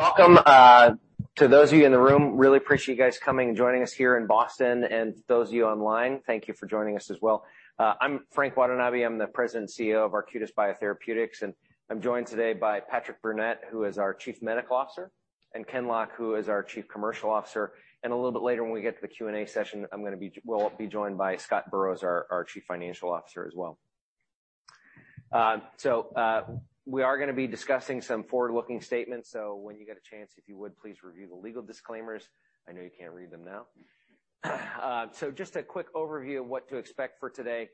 Welcome to those of you in the room. Really appreciate you guys coming and joining us here in Boston, and those of you online, thank you for joining us as well. I'm Frank Watanabe. I'm the president and CEO of Arcutis Biotherapeutics, and I'm joined today by Patrick Burnett, who is our chief medical officer, and Ken Lock, who is our chief commercial officer. A little bit later when we get to the Q&A session, we'll be joined by Scott Burrows, our chief financial officer as well. We are gonna be discussing some forward-looking statements. When you get a chance, if you would, please review the legal disclaimers. I know you can't read them now. Just a quick overview of what to expect for today,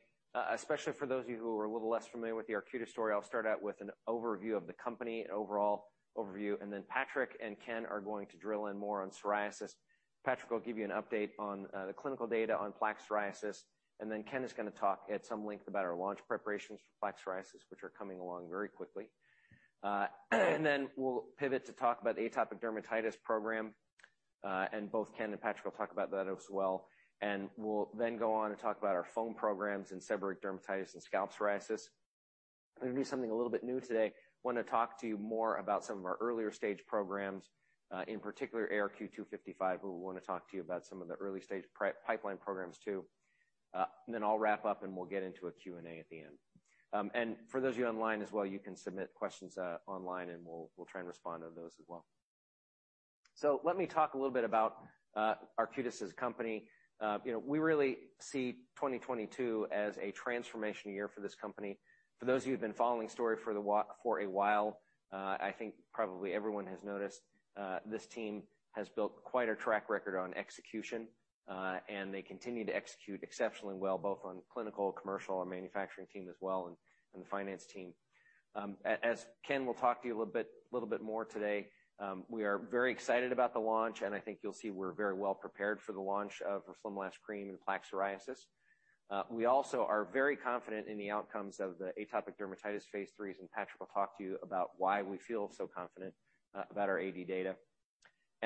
especially for those of you who are a little less familiar with the Arcutis story. I'll start out with an overview of the company, an overall overview, and then Patrick and Ken, are going to drill in more on psoriasis. Patrick will give you an update on the clinical data on plaque psoriasis, and then Ken is gonna talk at some length about our launch preparations for plaque psoriasis, which are coming along very quickly. We'll pivot to talk about atopic dermatitis program, and both Ken and Patrick will talk about that as well. We'll then go on and talk about our foam programs in seborrheic dermatitis and scalp psoriasis. I'm gonna do something a little bit new today. Want to talk to you more about some of our earlier stage programs in particular ARQ-255, but we want to talk to you about some of the early stage pipeline programs too. I'll wrap up, and we'll get into a Q&A at the end. For those of you online as well, you can submit questions online, and we'll try and respond to those as well. Let me talk a little bit about Arcutis as a company. You know, we really see 2022 as a transformation year for this company. For those of you who've been following the story for a while, I think probably everyone has noticed, this team has built quite a track record on execution, and they continue to execute exceptionally well, both on clinical, commercial, our manufacturing team as well, and the finance team. As Ken will talk to you a little bit more today, we are very excited about the launch, and I think you'll see we're very well prepared for the launch of roflumilast cream in plaque psoriasis. We also are very confident in the outcomes of the atopic dermatitis phase IIIs, and Patrick will talk to you about why we feel so confident about our AD data.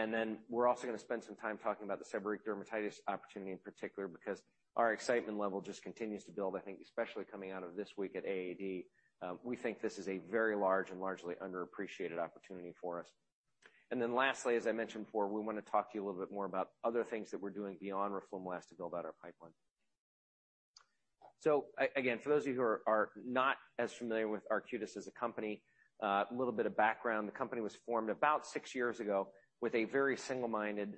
Then we're also gonna spend some time talking about the seborrheic dermatitis opportunity in particular, because our excitement level just continues to build, I think especially coming out of this week at AAD. We think this is a very large and largely underappreciated opportunity for us. Then lastly, as I mentioned before, we wanna talk to you a little bit more about other things that we're doing beyond roflumilast to build out our pipeline. Again, for those of you who are not as familiar with Arcutis as a company, a little bit of background. The company was formed about six years ago, with a very single-minded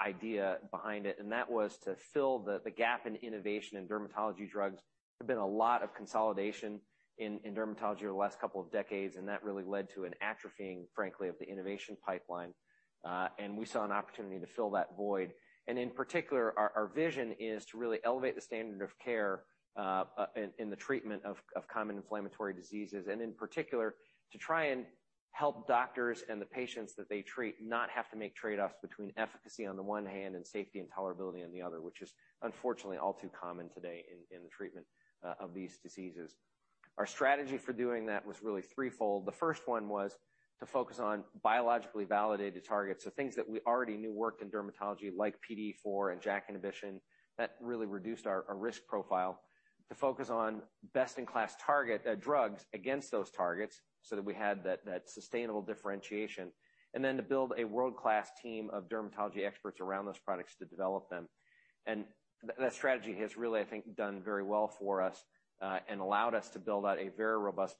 idea behind it, and that was to fill the gap in innovation in dermatology drugs. There's been a lot of consolidation in dermatology over the last couple of decades, and that really led to an atrophying, frankly, of the innovation pipeline, and we saw an opportunity to fill that void. In particular, our vision is to really elevate the standard of care, in the treatment of common inflammatory diseases, and in particular, to try and help doctors and the patients that they treat not have to make trade-offs between efficacy on the one hand and safety and tolerability on the other, which is unfortunately all too common today in the treatment of these diseases. Our strategy for doing that was really threefold. The first one was to focus on biologically validated targets, so things that we already knew worked in dermatology like PDE4 and JAK inhibition. That really reduced our risk profile, to focus on best-in-class target drugs against those targets so that we had that sustainable differentiation. To build a world-class team of dermatology experts around those products to develop them. That strategy has really, I think, done very well for us, and allowed us to build out a very robust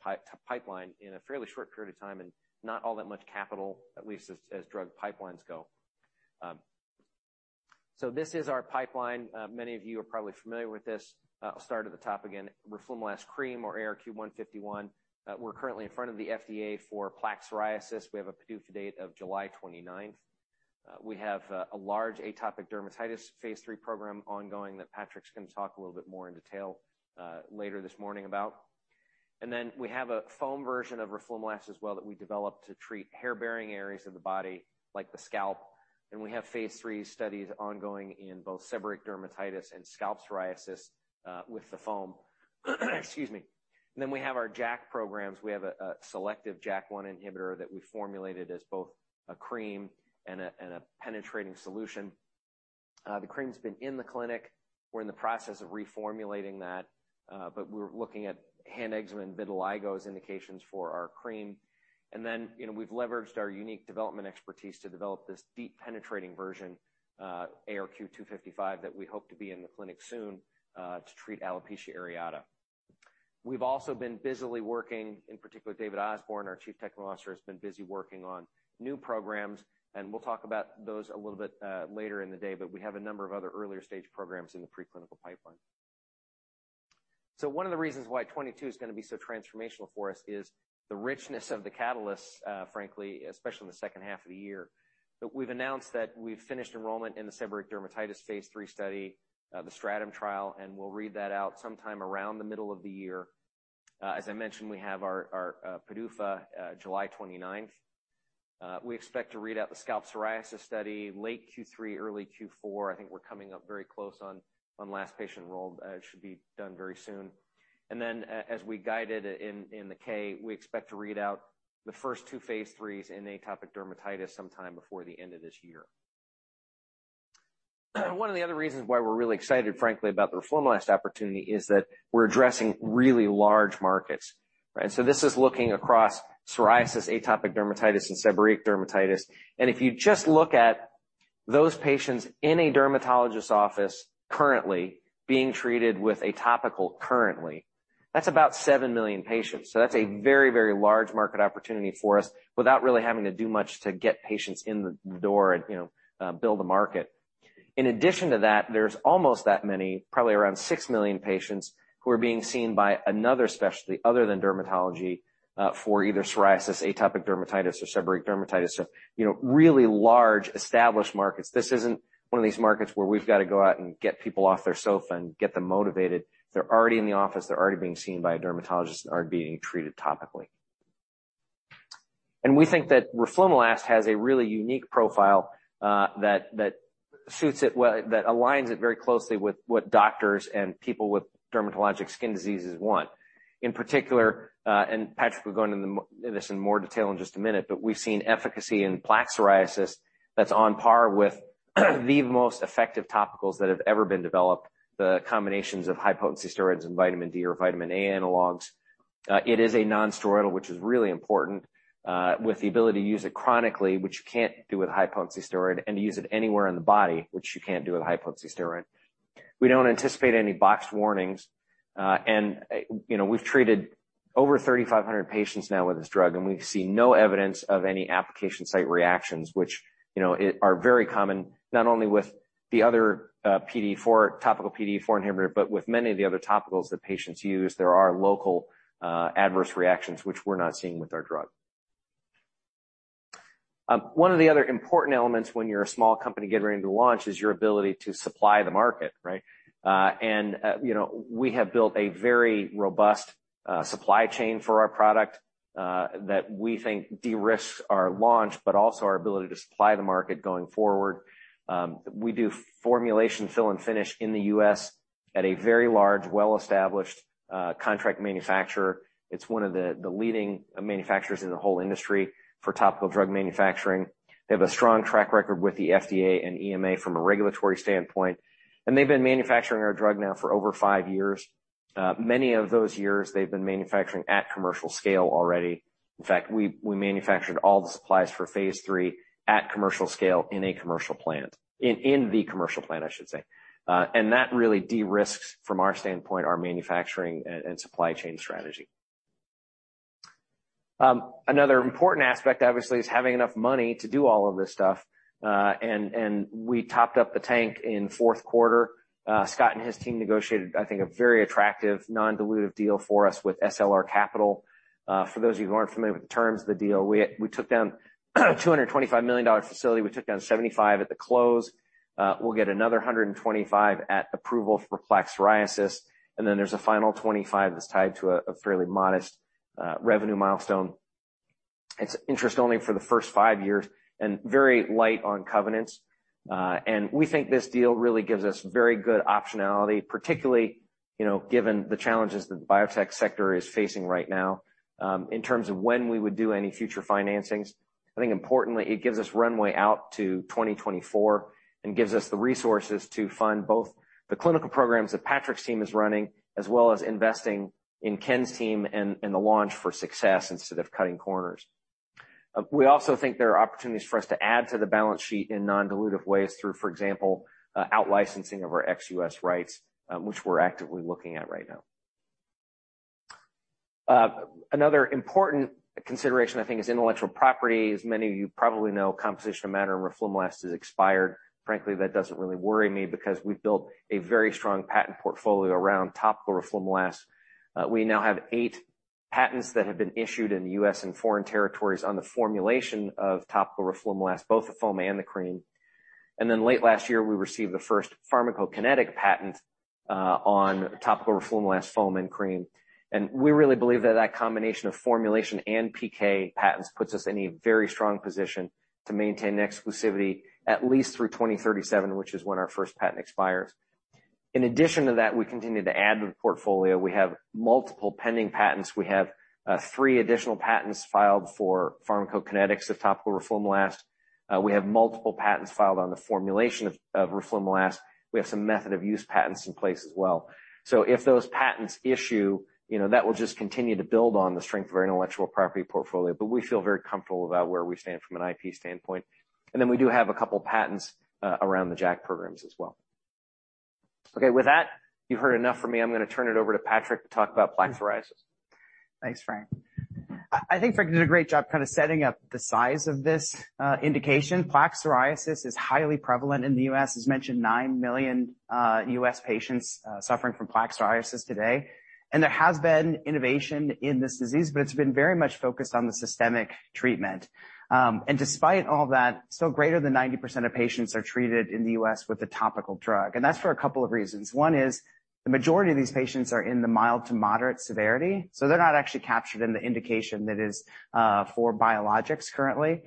pipeline in a fairly short period of time and not all that much capital, at least as drug pipelines go. This is our pipeline. Many of you are probably familiar with this. I'll start at the top again. Roflumilast cream or ARQ-151. We're currently in front of the FDA for plaque psoriasis. We have a PDUFA date of July 29. We have a large atopic dermatitis phase III program ongoing that Patrick's gonna talk a little bit more in detail later this morning about. We have a foam version of roflumilast as well that we developed to treat hair-bearing areas of the body, like the scalp. We have phase III studies ongoing in both seborrheic dermatitis and scalp psoriasis with the foam. We have our JAK programs. We have a selective JAK1 inhibitor that we formulated as both a cream, and a penetrating solution. The cream's been in the clinic. We're in the process of reformulating that, but we're looking at hand eczema and vitiligo as indications for our cream. You know, we've leveraged our unique development expertise to develop this deep penetrating version, ARQ-255, that we hope to be in the clinic soon, to treat alopecia areata. We've also been busily working, in particular, David Osborne, our Chief Technical Officer, has been busy working on new programs, and we'll talk about those a little bit, later in the day, but we have a number of other earlier stage programs in the preclinical pipeline. One of the reasons why 2022 is gonna be so transformational for us is, the richness of the catalysts, frankly, especially in the second half of the year. We've announced that we've finished enrollment in the seborrheic dermatitis phase III study, the STRATUM trial, and we'll read that out sometime around the middle of the year. As I mentioned, we have our PDUFA July 29. We expect to read out the scalp psoriasis study late Q3, early Q4. I think we're coming up very close on last patient enrolled. It should be done very soon. As we guided in the K, we expect to read out the first two phase IIIs in atopic dermatitis sometime before the end of this year. One of the other reasons why we're really excited, frankly, about the roflumilast opportunity is that we're addressing really large markets, right? So this is looking across psoriasis, atopic dermatitis, and seborrheic dermatitis. If you just look at those patients in a dermatologist's office currently, being treated with topical currently, that's about seven million patients. That's a very, very large market opportunity for us without really having to do much to get patients in the door and, you know, build a market. In addition to that, there's almost that many, probably around six million patients who are being seen by another specialty other than dermatology for either psoriasis, atopic dermatitis or seborrheic dermatitis. You know, really large established markets. This isn't one of these markets where we've got to go out and get people off their sofa and get them motivated. They're already in the office. They're already being seen by a dermatologist and are being treated topically. We think that roflumilast has a really unique profile that suits it well, that aligns it very closely with what doctors and people with dermatologic skin diseases want. In particular, and Patrick will go into this in more detail in just a minute, but we've seen efficacy in plaque psoriasis that's on par with the most effective topicals that have ever been developed, the combinations of high-potency steroids and vitamin D or vitamin A analogs. It is a non-steroidal, which is really important, with the ability to use it chronically, which you can't do with a high-potency steroid, and to use it anywhere in the body, which you can't do with a high-potency steroid. We don't anticipate any box warnings. And, you know, we've treated over 3,500 patients now with this drug, and we've seen no evidence of any application site reactions, which, you know, it. are very common, not only with the other, PDE4, topical PDE4 inhibitor, but with many of the other topicals that patients use, there are local, adverse reactions, which we're not seeing with our drug. One of the other important elements when you're a small company getting ready to launch is your ability to supply the market, right? You know, we have built a very robust, supply chain for our product, that we think de-risks our launch, but also our ability to supply the market going forward. We do formulation fill and finish in the U.S. at a very large, well-established, contract manufacturer. It's one of the leading manufacturers in the whole industry for topical drug manufacturing. They have a strong track record with the FDA and EMA from a regulatory standpoint, and they've been manufacturing our drug now for over five years. Many of those years, they've been manufacturing at commercial scale already. In fact, we manufactured all the supplies for phase III, at commercial scale in a commercial plant. In the commercial plant, I should say. That really de-risks from our standpoint, our manufacturing and supply chain strategy. Another important aspect, obviously, is having enough money to do all of this stuff. We topped up the tank in fourth quarter. Scott and his team negotiated, I think, a very attractive non-dilutive deal for us with SLR Capital. For those of you who aren't familiar with the terms of the deal, we took down a $225 million facility. We took down $75 million at the close. We'll get another $125 million at approval for plaque psoriasis. There's a final $25 million that's tied to a fairly modest revenue milestone. It's interest only for the first five years and very light on covenants. We think this deal really gives us very good optionality, particularly, you know, given the challenges that the biotech sector is facing right now, in terms of when we would do any future financings. I think importantly, it gives us runway out to 2024, and gives us the resources to fund both the clinical programs that Patrick's team is running, as well as investing in Ken's team and the launch for success instead of cutting corners. We also think there are opportunities for us to add to the balance sheet in non-dilutive ways through, for example, out licensing of our ex-U.S. rights, which we're actively looking at right now. Another important consideration, I think, is intellectual property. As many of you probably know, composition of matter of roflumilast is expired. Frankly, that doesn't really worry me because we've built, a very strong patent portfolio around topical roflumilast. We now have eight patents that have been issued in the U.S. and foreign territories on the formulation of topical roflumilast, both the foam and the cream. Late last year, we received the first pharmacokinetic patent, on topical roflumilast foam and cream. We really believe that that combination of formulation and PK patents puts us in a very strong position, to maintain exclusivity at least through 2037, which is when our first patent expires. In addition to that, we continue to add to the portfolio. We have multiple pending patents. We have three additional patents filed for pharmacokinetics of topical roflumilast. We have multiple patents filed on the formulation of roflumilast. We have some method of use patents in place as well. If those patents issue, you know, that will just continue to build on the strength of our intellectual property portfolio. We feel very comfortable about where we stand from an IP standpoint. Then we do have a couple of patents around the JAK programs as well. Okay, with that, you've heard enough from me. I'm gonna turn it over to Patrick to talk about plaque psoriasis. Thanks, Frank. I think Frank did a great job kind of setting up the size of this indication. Plaque psoriasis is highly prevalent in the U.S. As mentioned, nine million U.S. patients suffering from plaque psoriasis today. There has been innovation in this disease, but it's been very much focused on the systemic treatment. Despite all that, still greater than 90% of patients are treated in the U.S. with a topical drug, and that's for a couple of reasons. One is, the majority of these patients are in the mild to moderate severity, so they're not actually captured in the indication that is for biologics currently.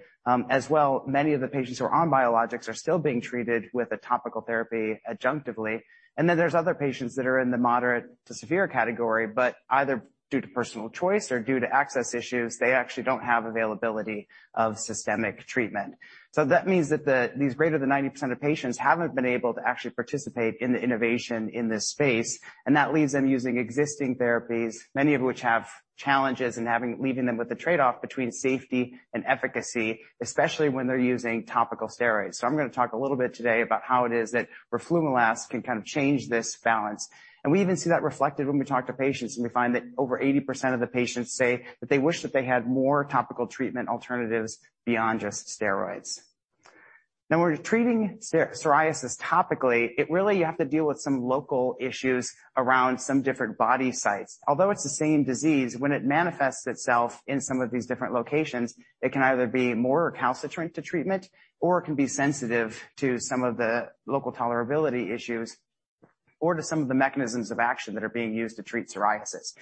As well, many of the patients who are on biologics are still being treated with a topical therapy adjunctively. There's other patients that are in the moderate to severe category, but either due to personal choice or due to access issues, they actually don't have availability of systemic treatment. That means that these greater than 90% of patients haven't been able to actually participate in the innovation in this space, and that leaves them using existing therapies, many of which have challenges and leaving them with the trade-off between safety and efficacy, especially when they're using topical steroids. I'm gonna talk a little bit today about how it is that roflumilast can kind of change this balance. We even see that reflected when we talk to patients, and we find that over 80% of the patients say that they wish that they had more topical treatment alternatives beyond just steroids. Now when we're treating psoriasis topically, it really you have to deal with some local issues around some different body sites. Although it's the same disease, when it manifests itself in some of these different locations, it can either be more recalcitrant to treatment, or it can be sensitive to some of the local tolerability issues or to some of the mechanisms of action that are being used to treat psoriasis.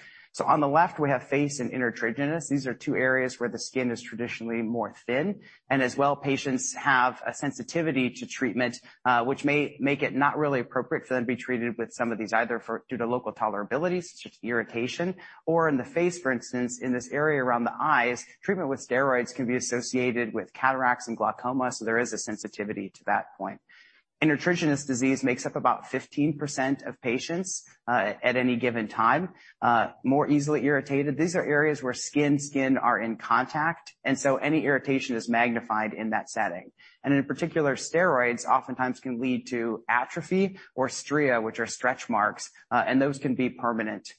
On the left, we have face and intertriginous. These are two areas where the skin is traditionally more thin, and as well, patients have a sensitivity to treatment, which may make it not really appropriate for them to be treated with some of these either for due to local tolerability, such as irritation, or in the face, for instance, in this area around the eyes, treatment with steroids can be associated with cataracts and glaucoma, so there is a sensitivity to that point. Intertriginous disease makes up about 15% of patients at any given time, more easily irritated. These are areas where skin are in contact, and so any irritation is magnified in that setting. In particular, steroids oftentimes can lead to atrophy or stria, which are stretch marks, and those can be permanent,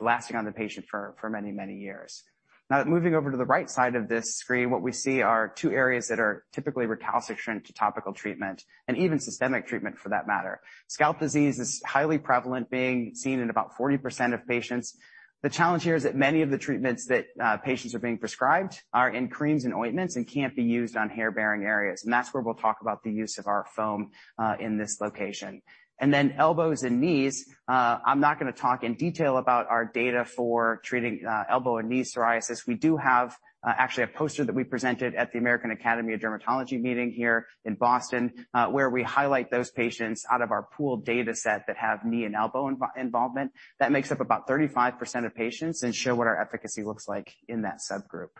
lasting on the patient for many years. Now, moving over to the right side of this screen, what we see are two areas that are typically recalcitrant to topical treatment and even systemic treatment for that matter. Scalp disease is highly prevalent, being seen in about 40% of patients. The challenge here is that many of the treatments that patients are being prescribed are in creams and ointments and can't be used on hair-bearing areas, and that's where we'll talk about the use of our foam in this location. Then elbows and knees, I'm not gonna talk in detail about our data for treating elbow and knee psoriasis. We do have actually a poster that we presented at the American Academy of Dermatology meeting here in Boston, where we highlight those patients out of our pooled data set that have knee and elbow involvement. That makes up about 35% of patients and show what our efficacy looks like in that subgroup.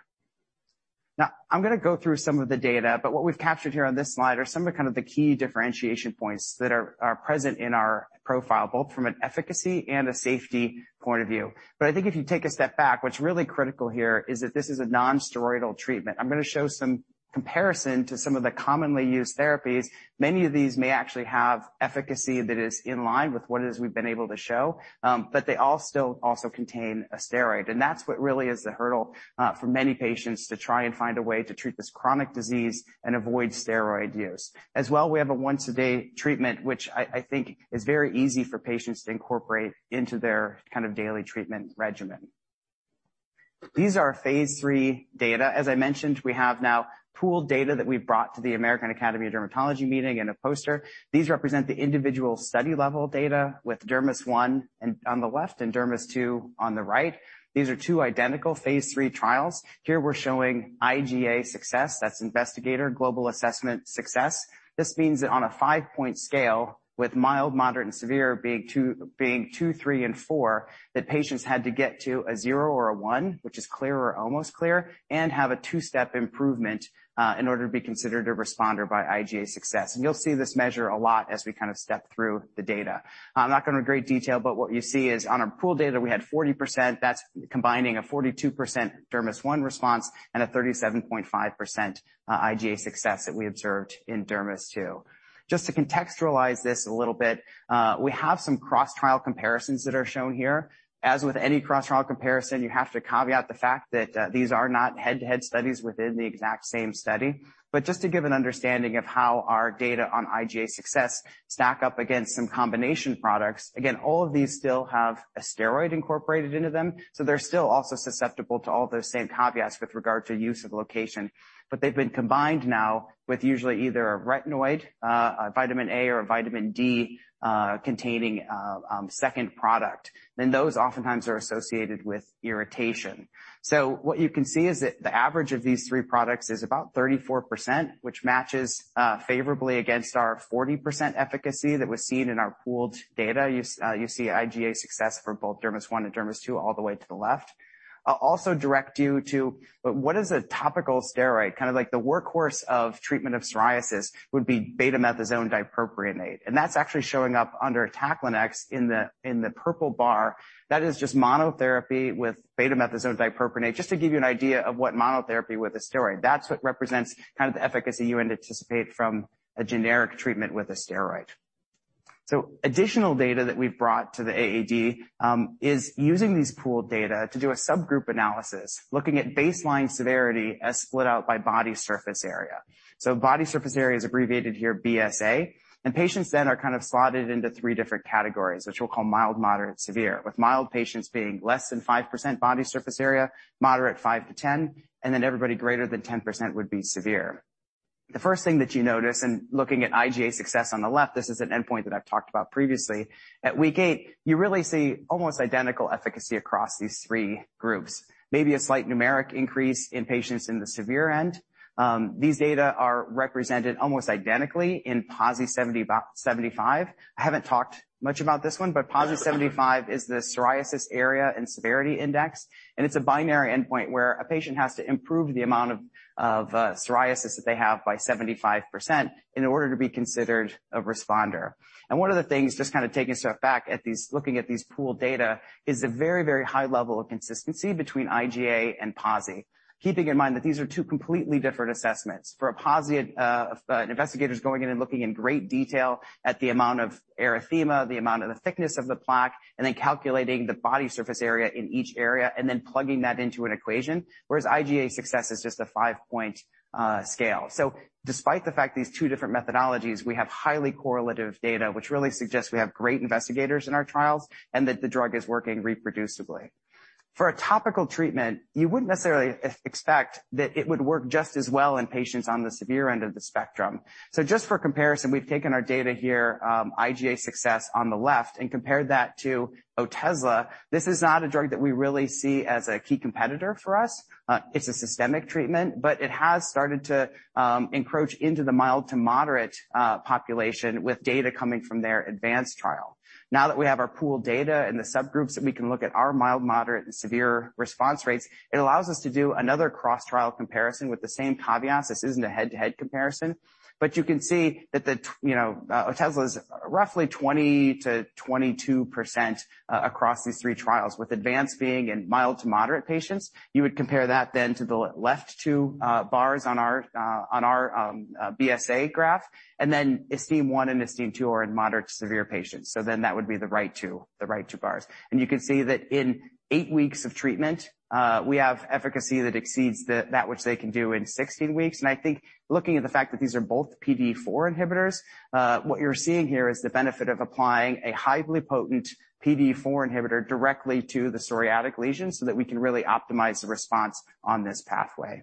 Now, I'm gonna go through some of the data, but what we've captured here on this slide are some of kind of the key differentiation points that are present in our profile, both from an efficacy and a safety point of view. I think if you take a step back, what's really critical here is that this is a non-steroidal treatment. I'm gonna show some comparison to some of the commonly used therapies. Many of these may actually have efficacy that is in line with what it is we've been able to show, but they all still also contain a steroid, and that's what really is the hurdle for many patients to try and find a way to treat this chronic disease and avoid steroid use. We have a once-a-day treatment, which I think is very easy for patients to incorporate into their kind of daily treatment regimen. These are phase III data. As I mentioned, we have now pooled data that we brought to the American Academy of Dermatology meeting in a poster. These represent the individual study level data with DERMIS-1 on the left and DERMIS-2 on the right. These are two identical phase III trials. Here we're showing IGA success. That's Investigator's Global Assessment success. This means that on a five-point scale, with mild, moderate, and severe being two, three, and four, that patients had to get to a zero or a one, which is clear or almost clear, and have a two-step improvement in order to be considered a responder by IGA success. You'll see this measure a lot as we kind of step through the data. I'm not going into great detail, but what you see is on our pooled data, we had 40%. That's combining a 42% DERMIS-1 response, and a 37.5% IGA success that we observed in DERMIS-2. Just to contextualize this a little bit, we have some cross-trial comparisons that are shown here. As with any cross-trial comparison, you have to caveat the fact that these are not head-to-head studies within the exact same study. Just to give an understanding of how our data on IGA success, stack up against some combination products. Again, all of these still have a steroid incorporated into them, so they're still also susceptible to all of those same caveats with regard to use of location. They've been combined now with usually either a retinoid, a vitamin A or a vitamin D containing second product. Those oftentimes are associated with irritation. What you can see is that the average of these three products is about 34%, which matches favorably against our 40% efficacy that was seen in our pooled data. You see IGA success for both DERMIS-1 and DERMIS-2 all the way to the left. I'll also direct you to what is a topical steroid. Kinda like the workhorse of treatment of psoriasis would be betamethasone dipropionate, and that's actually showing up under Taclonex in the purple bar. That is just monotherapy with betamethasone dipropionate. Just to give you an idea of what monotherapy with a steroid. That's what represents kind of the efficacy you would anticipate from a generic treatment with a steroid. Additional data that we've brought to the AAD is using these pooled data to do a subgroup analysis, looking at baseline severity as split out by body surface area. Body surface area is abbreviated here BSA, and patients then are kind of slotted into three different categories, which we'll call mild, moderate, severe, with mild patients being less than 5% body surface area, moderate five to ten, and then everybody greater than 10% would be severe. The first thing that you notice in looking at IGA success on the left, this is an endpoint that I've talked about previously. At week eight, you really see almost identical efficacy across these three groups. Maybe a slight numeric increase in patients in the severe end. These data are represented almost identically in PASI 75. I haven't talked much about this one, but PASI 75 is the Psoriasis Area and Severity Index, and it's a binary endpoint where a patient has to improve the amount of psoriasis that they have by 75%, in order to be considered a responder. One of the things, just kind of taking a step back, looking at these pooled data, is a very, very high level of consistency between IGA and PASI. Keeping in mind that these are two completely different assessments. For a PASI, an investigator is going in and looking in great detail at the amount of erythema, the amount of the thickness of the plaque, and then calculating the body surface area in each area and then plugging that into an equation, whereas IGA success is just a five-point scale. Despite the fact these two different methodologies, we have highly correlative data, which really suggests we have great investigators in our trials, and that the drug is working reproducibly. For a topical treatment, you wouldn't necessarily expect that it would work just as well in patients on the severe end of the spectrum. Just for comparison, we've taken our data here, IGA success on the left and compared that to Otezla. This is not a drug that we really see as a key competitor for us. It's a systemic treatment, but it has started to encroach into the mild to moderate population with data coming from their ADVANCE trial. Now that we have our pooled data and the subgroups, that we can look at our mild, moderate, and severe response rates, it allows us to do another cross-trial comparison with the same caveats. This isn't a head-to-head comparison. You can see that the you know, Otezla is roughly 20%-22% across these three trials, with advanced being in mild to moderate patients. You would compare that then to the left two bars on our on our BSA graph. ESTEEM 1 and ESTEEM 2 are in moderate to severe patients. That would be the right two bars. You can see that in eight weeks of treatment, we have efficacy that exceeds that which they can do in 16 weeks. I think looking at the fact that these are both PDE4 inhibitors, what you're seeing here is the benefit of applying a highly potent PDE4 inhibitor directly to the psoriatic lesion so that we can really optimize the response on this pathway.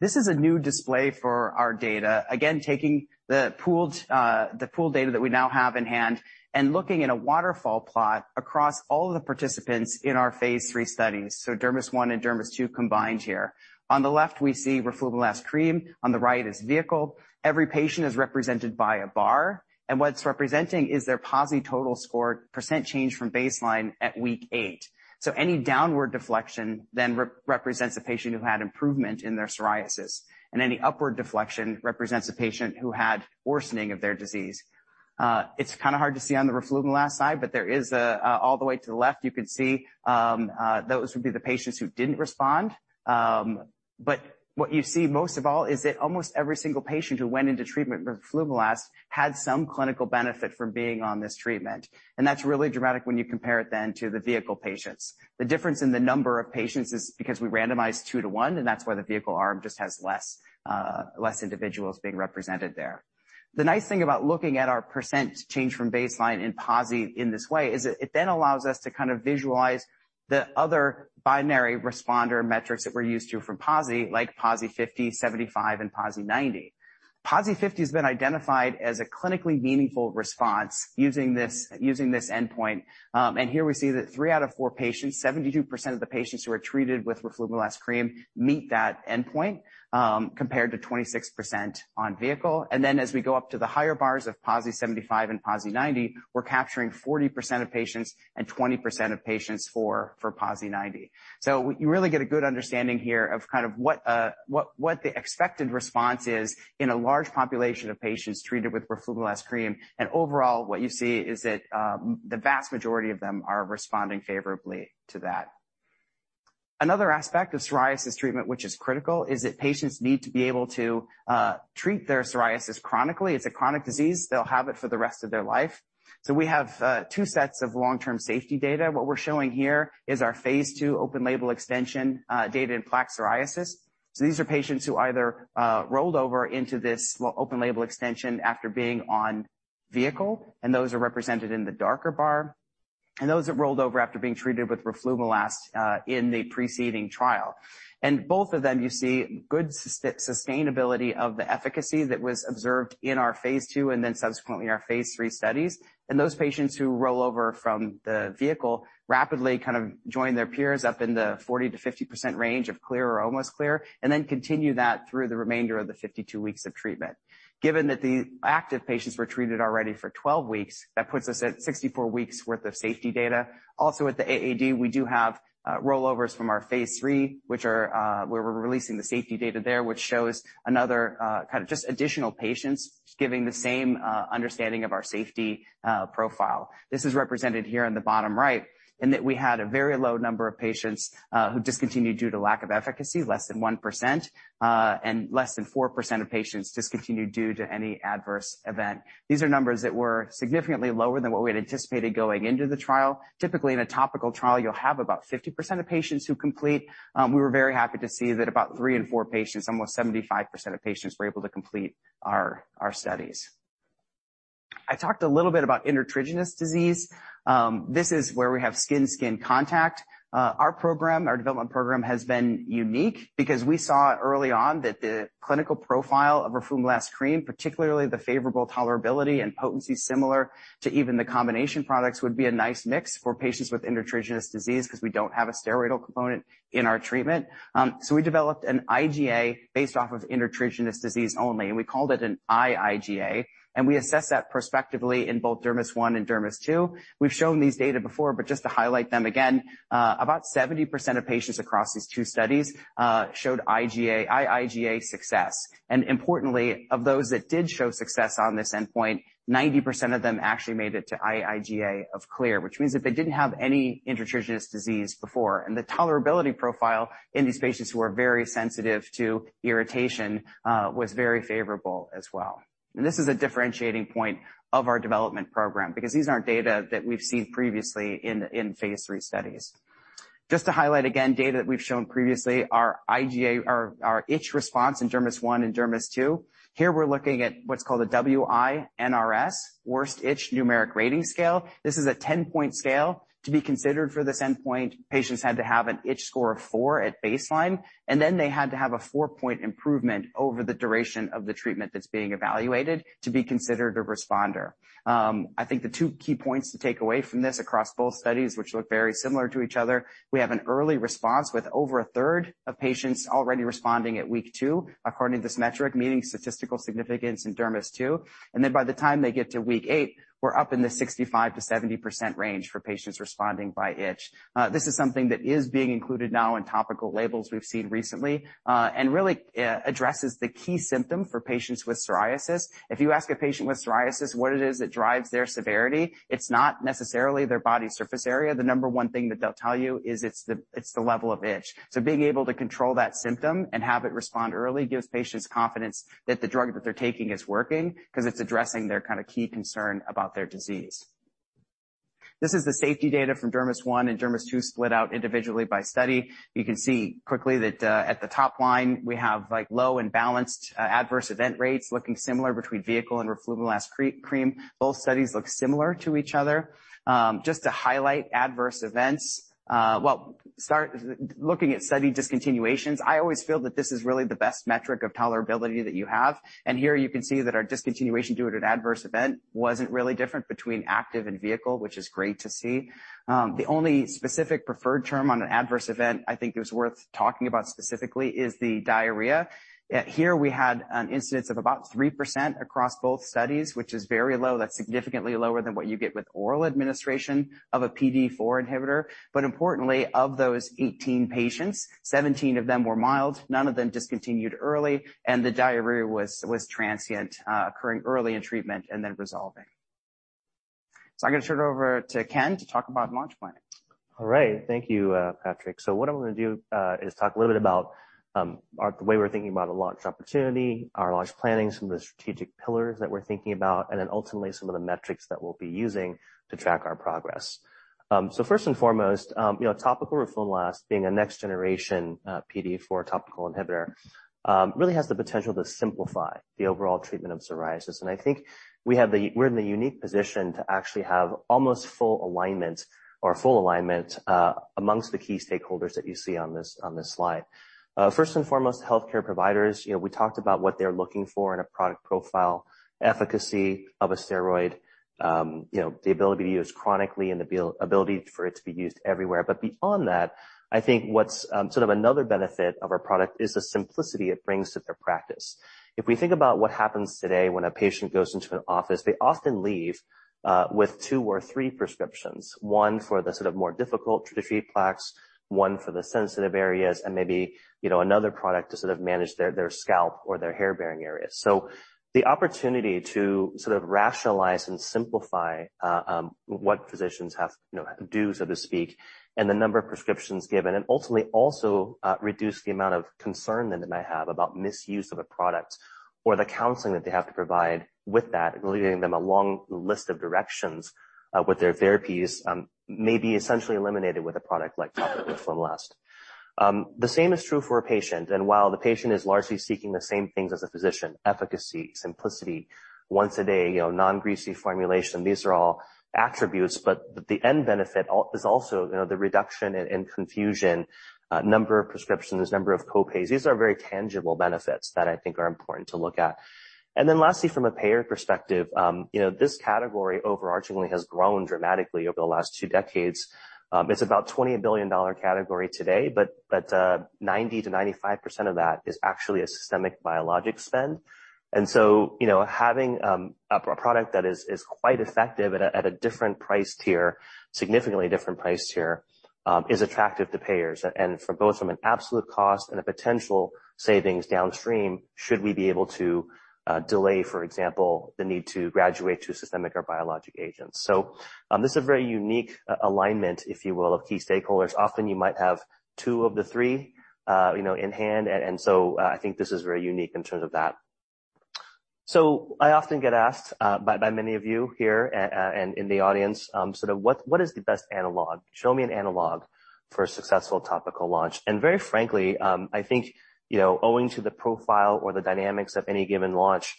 This is a new display for our data. Again, taking the pooled, the pooled data that we now have in-hand and looking in a waterfall plot across all the participants in our phase III studies. DERMIS-1 and DERMIS-2 combined here. On the left, we see roflumilast cream, on the right is vehicle. Every patient is represented by a bar, and what it's representing is their PASI total score % change from baseline at week eight. Any downward deflection then represents a patient who had improvement in their psoriasis, and any upward deflection represents a patient who had worsening of their disease. It's kind of hard to see on the roflumilast side, but all the way to the left, you can see, those would be the patients who didn't respond. But what you see most of all is that almost every single patient who went into treatment with roflumilast, had some clinical benefit from being on this treatment. That's really dramatic when you compare it then to the vehicle patients. The difference in the number of patients is because we randomized two to one, and that's why the vehicle arm just has less individuals being represented there. The nice thing about looking at our percent change from baseline in PASI in this way is that it then allows us to kind of visualize the other binary responder metrics that we're used to from PASI, like PASI 50, 75, and PASI 90. PASI 50 has been identified as a clinically meaningful response using this endpoint. Here we see that three out of four patients, 72% of the patients who are treated with roflumilast cream meet that endpoint, compared to 26% on vehicle. As we go up to the higher bars of PASI 75 and PASI 90, we're capturing 40% of patients and 20% of patients for PASI 90. You really get a good understanding here, of kind of what the expected response is in a large population of patients treated with roflumilast cream. Overall, what you see is that the vast majority of them are responding favorably to that. Another aspect of psoriasis treatment which is critical is that patients need to be able to treat their psoriasis chronically. It's a chronic disease. They'll have it for the rest of their life. We have two sets of long-term safety data. What we're showing here is our phase II open label extension data in plaque psoriasis. These are patients who either rolled over into this open label extension after being on vehicle, and those are represented in the darker bar, and those that rolled over after being treated with roflumilast in the preceding trial. Both of them, you see good sustainability of the efficacy that was observed in our phase II and then subsequently our phase III studies. Those patients who roll over from the vehicle rapidly kind of join their peers up in the 40%-50% range of clear or almost clear, and then continue that through the remainder of the 52 weeks of treatment. Given that the active patients were treated already for 12 weeks, that puts us at 64 weeks worth of safety data. Also at the AAD, we do have rollovers from our phase III, which are where we're releasing the safety data there, which shows another kind of just additional patients giving the same understanding of our safety profile. This is represented here on the bottom right, in that we had a very low number of patients who discontinued due to lack of efficacy, less than 1%, and less than 4% of patients discontinued due to any adverse event. These are numbers that were significantly lower than what we had anticipated going into the trial. Typically, in a topical trial, you'll have about 50% of patients who complete. We were very happy to see that about three in four patients, almost 75% of patients were able to complete our studies. I talked a little bit about intertriginous disease. This is where we have skin-to-skin contact. Our program, our development program has been unique, because we saw early on that the clinical profile of roflumilast cream, particularly the favorable tolerability and potency similar to even the combination products, would be a nice mix for patients with intertriginous disease because we don't have a steroidal component in our treatment. So we developed an IGA based off of intertriginous disease only, and we called it an iIGA, and we assessed that prospectively in both DERMIS-1 and DERMIS-2. We've shown these data before, but just to highlight them again, about 70% of patients across these two studies showed iIGA success. Importantly, of those that did show success on this endpoint, 90% of them actually made it to iIGA of clear, which means that they didn't have any intertriginous disease before. The tolerability profile in these patients who are very sensitive to irritation was very favorable as well. This is a differentiating point of our development program because these aren't data that we've seen previously in phase III studies. Just to highlight again data that we've shown previously, our itch response in DERMIS-1 and DERMIS-2. Here we're looking at what's called a WI-NRS, Worst Itch Numeric Rating Scale. This is a 10-point scale. To be considered for this endpoint, patients had to have an itch score of four at baseline, and then they had to have a four-point improvement over the duration of the treatment that's being evaluated to be considered a responder. I think the two key points to take away from this across both studies, which look very similar to each other, we have an early response with over a third of patients already responding at week two according to this metric, meaning statistical significance in DERMIS-2. Then by the time they get to week eight, we're up in the 65%-70% range for patients responding by itch. This is something that is being included now in topical labels we've seen recently, and really addresses the key symptom for patients with psoriasis. If you ask a patient with psoriasis what it is that drives their severity, it's not necessarily their body surface area. The number one thing that they'll tell you is it's the level of itch. Being able to control that symptom and have it respond early gives patients confidence that the drug that they're taking is working because it's addressing their kind of key concern about their disease. This is the safety data from DERMIS-1 and DERMIS-2 split out individually by study. You can see quickly that, at the top line we have like low and balanced, adverse event rates looking similar between vehicle and roflumilast cream. Both studies look similar to each other. Just to highlight adverse events. Well, start looking at study discontinuations. I always feel that this is really the best metric of tolerability that you have. Here you can see that our discontinuation due to an adverse event wasn't really different between active and vehicle, which is great to see. The only specific preferred term on an adverse event I think is worth talking about specifically is the diarrhea. Here we had an incidence of about 3% across both studies, which is very low. That's significantly lower than what you get with oral administration of a PDE4 inhibitor. Importantly, of those 18 patients, 17 of them were mild, none of them discontinued early, and the diarrhea was transient, occurring early in treatment and then resolving. I'm going to turn it over to Ken to talk about launch planning. All right. Thank you, Patrick. What I'm going to do is talk a little bit about the way we're thinking about a launch opportunity, our launch planning, some of the strategic pillars that we're thinking about, and then ultimately some of the metrics that we'll be using to track our progress. First and foremost, you know, topical roflumilast being a next generation PDE4 topical inhibitor really has the potential to simplify the overall treatment of psoriasis. I think we're in the unique position to actually have almost full alignment or full alignment amongst the key stakeholders that you see on this slide. First and foremost, healthcare providers. You know, we talked about what they're looking for in a product profile, efficacy of a steroid, you know, the ability to use chronically and the ability for it to be used everywhere. Beyond that, I think what's sort of another benefit of our product, is the simplicity it brings to their practice. If we think about what happens today when a patient goes into an office, they often leave with two or three prescriptions, one for the sort of more difficult refractory plaques, one for the sensitive areas, and maybe, you know, another product to sort of manage their scalp or their hair bearing areas. The opportunity to sort of rationalize and simplify what physicians have, you know, do, so to speak, and the number of prescriptions given, and ultimately also reduce the amount of concern that they might have about misuse of a product, or the counseling that they have to provide with that, leaving them a long list of directions with their therapies, may be essentially eliminated with a product like topical roflumilast. The same is true for a patient. While the patient is largely seeking the same things as a physician, efficacy, simplicity, once a day, you know, non-greasy formulation, these are all attributes. The end benefit also, you know, the reduction in confusion, number of prescriptions, number of co-pays. These are very tangible benefits that I think are important to look at. Lastly, from a payer perspective, you know, this category overarchingly has grown dramatically over the last two decades. It's about a $20 billion category today, but 90%-95% of that, is actually a systemic biologic spend. You know, having a product that is quite effective at a different price tier, significantly different price tier, is attractive to payers and for both from an absolute cost and a potential savings downstream, should we be able to delay, for example, the need to graduate to systemic or biologic agents. This is a very unique alignment, if you will, of key stakeholders. Often you might have two of the three, you know, in hand. I think this is very unique in terms of that. I often get asked by many of you here and in the audience sort of what is the best analog. Show me an analog for a successful topical launch. Very frankly I think owing to the profile or the dynamics of any given launch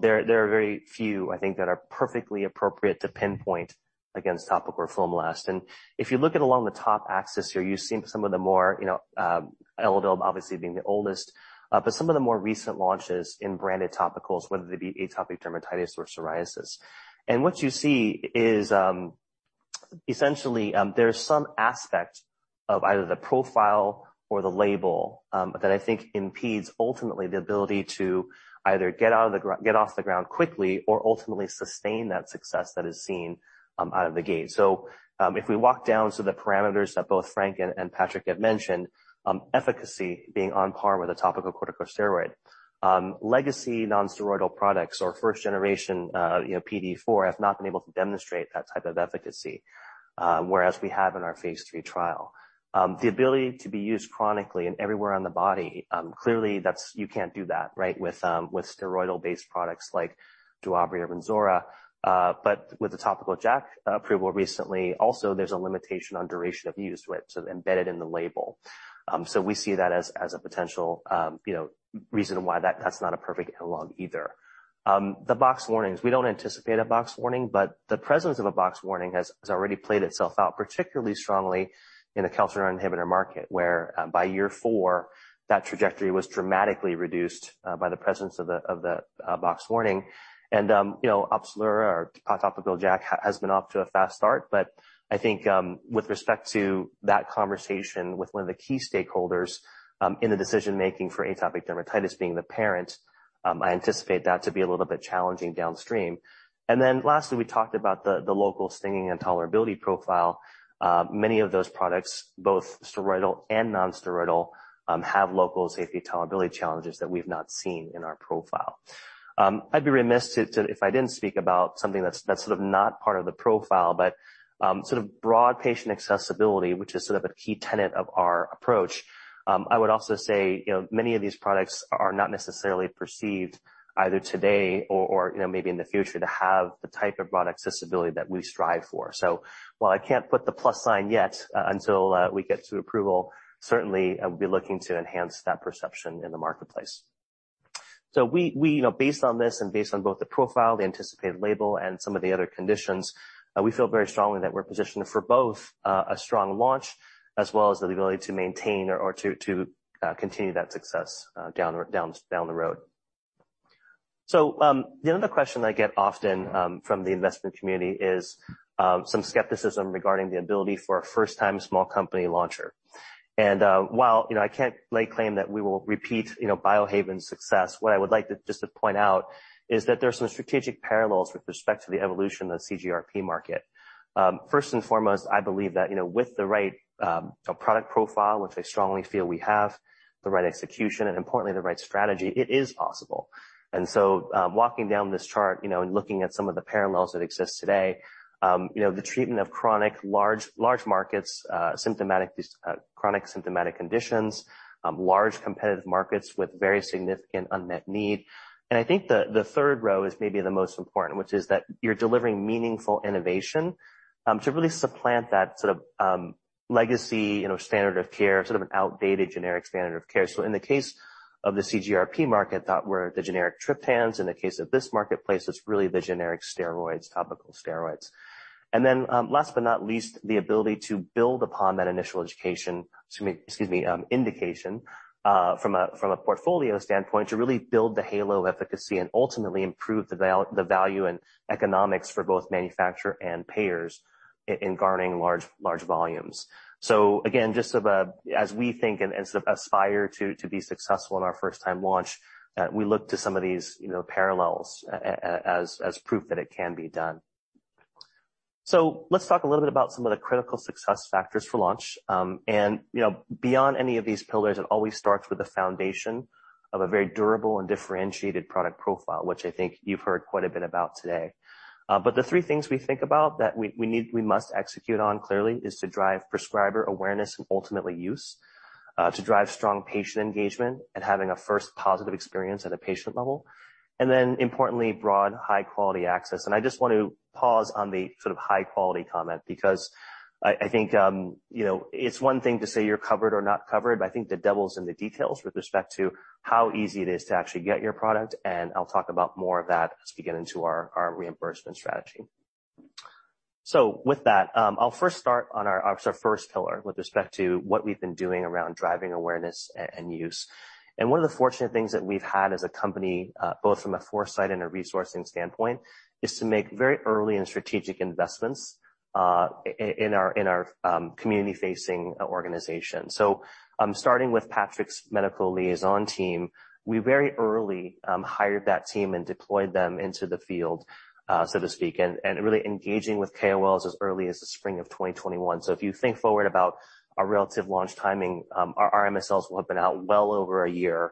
there are very few I think that are perfectly appropriate to pinpoint against topical roflumilast. If you look along the top axis here you see some of the more Elidel obviously being the oldest but some of the more recent launches in branded topicals whether they be atopic dermatitis or psoriasis. What you see is, essentially, there's some aspect of either the profile or the label, that I think impedes ultimately the ability to either get off the ground quickly or ultimately sustain that success that is seen, out of the gate. If we walk down to the parameters that both Frank and Patrick have mentioned, efficacy being on par with a topical corticosteroid. Legacy non-steroidal products or first generation, you know, PDE4 have not been able to demonstrate that type of efficacy, whereas we have in our phase III trial. The ability to be used chronically and everywhere on the body, clearly that's, you can't do that, right? With steroidal based products like Duobrii or Wynzora. With the topical JAK approval recently, also there's a limitation on duration of use to it, sort of embedded in the label. So we see that as a potential, you know, reason why that's not a perfect analog either. The box warnings, we don't anticipate a box warning, but the presence of a box warning has already played itself out particularly strongly, in the calcineurin inhibitor market, where by year four, that trajectory was dramatically reduced by the presence of the box warning. You know, Opzelura or topical JAK has been off to a fast start. I think with respect to that conversation with one of the key stakeholders in the decision making for atopic dermatitis being the parent, I anticipate that to be a little bit challenging downstream. Lastly, we talked about the local stinging and tolerability profile. Many of those products, both steroidal and non-steroidal, have local safety tolerability challenges that we've not seen in our profile. I'd be remiss if I didn't speak about something that's sort of not part of the profile, but sort of broad patient accessibility, which is sort of a key tenet of our approach. I would also say, you know, many of these products are not necessarily perceived, either today or you know, maybe in the future to have the type of broad accessibility that we strive for. While I can't put the plus sign yet until we get to approval, certainly I'll be looking to enhance that perception in the marketplace. We know based on this and based on both the profile, the anticipated label and some of the other conditions, we feel very strongly that we're positioned for both a strong launch as well as the ability to maintain or to continue that success down the road. The other question I get often from the investment community is, some skepticism regarding the ability for a first time small company launcher. While you know I can't lay claim that we will repeat you know Biohaven's success, what I would like to just to point out is that there are some strategic parallels with respect to the evolution of the CGRP market. First and foremost, I believe that, you know, with the right product profile, which I strongly feel we have, the right execution, and importantly, the right strategy, it is possible. Walking down this chart, you know, and looking at some of the parallels that exist today, you know, the treatment of chronic large markets, chronic symptomatic conditions, large competitive markets with very significant unmet need. I think the third row is maybe the most important, which is that you're delivering meaningful innovation, to really supplant that sort of legacy, you know, standard of care, sort of an outdated generic standard of care. In the case of the CGRP market, that were the generic triptans. In the case of this marketplace, it's really the generic steroids, topical steroids. Then last but not least, the ability to build upon that initial indication from a portfolio standpoint to really build the halo of efficacy and ultimately improve the value and economics for both manufacturer and payers in garnering large volumes. Again, just as we think and sort of aspire to be successful in our first time launch, we look to some of these, you know, parallels as proof that it can be done. Let's talk a little bit about some of the critical success factors for launch. You know, beyond any of these pillars, it always starts with the foundation of a very durable and differentiated product profile, which I think you've heard quite a bit about today. The three things we think about that we must execute on clearly, is to drive prescriber awareness and ultimately use, to drive strong patient engagement and having a first positive experience at a patient level. Then importantly, broad high quality access. I just want to pause on the sort of high quality comment because I think, you know, it's one thing to say you're covered or not covered, but I think the devil's in the details with respect to how easy it is to actually get your product, and I'll talk about more of that as we get into our reimbursement strategy. With that, I'll first start on our first pillar with respect to what we've been doing around driving awareness and use. One of the fortunate things that we've had as a company, both from a foresight and a resourcing standpoint, is to make very early and strategic investments, in our community facing organization. Starting with Patrick's medical liaison team, we very early hired that team and deployed them into the field, so to speak, and really engaging with KOLs as early as the spring of 2021. If you think forward about our relative launch timing, our MSLs will have been out well over a year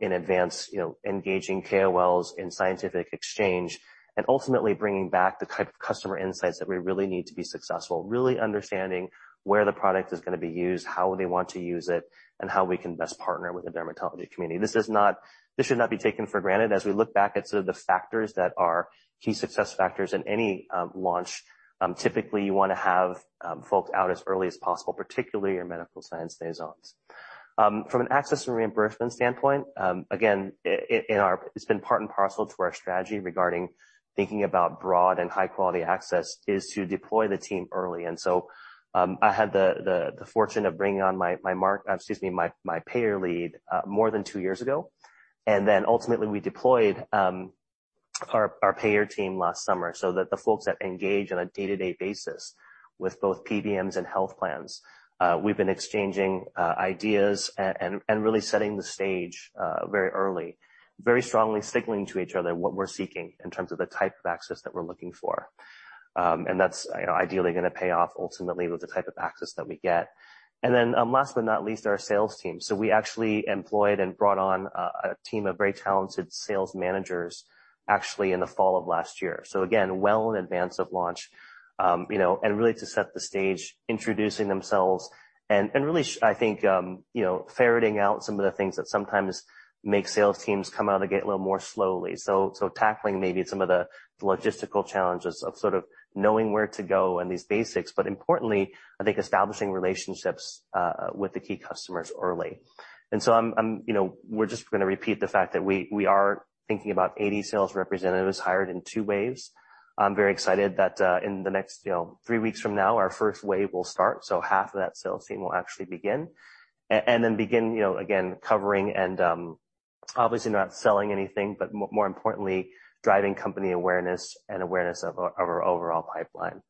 in advance, you know, engaging KOLs in scientific exchange and ultimately bringing back the type of customer insights that we really need to be successful. Really understanding where the product is gonna be used, how they want to use it, and how we can best partner with the dermatology community. This should not be taken for granted. As we look back at sort of the factors that are key success factors in any launch, typically you wanna have folks out as early as possible, particularly your medical science liaisons. From an access and reimbursement standpoint, again, it's been part and parcel to our strategy regarding thinking about broad and high-quality access, is to deploy the team early. I had the fortune of bringing on my payer lead more than two years ago. Ultimately, we deployed our payer team last summer so that the folks that engage on a day-to-day basis with both PBMs and health plans, we've been exchanging ideas and really setting the stage very early, very strongly signaling to each other what we're seeking in terms of the type of access that we're looking for. That's, you know, ideally gonna pay off ultimately with the type of access that we get. Last but not least, our sales team. We actually employed and brought on a team of very talented sales managers actually in the fall of last year. Again, well in advance of launch, you know, and really to set the stage, introducing themselves, I think, you know, ferreting out some of the things that sometimes make sales teams come out of the gate a little more slowly. Tackling maybe some of the logistical challenges of sort of knowing, where to go and these basics. Importantly, I think establishing relationships with the key customers early. You know, we're just gonna repeat the fact that we are thinking about 80 sales representatives hired in two waves. I'm very excited that in the next three weeks from now, our first wave will start. Half of that sales team will actually begin, you know, again, covering and obviously not selling anything, but more importantly, driving company awareness and awareness of our overall pipeline.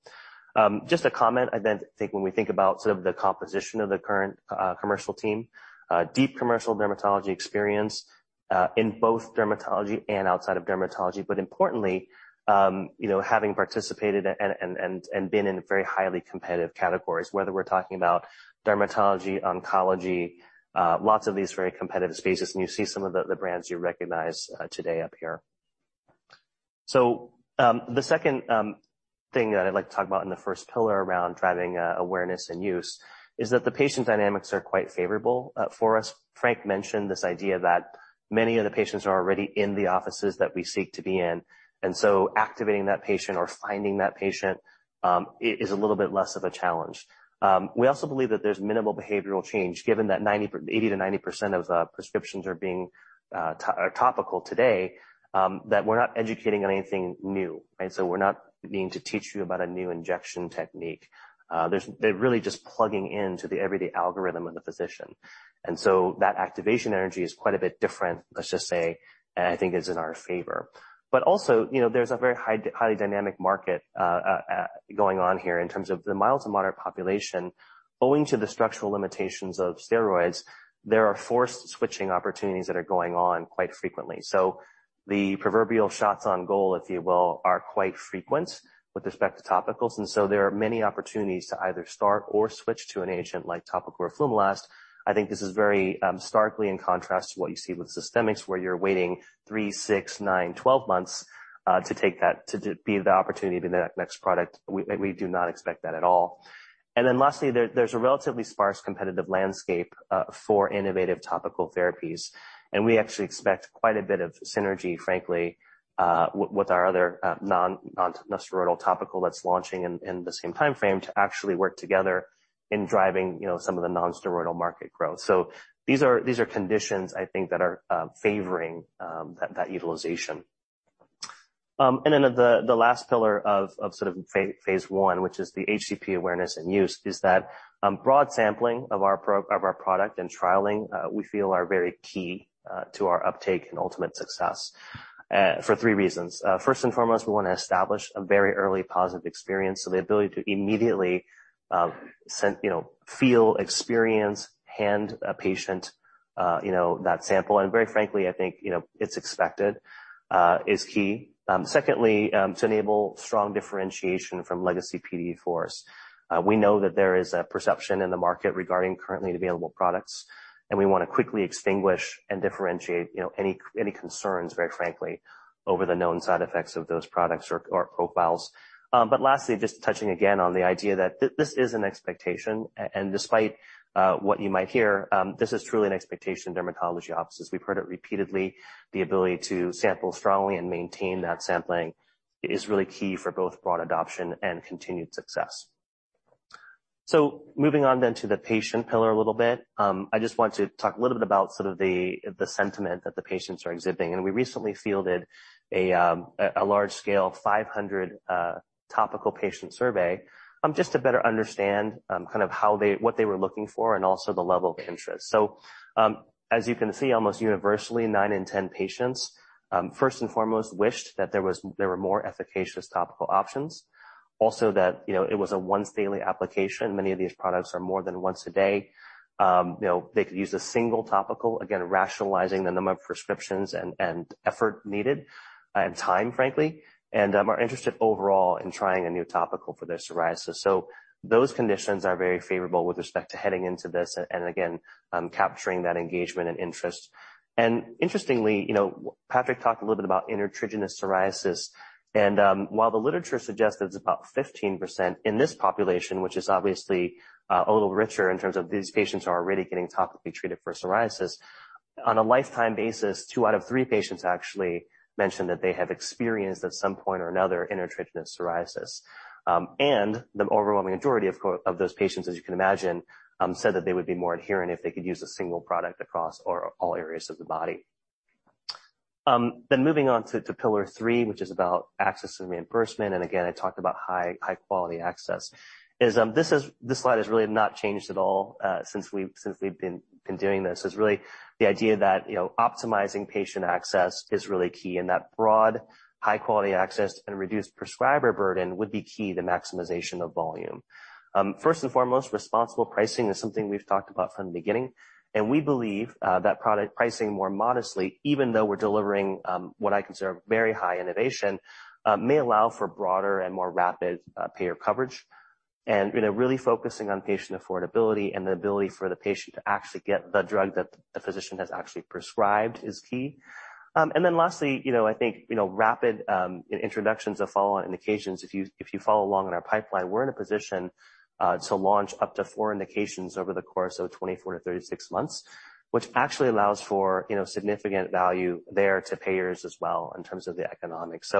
Just a comment. I then think when we think about sort of the composition of the current commercial team, deep commercial dermatology experience in both dermatology and outside of dermatology, but importantly, you know, having participated and been in very highly competitive categories, whether we're talking about dermatology, oncology, lots of these very competitive spaces, and you see some of the brands you recognize today up here. The second thing that I'd like to talk about in the first pillar around driving awareness and use, is that the patient dynamics are quite favorable for us. Frank mentioned this idea that many of the patients are already in the offices that we seek to be in, and so activating that patient or finding that patient, is a little bit less of a challenge. We also believe that there's minimal behavioral change given that 80%-90% of prescriptions are being topical today, that we're not educating on anything new, right? We're not needing to teach you about a new injection technique. They're really just plugging into the everyday algorithm of the physician. That activation energy is quite a bit different, let's just say, and I think is in our favor. Also, you know, there's a highly dynamic market going on here in terms of the mild to moderate population. Owing to the structural limitations of steroids, there are forced switching opportunities that are going on quite frequently. The proverbial shots on goal, if you will, are quite frequent with respect to topicals, and there are many opportunities to either start or switch to an agent like topical roflumilast. I think this is very starkly in contrast to what you see with systemics, where you're waiting three, six, nine, 12 months to be the opportunity to the next product. We do not expect that at all. Then lastly, there's a relatively sparse competitive landscape for innovative topical therapies. We actually expect quite a bit of synergy, frankly, with our other nonsteroidal topical that's launching in the same timeframe to actually work together in driving, you know, some of the nonsteroidal market growth. These are conditions I think that are favoring that utilization. The last pillar of sort of phase I, which is the HCP awareness and use, is that broad sampling of our product and trialing we feel are very key to our uptake and ultimate success, for three reasons. First and foremost, we wanna establish a very early positive experience. The ability to immediately sense, you know, feel, experience, hand a patient that sample, and very frankly, I think, you know, it's expected, is key. Secondly, to enable strong differentiation from legacy PDE4s. We know that there is a perception in the market regarding currently available products, and we wanna quickly extinguish and differentiate, you know, any concerns, very frankly, over the known side effects of those products or profiles. But lastly, just touching again on the idea that this is an expectation, and despite what you might hear, this is truly an expectation in dermatology offices. We've heard it repeatedly, the ability to sample strongly and maintain that sampling is really key for both broad adoption and continued success. Moving on then to the patient pillar a little bit, I just want to talk a little bit about sort of the sentiment that the patients are exhibiting. We recently fielded a large scale 500 topical patient survey, just to better understand kind of what they were looking for and also the level of interest. As you can see, almost universally, nine in ten patients first and foremost wished that there were more efficacious topical options. Also, that, you know, it was a once-daily application. Many of these products are more than once a day. You know, they could use a single topical, again, rationalizing the number of prescriptions and effort needed and time, frankly, and are interested overall in trying a new topical for their psoriasis. Those conditions are very favorable with respect to heading into this and, again, capturing that engagement and interest. Interestingly, you know, Patrick talked a little bit about intertriginous psoriasis. While the literature suggests it's about 15% in this population, which is obviously a little richer in terms of these patients are already getting topically treated for psoriasis, on a lifetime basis, two out of three patients actually, mentioned that they have experienced at some point or another intertriginous psoriasis. The overwhelming majority of those patients, as you can imagine, said that they would be more adherent if they could use a single product across or all areas of the body. Then moving on to pillar three, which is about access and reimbursement, and again, I talked about high-quality access. This slide has really not changed at all since we've been doing this. The idea that, you know, optimizing patient access is really key, and that broad, high quality access and reduced prescriber burden would be key to maximization of volume. First and foremost, responsible pricing is something we've talked about from the beginning, and we believe that product pricing more modestly, even though we're delivering what I consider very high innovation, may allow for broader and more rapid payer coverage. You know, really focusing on patient affordability and the ability for the patient to actually get the drug that the physician has actually prescribed is key. Then lastly, you know, I think rapid introductions of follow-on indications. If you follow along in our pipeline, we're in a position to launch up to four indications over the course of 24-36 months, which actually allows for, you know, significant value there to payers as well in terms of the economics.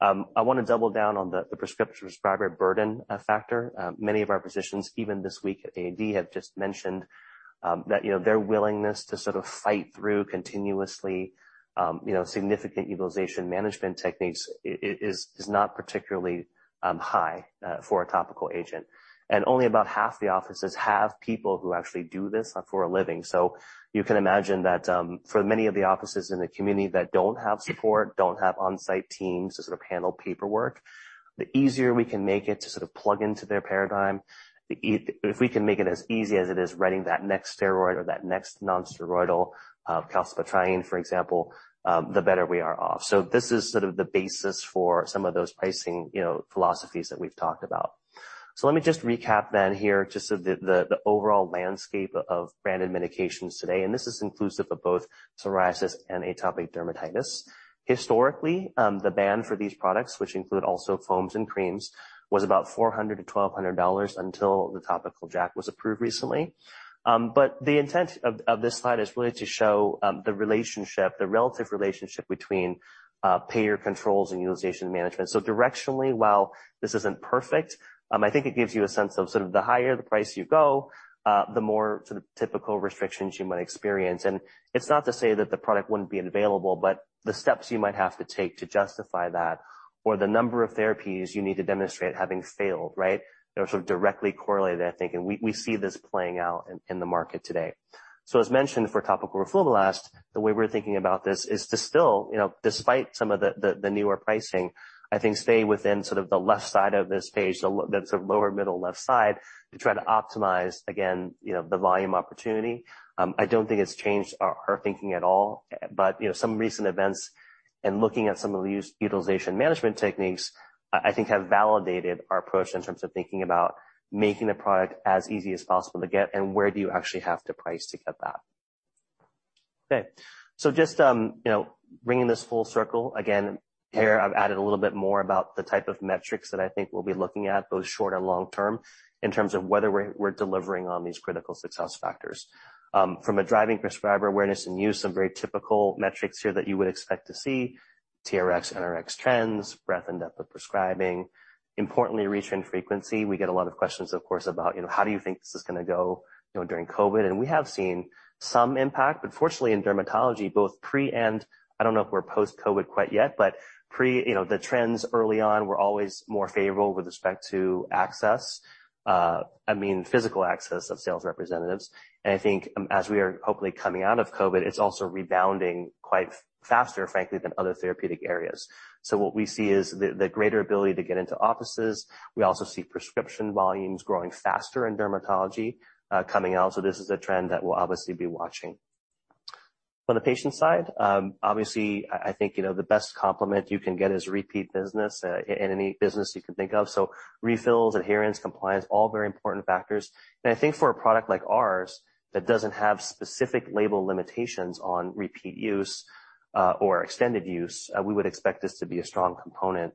I wanna double down on the prescription prescriber burden factor. Many of our physicians, even this week at AAD, have just mentioned that, you know, their willingness to sort of fight through continuously, you know, significant utilization management techniques is not particularly high for a topical agent. Only about half the offices have people who actually do this for a living. You can imagine that, for many of the offices in the community that don't have support, don't have on-site teams to sort of handle paperwork, the easier we can make it to sort of plug into their paradigm, if we can make it as easy as it is writing that next steroid or that next nonsteroidal, calcipotriene, for example, the better we are off. This is sort of the basis for some of those pricing, you know, philosophies that we've talked about. Let me just recap then here just so the overall landscape of branded medications today, and this is inclusive of both psoriasis and atopic dermatitis. Historically, the band for these products, which include also foams and creams, was about $400-$1,200 until the topical JAK was approved recently. The intent of this slide is really to show, the relationship, the relative relationship between payer controls and utilization management. Directionally, while this isn't perfect, I think it gives you a sense of sort of the higher the price you go, the more sort of typical restrictions you might experience. It's not to say that the product wouldn't be available, but the steps you might have to take to justify that or the number of therapies you need to demonstrate having failed, right? They're sort of directly correlated, I think, and we see this playing out in the market today. As mentioned for topical roflumilast, the way we're thinking about this is to still, you know, despite some of the newer pricing, I think stay within sort of the left side of this page, that's the lower middle left side, to try to optimize again, you know, the volume opportunity. I don't think it's changed our thinking at all, but you know, some recent events, and looking at some of the utilization management techniques, I think have validated our approach in terms of thinking about, making the product as easy as possible to get and where do you actually have to price to get that. Okay. Just, you know, bringing this full circle, again, here I've added a little bit more about the type of metrics that I think we'll be looking at, both short and long term, in terms of whether we're delivering on these critical success factors. From a driving prescriber awareness and use, some very typical metrics here that you would expect to see. TRX, NRX trends, breadth and depth of prescribing. Importantly, reach and frequency. We get a lot of questions, of course, about, you know, how do you think this is gonna go, you know, during COVID? And we have seen some impact, but fortunately in dermatology, both pre and I don't know if we're post-COVID quite yet, but pre, you know, the trends early on were always more favorable with respect to access, I mean, physical access of sales representatives. I think, as we are hopefully coming out of COVID, it's also rebounding quite faster, frankly, than other therapeutic areas. What we see is the greater ability to get into offices. We also see prescription volumes growing faster in dermatology, coming out. This is a trend that we'll obviously be watching. On the patient side, obviously, I think, you know, the best compliment you can get is repeat business in any business you can think of. Refills, adherence, compliance, all very important factors. I think for a product like ours that doesn't have specific label limitations on repeat use or extended use, we would expect this to be a strong component,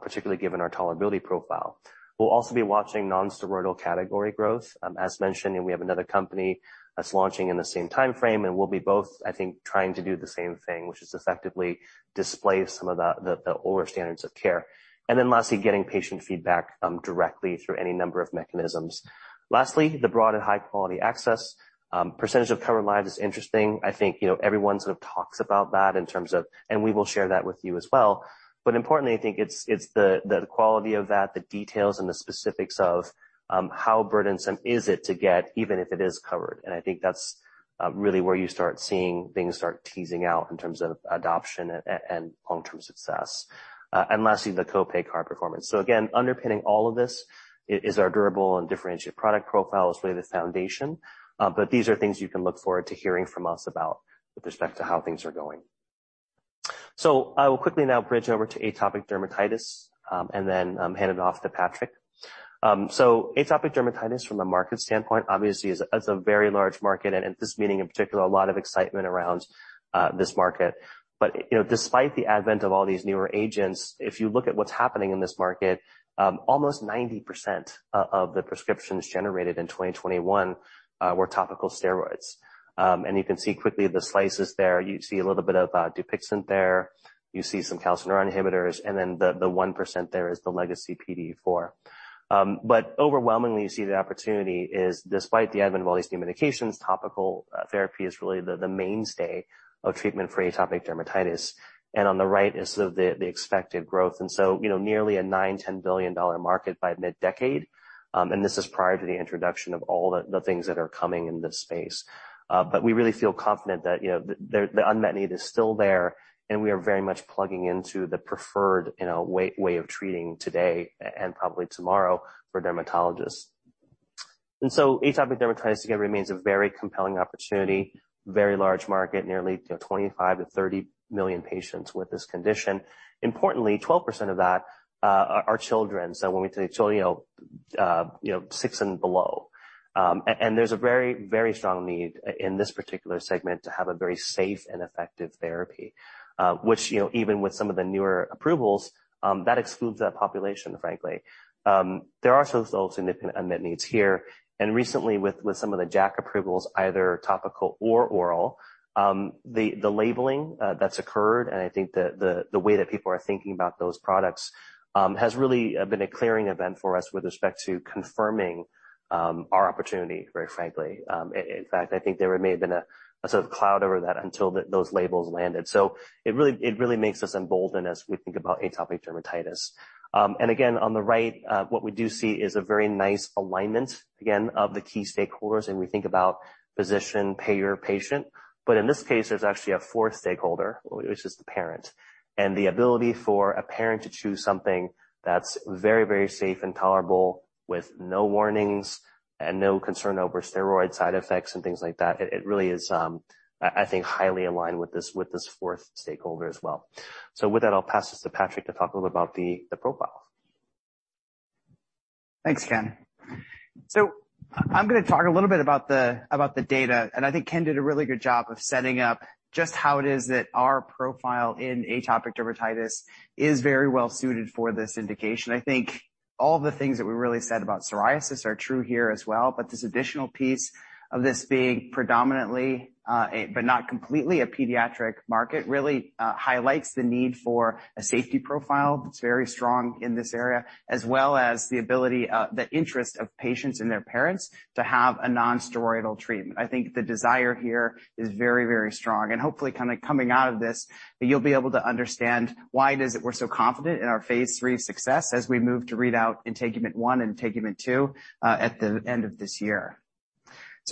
particularly given our tolerability profile. We'll also be watching non-steroidal category growth. As mentioned, we have another company that's launching in the same timeframe, and we'll be both, I think, trying to do the same thing, which is effectively displace some of the older standards of care. Then lastly, getting patient feedback directly through any number of mechanisms. Lastly, the broad and high-quality access. Percentage of covered lives is interesting. I think, you know, everyone sort of talks about that in terms of and we will share that with you as well. But importantly, I think it's the quality of that, the details and the specifics of, how burdensome is it to get even if it is covered. I think that's really where you start seeing things start teasing out in terms of adoption and long-term success. Lastly, the co-pay card performance. Again, underpinning all of this is our durable and differentiated product profile is really the foundation. These are things you can look forward to hearing from us about with respect to how things are going. I will quickly now bridge over to atopic dermatitis, and then hand it off to Patrick. Atopic dermatitis from a market standpoint obviously is a very large market and at this meeting in particular, a lot of excitement around this market. You know, despite the advent of all these newer agents, if you look at what's happening in this market, almost 90% of the prescriptions generated in 2021, were topical steroids. You can see quickly the slices there. You see a little bit of Dupixent there. You see some calcineurin inhibitors, and then the 1% there is the legacy PDE4. But overwhelmingly, you see the opportunity is despite the advent of all these new medications, topical therapy is really the mainstay of treatment for atopic dermatitis. On the right is the expected growth. You know, nearly a $9-$10 billion market by mid-decade, and this is prior to the introduction of all the things that are coming in this space. But we really feel confident that, you know, the unmet need is still there, and we are very much plugging into the preferred, you know, way of treating today, and probably tomorrow for dermatologists. Atopic dermatitis, again, remains a very compelling opportunity, very large market, nearly 25-30 million patients with this condition. Importantly, 12% of that are children. When we say children, you know, six and below. There's a very, very strong need in this particular segment to have a very safe and effective therapy, which, you know, even with some of the newer approvals, that excludes that population, frankly. There are still significant unmet needs here. Recently with some of the JAK approvals, either topical or oral, the labeling that's occurred, and I think the way that people are thinking about those products, has really been a clearing event for us with respect to confirming our opportunity, very frankly. In fact, I think there may have been a sort of cloud over that until those labels landed. It really makes us emboldened as we think about atopic dermatitis. Again, on the right, what we do see is a very nice alignment, again, of the key stakeholders, and we think about physician, payer, patient. In this case, there's actually a fourth stakeholder, which is the parent. The ability for a parent to choose something that's very, very safe and tolerable with no warnings, and no concern over steroid side effects and things like that, it really is, I think highly aligned with this fourth stakeholder as well. With that, I'll pass this to Patrick to talk a little about the profile. Thanks, Ken. I'm going to talk a little bit about the data, and I think Ken did a really good job of setting up, just how it is that our profile in atopic dermatitis is very well suited for this indication. I think all the things that we really said about psoriasis are true here as well, but this additional piece of this being predominantly but not completely a pediatric market really highlights the need for a safety profile that's very strong in this area, as well as the interest of patients and their parents to have a non-steroidal treatment. I think the desire here is very, very strong and hopefully kind of coming out of this, you'll be able to understand why it is that we're so confident in our phase III success as we move to read out INTEGUMENT-1 and INTEGUMENT-2, at the end of this year.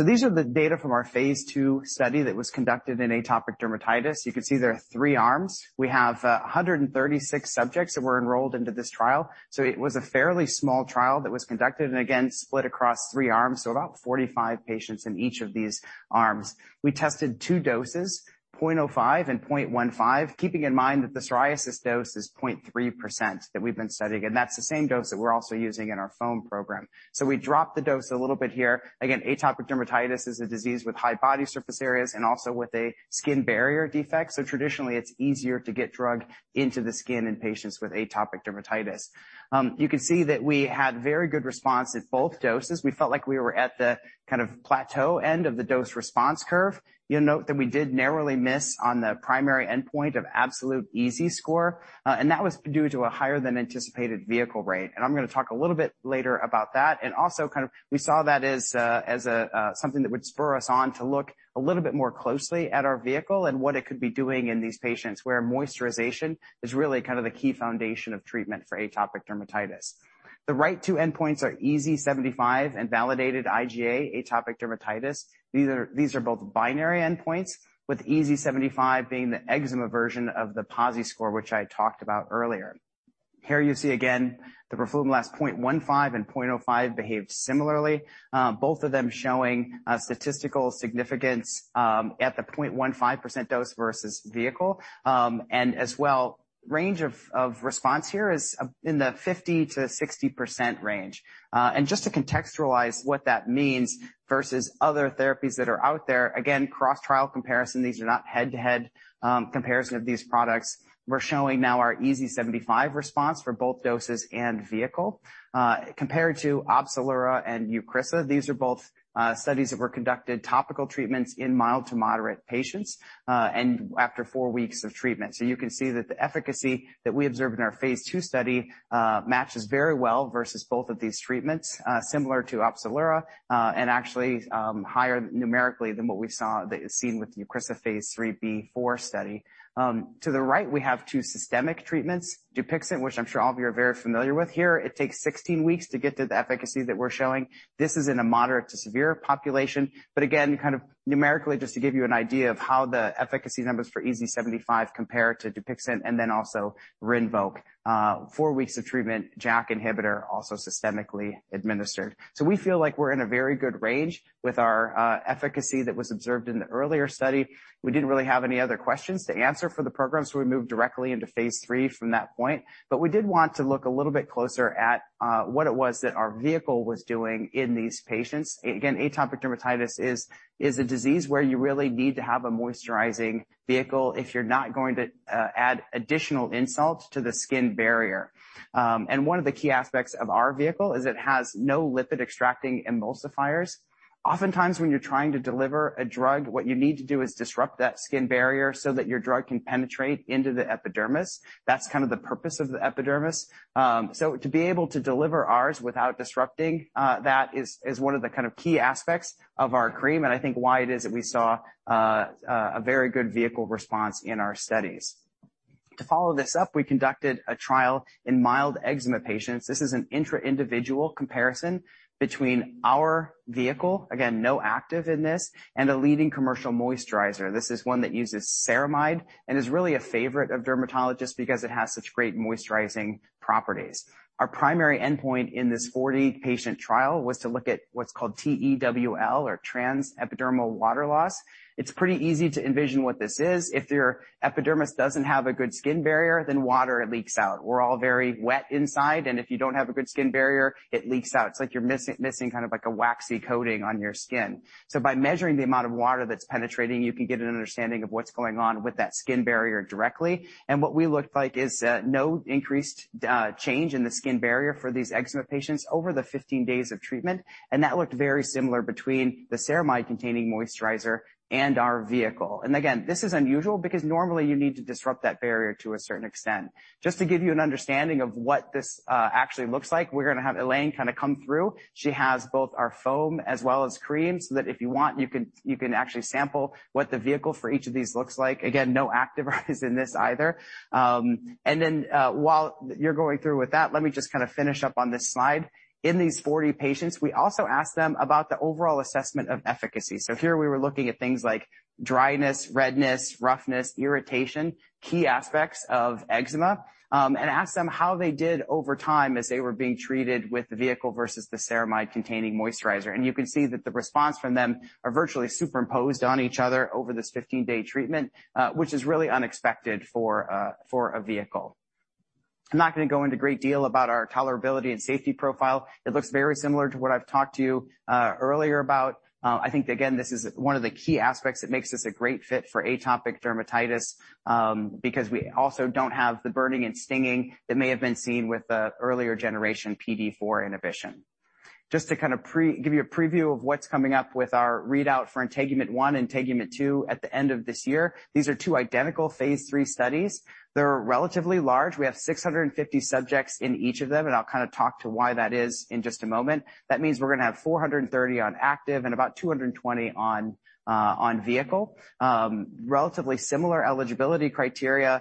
These are the data from our phase II study that was conducted in atopic dermatitis. You can see there are three arms. We have 136 subjects that were enrolled into this trial. It was a fairly small trial that was conducted and again, split across three arms, so about 45 patients in each of these arms. We tested two doses, 0.05 and 0.15. Keeping in mind that the psoriasis dose is 0.3% that we've been studying, and that's the same dose that we're also using in our foam program. We dropped the dose a little bit here. Again, atopic dermatitis is a disease with high body surface areas and also with a skin barrier defect. Traditionally, it's easier to get drug into the skin in patients with atopic dermatitis. You can see that we had very good response at both doses. We felt like we were at the kind of plateau end of the dose response curve. You'll note that we did narrowly miss on the primary endpoint of absolute EASI score, and that was due to a higher than anticipated vehicle rate. I'm going to talk a little bit later about that. We also kind of saw that as something that would spur us on to look a little bit more closely at our vehicle and what it could be doing in these patients where moisturization is really kind of the key foundation of treatment for atopic dermatitis. The right two endpoints are EASI-75 and validated IGA atopic dermatitis. These are both binary endpoints, with EASI-75 being the eczema version of the PASI score, which I talked about earlier. Here you see again, the roflumilast 0.15% and 0.05% behaved similarly, both of them showing statistical significance at the 0.15% dose versus vehicle. The range of response here is in the 50%-60% range. Just to contextualize what that means versus other therapies that are out there, again, cross-trial comparison, these are not head-to-head comparison of these products. We're showing now our EASI-75 response for both doses and vehicle, compared to Opzelura and Eucrisa. These are both studies that were conducted with topical treatments in mild to moderate patients, and after four weeks of treatment. You can see that the efficacy that we observed in our phase II study matches very well versus both of these treatments, similar to Opzelura, and actually higher numerically than what we saw with Eucrisa phase IIIB/4 study. To the right, we have two systemic treatments, Dupixent, which I'm sure all of you are very familiar with here. It takes 16 weeks to get to the efficacy that we're showing. This is in a moderate to severe population, but again, kind of numerically, just to give you an idea of how the efficacy numbers for EASI-75 compare to Dupixent and then also Rinvoq, four weeks of treatment, JAK inhibitor also systemically administered. We feel like we're in a very good range, with our efficacy that was observed in the earlier study. We didn't really have any other questions to answer for the program, so we moved directly into phase III from that point. We did want to look a little bit closer at what it was that our vehicle was doing in these patients. Again, atopic dermatitis is a disease where you really need to have a moisturizing vehicle if you're not going to add additional insult to the skin barrier. One of the key aspects of our vehicle is it has no lipid-extracting emulsifiers. Oftentimes, when you're trying to deliver a drug, what you need to do is disrupt that skin barrier so that your drug can penetrate into the epidermis. That's kind of the purpose of the epidermis. To be able to deliver ours without disrupting, that is one of the kind of key aspects of our cream, and I think why it is that we saw a very good vehicle response in our studies. To follow this up, we conducted a trial in mild eczema patients. This is an intra-individual comparison between our vehicle, again, no active in this, and a leading commercial moisturizer. This is one that uses ceramide, and is really a favorite of dermatologists because it has such great moisturizing properties. Our primary endpoint in this 40-patient trial was to look at what's called TEWL or transepidermal water loss. It's pretty easy to envision what this is. If your epidermis doesn't have a good skin barrier, then water leaks out. We're all very wet inside, and if you don't have a good skin barrier, it leaks out. It's like you're missing kind of like a waxy coating on your skin. By measuring the amount of water that's penetrating, you can get an understanding of what's going on with that skin barrier directly. What we looked at is no increase, no change in the skin barrier for these eczema patients over the 15 days of treatment. That looked very similar between the ceramide-containing moisturizer and our vehicle. Again, this is unusual because normally you need to disrupt that barrier to a certain extent. Just to give you an understanding of what this actually looks like, we're going to have Elaine kind of come through. She has both our foam as well as cream, so that if you want, you can actually sample what the vehicle for each of these looks like. Again, no active in this either. While you're going through with that, let me just kind of finish up on this slide. In these 40 patients, we also asked them about the overall assessment of efficacy. Here we were looking at things like dryness, redness, roughness, irritation, key aspects of eczema, and asked them how they did over time as they were being treated with the vehicle versus the ceramide-containing moisturizer. You can see that the response from them are virtually superimposed on each other over this 15-day treatment, which is really unexpected for a vehicle. I'm not going to go into great detail about our tolerability and safety profile. It looks very similar to what I've talked to you earlier about. I think again, this is one of the key aspects that makes this a great fit for atopic dermatitis, because we also don't have the burning and stinging that may have been seen with the earlier generation PDE4 inhibition. Just to kind of give you a preview of what's coming up with our readout for INTEGUMENT-1 and INTEGUMENT-2 at the end of this year. These are two identical phase III studies. They're relatively large. We have 650 subjects in each of them, and I'll kind of talk to why that is in just a moment. That means we're going to have 430 on active and about 220 on vehicle. Relatively similar eligibility criteria,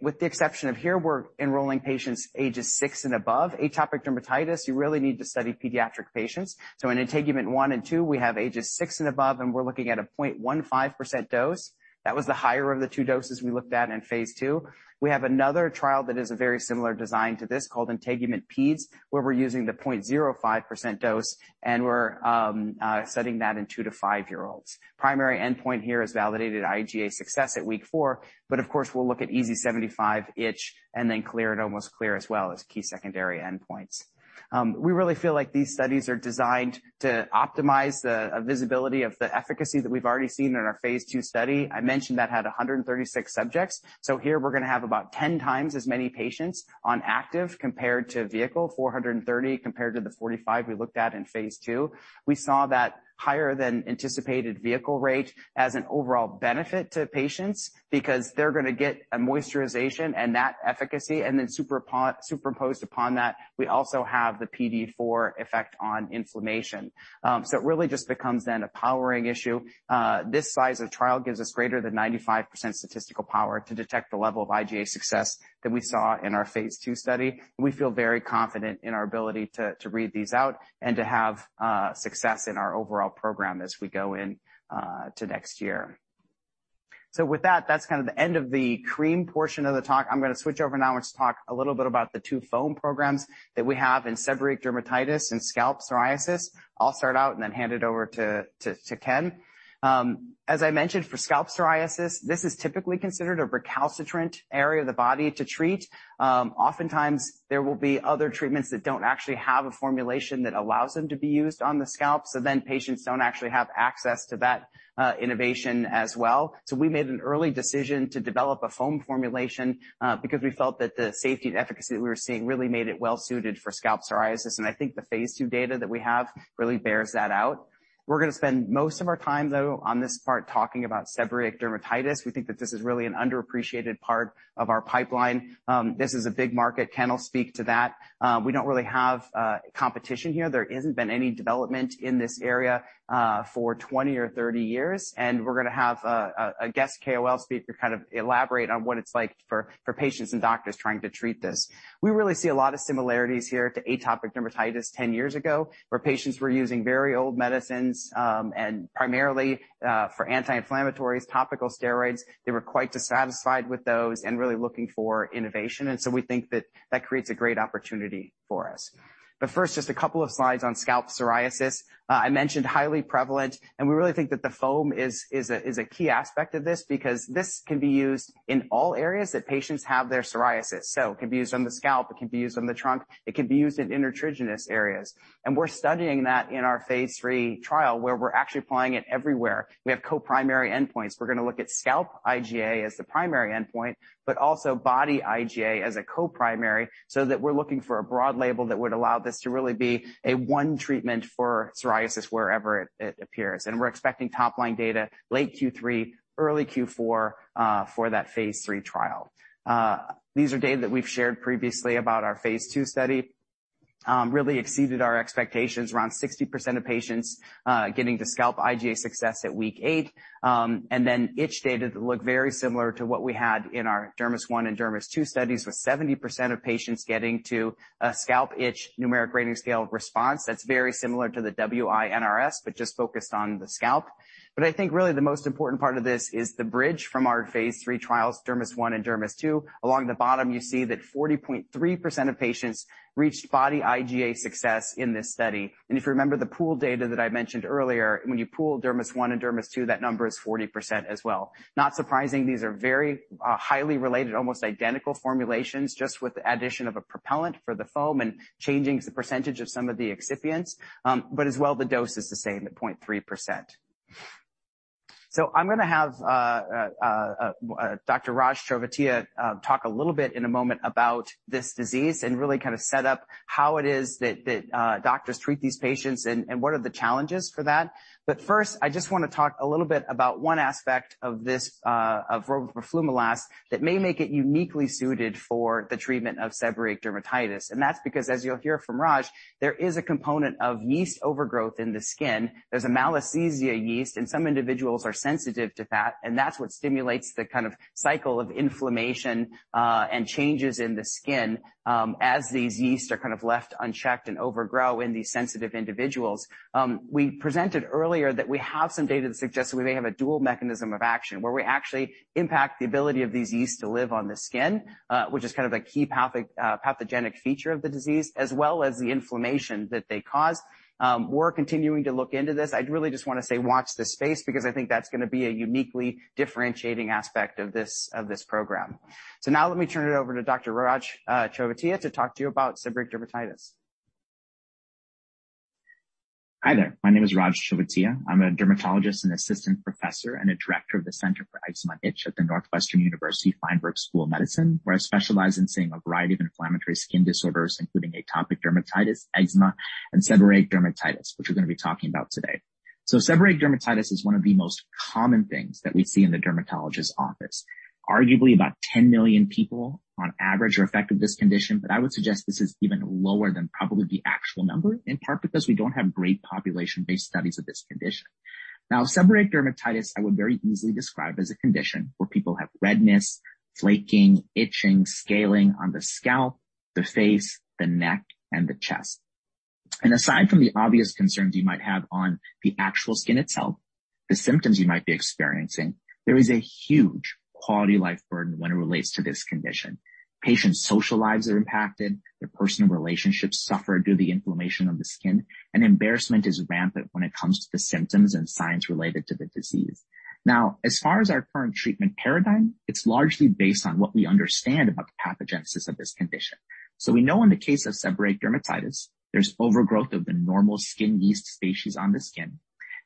with the exception of here, we're enrolling patients ages six and above. Atopic dermatitis, you really need to study pediatric patients. In INTEGUMENT-1 and INTEGUMENT-2, we have ages six and above, and we're looking at a 0.15% dose. That was the higher of the two doses we looked at in phase II. We have another trial that is a very similar design to this, called INTEGUMENT-PED, where we're using the 0.05% dose, and we're studying that in two to fivefouryear-olds. Primary endpoint here is validated IGA success at week 4, but of course, we'll look at EASI-75 itch and then clear or almost clear as well as key secondary endpoints. We really feel like these studies are designed to optimize the visibility of the efficacy that we've already seen in our phase II study. I mentioned that had 136 subjects. Here we're going to have about ten times as many patients on active compared to vehicle, 430 compared to the 45 we looked at in phase II. We saw that higher than anticipated vehicle rate as an overall benefit to patients, because they're going to get a moisturization and that efficacy. Superimposed upon that, we also have the PDE4 effect on inflammation. It really just becomes then a powering issue. This size of trial gives us greater than 95% statistical power to detect the level of IGA success than we saw in our phase II study. We feel very confident in our ability to read these out and to have success in our overall program as we go in to next year. With that's kind of the end of the cream portion of the talk. I'm going to switch over now and just talk a little bit about the two foam programs that we have in seborrheic dermatitis and scalp psoriasis. I'll start out and then hand it over to Ken. As I mentioned, for scalp psoriasis, this is typically considered a recalcitrant area of the body to treat. Oftentimes, there will be other treatments that don't actually have a formulation that allows them to be used on the scalp. Patients don't actually have access to that innovation as well. We made an early decision to develop a foam formulation because we felt that the safety and efficacy that we were seeing really made it well suited for scalp psoriasis. I think the phase II data that we have really bears that out. We're going to spend most of our time, though, on this part talking about seborrheic dermatitis. We think that this is really an underappreciated part of our pipeline. This is a big market. Ken will speak to that. We don't really have competition here. There hasn't been any development in this area for 20 or 30 years, and we're going to have a guest KOL speaker elaborate on what it's like for patients and doctors trying to treat this. We really see a lot of similarities here to atopic dermatitis 10 years ago, where patients were using very old medicines and primarily for anti-inflammatories, topical steroids. They were quite dissatisfied with those and really looking for innovation. We think that creates a great opportunity for us. First, just a couple of slides on scalp psoriasis. I mentioned highly prevalent, and we really think that the foam is a key aspect of this because this can be used in all areas that patients have their psoriasis. It can be used on the scalp, it can be used on the trunk, it can be used in intertriginous areas. We're studying that in our phase III trial, where we're actually applying it everywhere. We have co-primary endpoints. We're going to look at scalp IGA as the primary endpoint, but also body IGA as a co-primary, so that we're looking for a broad label that would allow this to really be a one treatment for psoriasis wherever it appears. We're expecting top-line data late Q3, early Q4, for that phase III trial. These are data that we've shared previously about our phase II study. Really exceeded our expectations, around 60% of patients getting to scalp IGA success at week eight. Itch data that looked very similar to what we had in our DERMIS-1 and DERMIS-2 studies, with 70% of patients getting to a scalp itch numeric rating scale response. That's very similar to the WI-NRS, but just focused on the scalp. I think really the most important part of this is the bridge from our phase III trials, DERMIS-1 and DERMIS-2. Along the bottom, you see that 40.3% of patients, reached body IGA success in this study. If you remember the pooled data that I mentioned earlier, when you pool DERMIS-1 and DERMIS-2, that number is 40% as well. Not surprising, these are very highly related, almost identical formulations, just with the addition of a propellant for the foam and changing the percentage of some of the excipients. As well, the dose is the same at 0.3%. I'm gonna have Dr. Raj Chovatiya talk a little bit in a moment about, this disease and really kind of set up how it is that that doctors treat these patients and and what are the challenges for that. First, I just wanna talk a little bit about one aspect of this of roflumilast that may make it uniquely suited for the treatment of seborrheic dermatitis. That's because, as you'll hear from Raj, there is a component of yeast overgrowth in the skin. There's a Malassezia yeast, and some individuals are sensitive to that, and that's what stimulates the kind of cycle of inflammation and changes in the skin as these yeasts are kind of left unchecked and overgrow in these sensitive individuals. We presented earlier that we have some data that suggests that we may have a dual mechanism of action where we actually impact the ability of these yeasts to live on the skin, which is kind of a key pathogenic feature of the disease, as well as the inflammation that they cause. We're continuing to look into this. I'd really just wanna say watch this space because I think that's gonna be a uniquely differentiating aspect of this program. Now let me turn it over to Dr. Raj Chovatiya to talk to you about seborrheic dermatitis. Hi there. My name is Raj Chovatiya. I'm a dermatologist and assistant professor and a director of the Center for Eczema and Itch at the Northwestern University Feinberg School of Medicine, where I specialize in seeing a variety of inflammatory skin disorders, including atopic dermatitis, eczema, and seborrheic dermatitis, which we're gonna be talking about today. Seborrheic dermatitis is one of the most common things that we see in the dermatologist's office. Arguably about 10 million people, on average are affected this condition, but I would suggest this is even lower than probably the actual number, in part because we don't have great population-based studies of this condition. Now, seborrheic dermatitis, I would very easily describe as a condition where people have redness, flaking, itching, scaling on the scalp, the face, the neck, and the chest. Aside from the obvious concerns you might have on the actual skin itself, the symptoms you might be experiencing, there is a huge quality of life burden when it relates to this condition. Patients' social lives are impacted, their personal relationships suffer due to the inflammation of the skin, and embarrassment is rampant when it comes to the symptoms and signs related to the disease. Now, as far as our current treatment paradigm, it's largely based on what we understand about the pathogenesis of this condition. We know in the case of seborrheic dermatitis, there's overgrowth of the normal skin yeast species on the skin,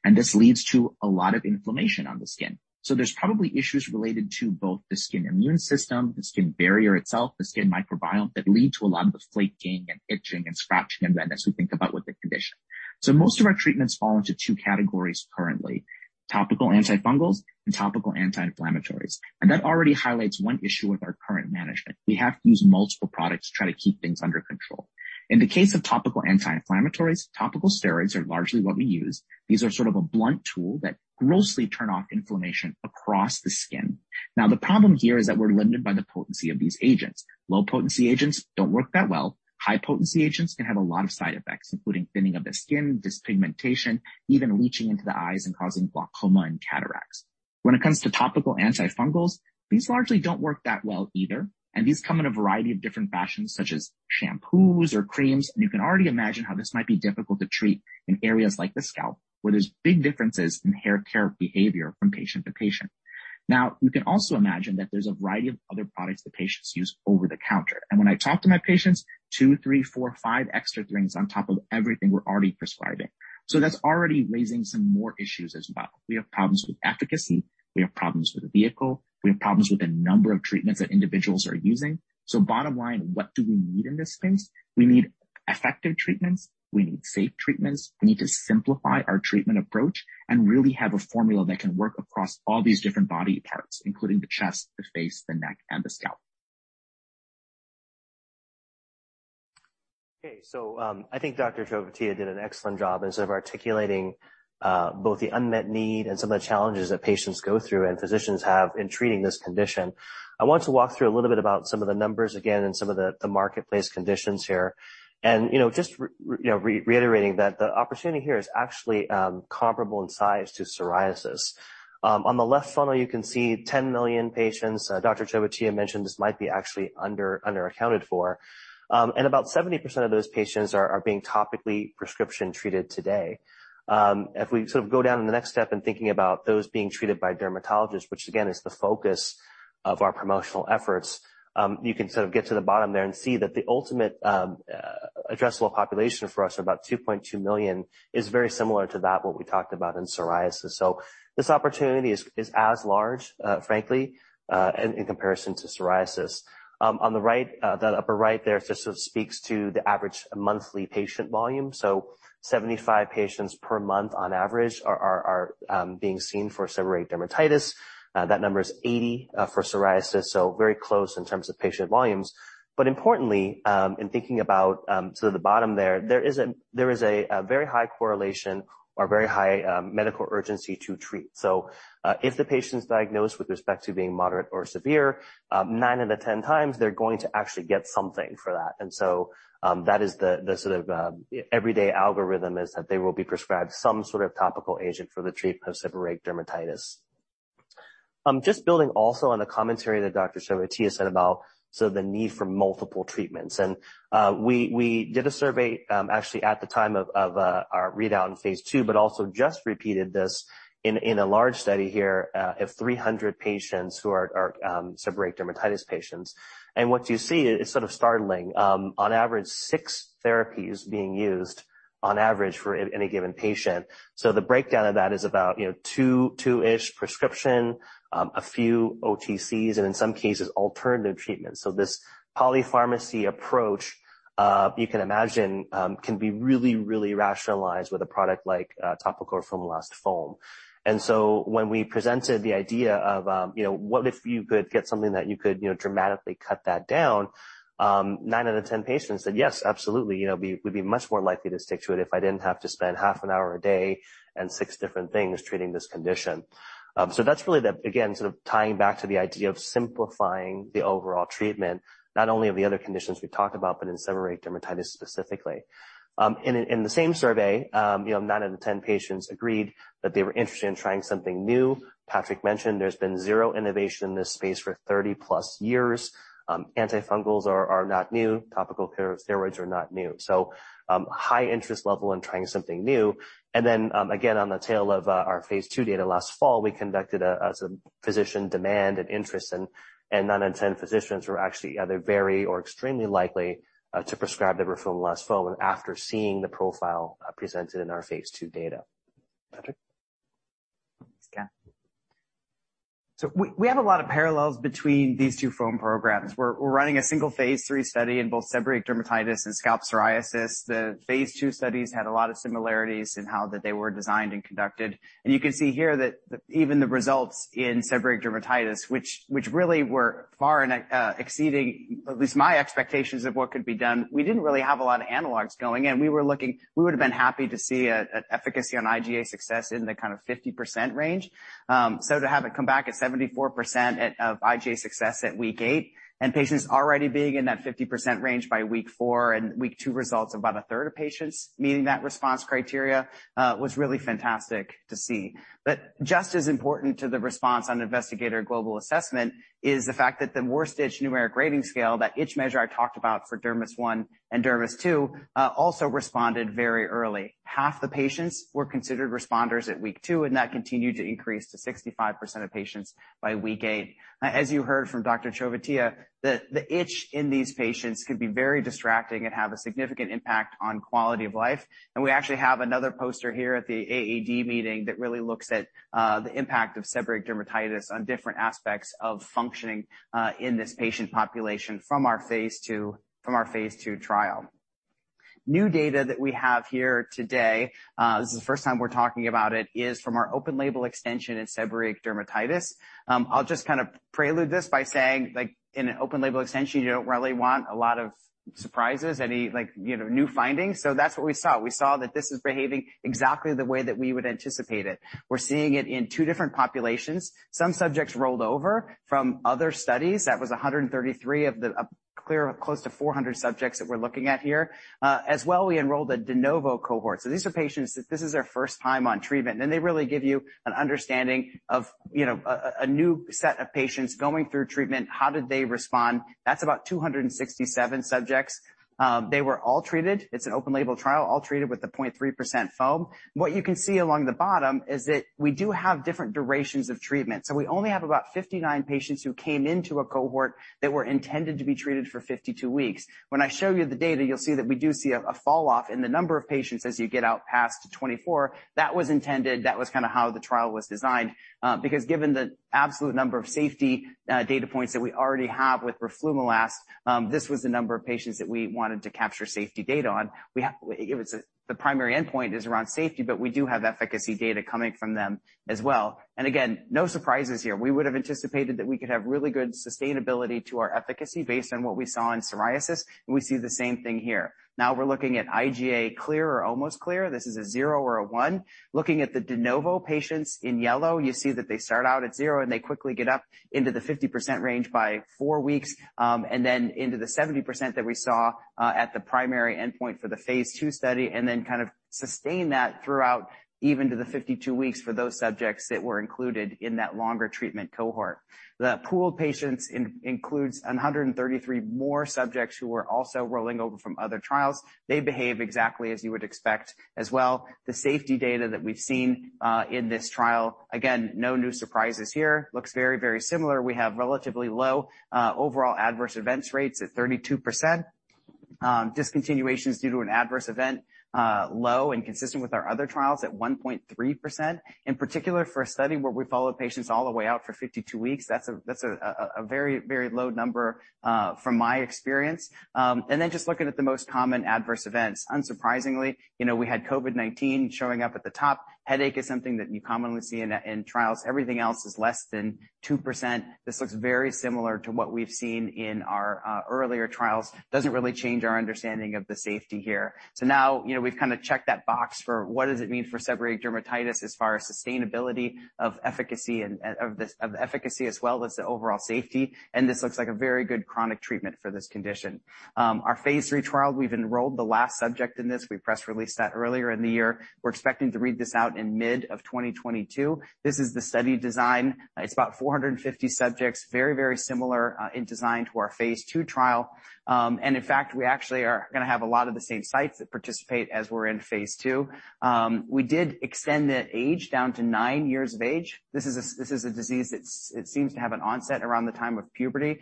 and this leads to a lot of inflammation on the skin. There's probably issues related to both the skin immune system, the skin barrier itself, the skin microbiome, that lead to a lot of the flaking and itching and scratching and redness we think about with the condition. Most of our treatments fall into two categories currently, topical antifungals and topical anti-inflammatories. That already highlights one issue with our current management. We have to use multiple products to try to keep things under control. In the case of topical anti-inflammatories, topical steroids are largely what we use. These are sort of a blunt tool that grossly turn off inflammation across the skin. Now, the problem here is that we're limited by the potency of these agents. Low-potency agents don't work that well. High-potency agents can have a lot of side effects, including thinning of the skin, dyspigmentation, even leaching into the eyes and causing glaucoma and cataracts. When it comes to topical antifungals, these largely don't work that well either, and these come in a variety of different fashions such as shampoos or creams, and you can already imagine how this might be difficult to treat in areas like the scalp, where there's big differences in hair care behavior from patient to patient. Now, you can also imagine that there's a variety of other products that patients use over the counter. When I talk to my patients, two, three, four, five extra things on top of everything we're already prescribing. That's already raising some more issues as well. We have problems with efficacy. We have problems with the vehicle. We have problems with the number of treatments that individuals are using. Bottom line, what do we need in this space? We need effective treatments. We need safe treatments. We need to simplify our treatment approach and really have a formula that can work across all these different body parts, including the chest, the face, the neck, and the scalp. Okay. I think Dr. Chovatiya did an excellent job in sort of articulating, both the unmet need and some of the challenges that patients go through and physicians have in treating this condition. I want to walk through a little bit about some of the numbers again and some of the marketplace conditions here. You know, just reiterating that the opportunity here is actually comparable in size to psoriasis. On the left funnel, you can see 10 million patients. Dr. Chovatiya mentioned this might be actually under accounted for. About 70% of those patients are being topically prescription-treated today. If we sort of go down in the next step in thinking about those being treated by dermatologists, which again is the focus of our promotional efforts, you can sort of get to the bottom there and see that the ultimate. Addressable population for us, about 2.2 million, is very similar to that what we talked about in psoriasis. This opportunity is as large, frankly, in comparison to psoriasis. On the right, the upper right there just sort of speaks to the average monthly patient volume. 75 patients per month on average are being seen for seborrheic dermatitis. That number is 80 for psoriasis, so very close in terms of patient volumes. Importantly, in thinking about sort of the bottom there is a very high correlation or very high medical urgency to treat. If the patient's diagnosed with respect to being moderate or severe, ninsix out of 10 times they're going to actually get something for that. That is the sort of everyday algorithm, is that they will be prescribed some sort of topical agent for the treatment of seborrheic dermatitis. Just building also on the commentary that Dr. Chovatiya said about sort of the need for multiple treatments. We did a survey, actually at the time of our readout in phase II, but also just repeated this in a large study here of 300 patients who are seborrheic dermatitis patients. What you see is sort of startling. On average, 6 therapies being used on average for any given patient. The breakdown of that is about, you know, two-ish prescription, a few OTCs and in some cases alternative treatments. This polypharmacy approach, you can imagine, can be really, really rationalized with a product like topical roflumilast foam. When we presented the idea of, you know, what if you could get something that you could, you know, dramatically cut that down, nine out of 10 patients said, "Yes, absolutely. You know, we'd be much more likely to stick to it if I didn't have to spend half an hour a day and six different things treating this condition." That's really the, again, sort of tying back to the idea of simplifying the overall treatment, not only of the other conditions we talked about, but in seborrheic dermatitis specifically. In the same survey, you know, nine out of the 10 patients agreed that they were interested in trying something new. Patrick mentioned there's been zero innovation in this space for 30+ years. Antifungals are not new. Topical steroids are not new. High interest level in trying something new. Then, again, on the tail of our phase II data last fall, we conducted a physician demand and interest, and nine out of 10 physicians were actually either very or extremely likely to prescribe the roflumilast foam after seeing the profile presented in our phase II data. Patrick. Thanks, Ken. We have a lot of parallels between these two foam programs. We're running a single phase III study in both seborrheic dermatitis and scalp psoriasis. The phase II studies had a lot of similarities in how that they were designed and conducted. You can see here that even the results in seborrheic dermatitis, which really were far exceeding at least my expectations of what could be done. We didn't really have a lot of analogs going in. We would've been happy to see a efficacy on IGA success in the kind of 50% range. To have it come back at 74% of IGA success at week eight and patients already being in that 50% range by week four and week two results of about a third of patients meeting that response criteria, was really fantastic to see. Just as important to the response on Investigator Global Assessment, is the fact that the worst itch numeric rating scale, that itch measure I talked about for DERMIS-1 and DERMIS-2, also responded very early. Half the patients were considered responders at week two, and that continued to increase to 65% of patients by week eight. As you heard from Dr. Chovatiya, the itch in these patients could be very distracting and have a significant impact on quality of life. We actually have another poster here at the AAD meeting that really looks at the impact of seborrheic dermatitis on different aspects of functioning in this patient population from our phase II trial. New data that we have here today, this is the first time we're talking about it, is from our open label extension in seborrheic dermatitis. I'll just kind of prelude this by saying, like, in an open label extension, you don't really want a lot of surprises, any like, you know, new findings. That's what we saw. We saw that this is behaving exactly the way that we would anticipate it. We're seeing it in two different populations. Some subjects rolled over from other studies. That was 133 of the—a clear close to 400 subjects that we're looking at here. As well, we enrolled a de novo cohort. These are patients that this is their first time on treatment, and they really give you an understanding of, you know, a new set of patients going through treatment. How did they respond? That's about 267 subjects. They were all treated. It's an open label trial, all treated with the 0.3% foam. What you can see along the bottom is that we do have different durations of treatment. We only have about 59 patients who came into a cohort that were intended to be treated for 52 weeks. When I show you the data, you'll see that we do see a fall off in the number of patients as you get out past 24. That was intended. That was kind of how the trial was designed, because given the absolute number of safety, data points that we already have with roflumilast, this was the number of patients that we wanted to capture safety data on. The primary endpoint is around safety, but we do have efficacy data coming from them as well. Again, no surprises here. We would've anticipated that we could have really good sustainability to our efficacy based on what we saw in psoriasis, and we see the same thing here. Now we're looking at IGA clear or almost clear. This is a zero or a one. Looking at the de novo patients in yellow, you see that they start out at zero, and they quickly get up into the 50% range by four weeks, and then into the 70% that we saw, at the primary endpoint for the phase II study, and then kind of sustain that throughout, even to the 52 weeks for those subjects that were included in that longer treatment cohort. The pooled patients includes 133 more subjects who were also rolling over from other trials. They behave exactly as you would expect as well. The safety data that we've seen, in this trial, again, no new surprises here, looks very, very similar. We have relatively low, overall adverse events rates at 32%. Discontinuations due to an adverse event, low and consistent with our other trials at 1.3%. In particular, for a study where we follow patients all the way out for 52 weeks, that's a very low number from my experience. Then just looking at the most common adverse events, unsurprisingly, you know, we had COVID-19 showing up at the top. Headache is something that you commonly see in trials. Everything else is less than 2%. This looks very similar to what we've seen in our earlier trials. Doesn't really change our understanding of the safety here. Now, you know, we've kind of checked that box for what does it mean for seborrheic dermatitis as far as sustainability, of efficacy and efficacy as well as the overall safety. This looks like a very good chronic treatment for this condition. Our phase III trial, we've enrolled the last subject in this. We press released that earlier in the year. We're expecting to read this out in mid-2022. This is the study design. It's about 450 subjects. Very, very similar in design to our phase II trial. In fact, we actually are going to have a lot of the same sites that participate as were in phase II. We did extend that age down to nine years of age. This is a disease that's it seems to have an onset around the time of puberty.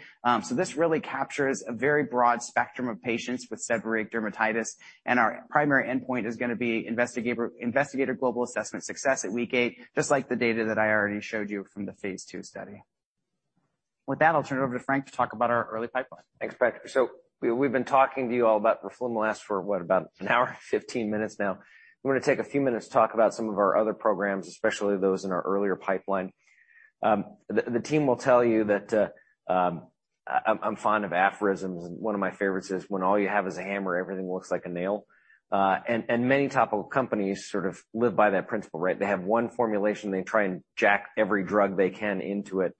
This really captures a very broad spectrum of patients with seborrheic dermatitis. Our primary endpoint is going to be investigator global assessment success at week eight, just like the data that I already showed you from the phase II study. With that, I'll turn it over to Frank to talk about our early pipeline. Thanks, Patrick. We've been talking to you all about roflumilast for what, about an hour and 15 minutes now. I'm going to take a few minutes to talk about some of our other programs, especially those in our earlier pipeline. The team will tell you that I'm fond of aphorisms, and one of my favorites is, when all you have is a hammer, everything looks like a nail. Many types of companies sort of live by that principle, right? They have one formulation, they try and pack every drug they can into it.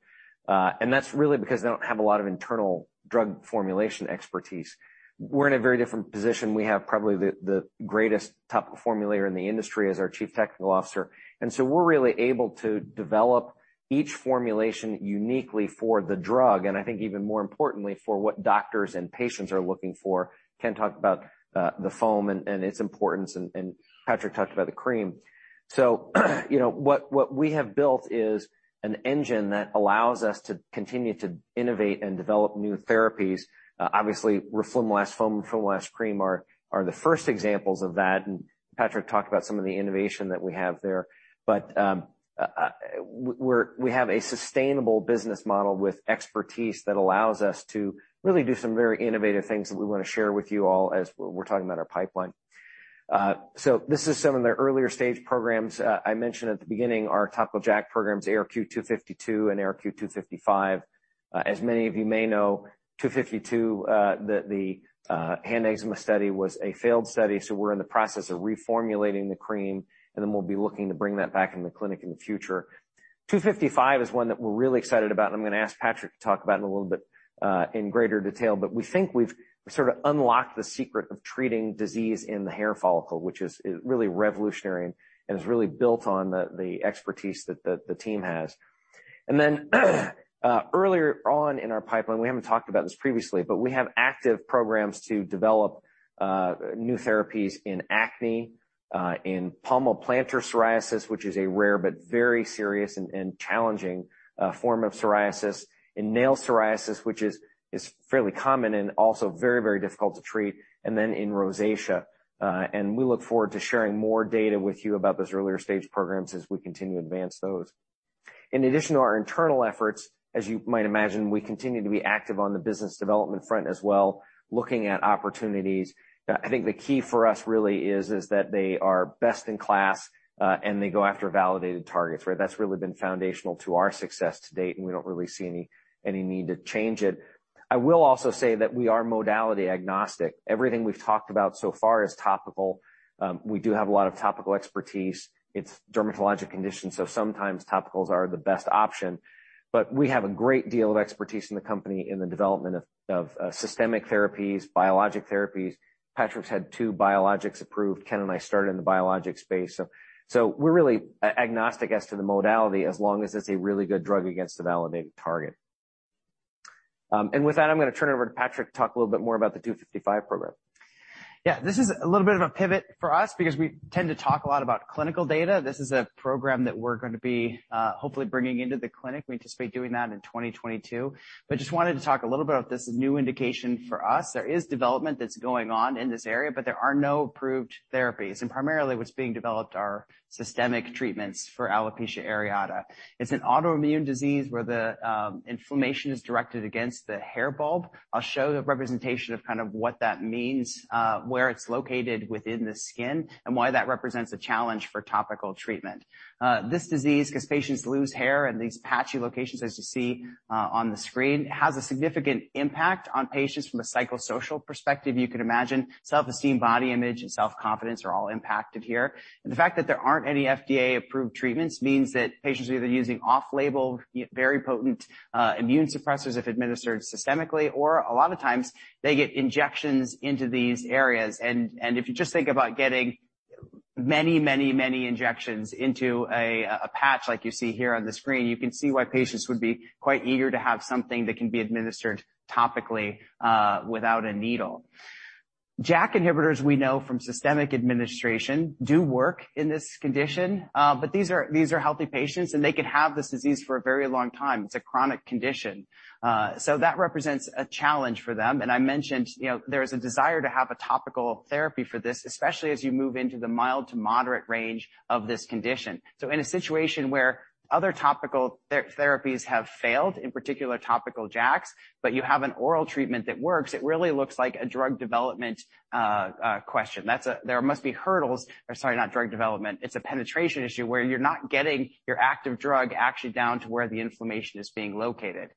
That's really because they don't have a lot of internal drug formulation expertise. We're in a very different position. We have probably the greatest top formulator in the industry as our Chief Technical Officer. We're really able to develop, each formulation uniquely for the drug, and I think even more importantly, for what doctors and patients are looking for. Ken talked about the foam and its importance, and Patrick talked about the cream. You know, what we have built is an engine that allows us to continue to innovate and develop new therapies. Obviously, roflumilast foam and roflumilast cream are the first examples of that, and Patrick talked about some of the innovation that we have there. We have a sustainable business model with expertise that allows us to really do some very innovative things that we want to share with you all as we're talking about our pipeline. This is some of the earlier stage programs. I mentioned at the beginning our TopoJAK programs, ARQ-252 and ARQ-255. As many of you may know, 252, the hand eczema study was a failed study, so we're in the process of reformulating the cream, and then we'll be looking to bring that back in the clinic in the future. 255 is one that we're really excited about, and I'm going to ask Patrick to talk about in a little bit, in greater detail. We think we've sort of unlocked the secret of treating disease in the hair follicle, which is really revolutionary and is really built on the expertise that the team has. Earlier on in our pipeline, we haven't talked about this previously, but we have active programs to develop new therapies in acne, in palmoplantar psoriasis, which is a rare but very serious and challenging form of psoriasis, in nail psoriasis, which is fairly common and also very difficult to treat, and then in rosacea. We look forward to sharing more data with you about those earlier-stage programs as we continue to advance those. In addition to our internal efforts, as you might imagine, we continue to be active on the business development front as well, looking at opportunities. I think the key for us really is that they are best in class, and they go after validated targets, right? That's really been foundational to our success to date, and we don't really see any need to change it. I will also say that we are modality agnostic. Everything we've talked about so far is topical. We do have a lot of topical expertise. It's dermatologic conditions, so sometimes topicals are the best option. But we have a great deal of expertise in the company in the development of systemic therapies, biologic therapies. Patrick's had two biologics approved. Ken and I started in the biologics space. So we're really agnostic as to the modality as long as it's a really good drug against a validated target. With that, I'm going to turn it over to Patrick to talk a little bit more about the 255 program. Yeah. This is a little bit of a pivot for us because we tend to talk a lot about clinical data. This is a program that we're going to be hopefully bringing into the clinic. We anticipate doing that in 2022. Just wanted to talk a little bit about this new indication for us. There is development that's going on in this area, but there are no approved therapies. Primarily what's being developed are systemic treatments for alopecia areata. It's an autoimmune disease where the inflammation is directed against the hair bulb. I'll show a representation of kind of what that means, where it's located within the skin and why that represents a challenge for topical treatment. This disease, because patients lose hair in these patchy locations, as you see on the screen, has a significant impact on patients from a psychosocial perspective. You could imagine self-esteem, body image, and self-confidence are all impacted here. The fact that there aren't any FDA-approved treatments means that patients are either using off-label, very potent immune suppressors if administered systemically, or a lot of times they get injections into these areas. If you just think about getting many injections into a patch like you see here on the screen, you can see why patients would be quite eager to have something that can be administered topically without a needle. JAK inhibitors, we know from systemic administration, do work in this condition, but these are healthy patients, and they could have this disease for a very long time. It's a chronic condition. That represents a challenge for them. I mentioned, you know, there is a desire to have a topical therapy for this, especially as you move into the mild to moderate range of this condition. In a situation where other topical therapies have failed, in particular, topical JAKs, but you have an oral treatment that works, it really looks like a drug development question. That's there must be hurdles. Sorry, not drug development. It's a penetration issue where you're not getting your active drug actually down to where the inflammation is being located.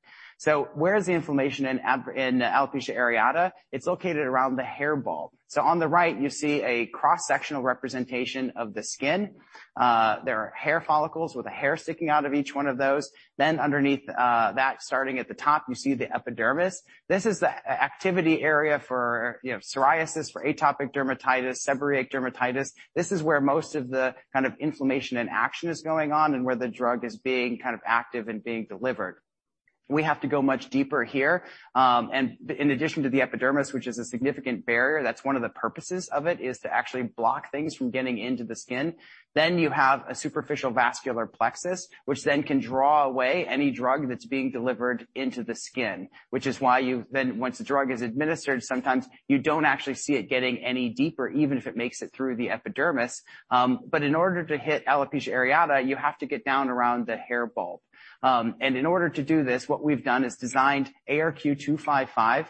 Where is the inflammation in alopecia areata? It's located around the hair bulb. On the right, you see a cross-sectional representation of the skin. There are hair follicles with a hair sticking out of each one of those. Underneath that, starting at the top, you see the epidermis. This is the activity area for, you know, psoriasis, for atopic dermatitis, seborrheic dermatitis. This is where most of the kind of inflammation and action is going on and where the drug is being kind of active and being delivered. We have to go much deeper here. In addition to the epidermis, which is a significant barrier, that's one of the purposes of it, is to actually block things from getting into the skin. You have a superficial vascular plexus, which then can draw away any drug that's being delivered into the skin, which is why you then, once the drug is administered, sometimes you don't actually see it getting any deeper, even if it makes it through the epidermis. In order to hit alopecia areata, you have to get down around the hair bulb. In order to do this, what we've done is designed ARQ-255,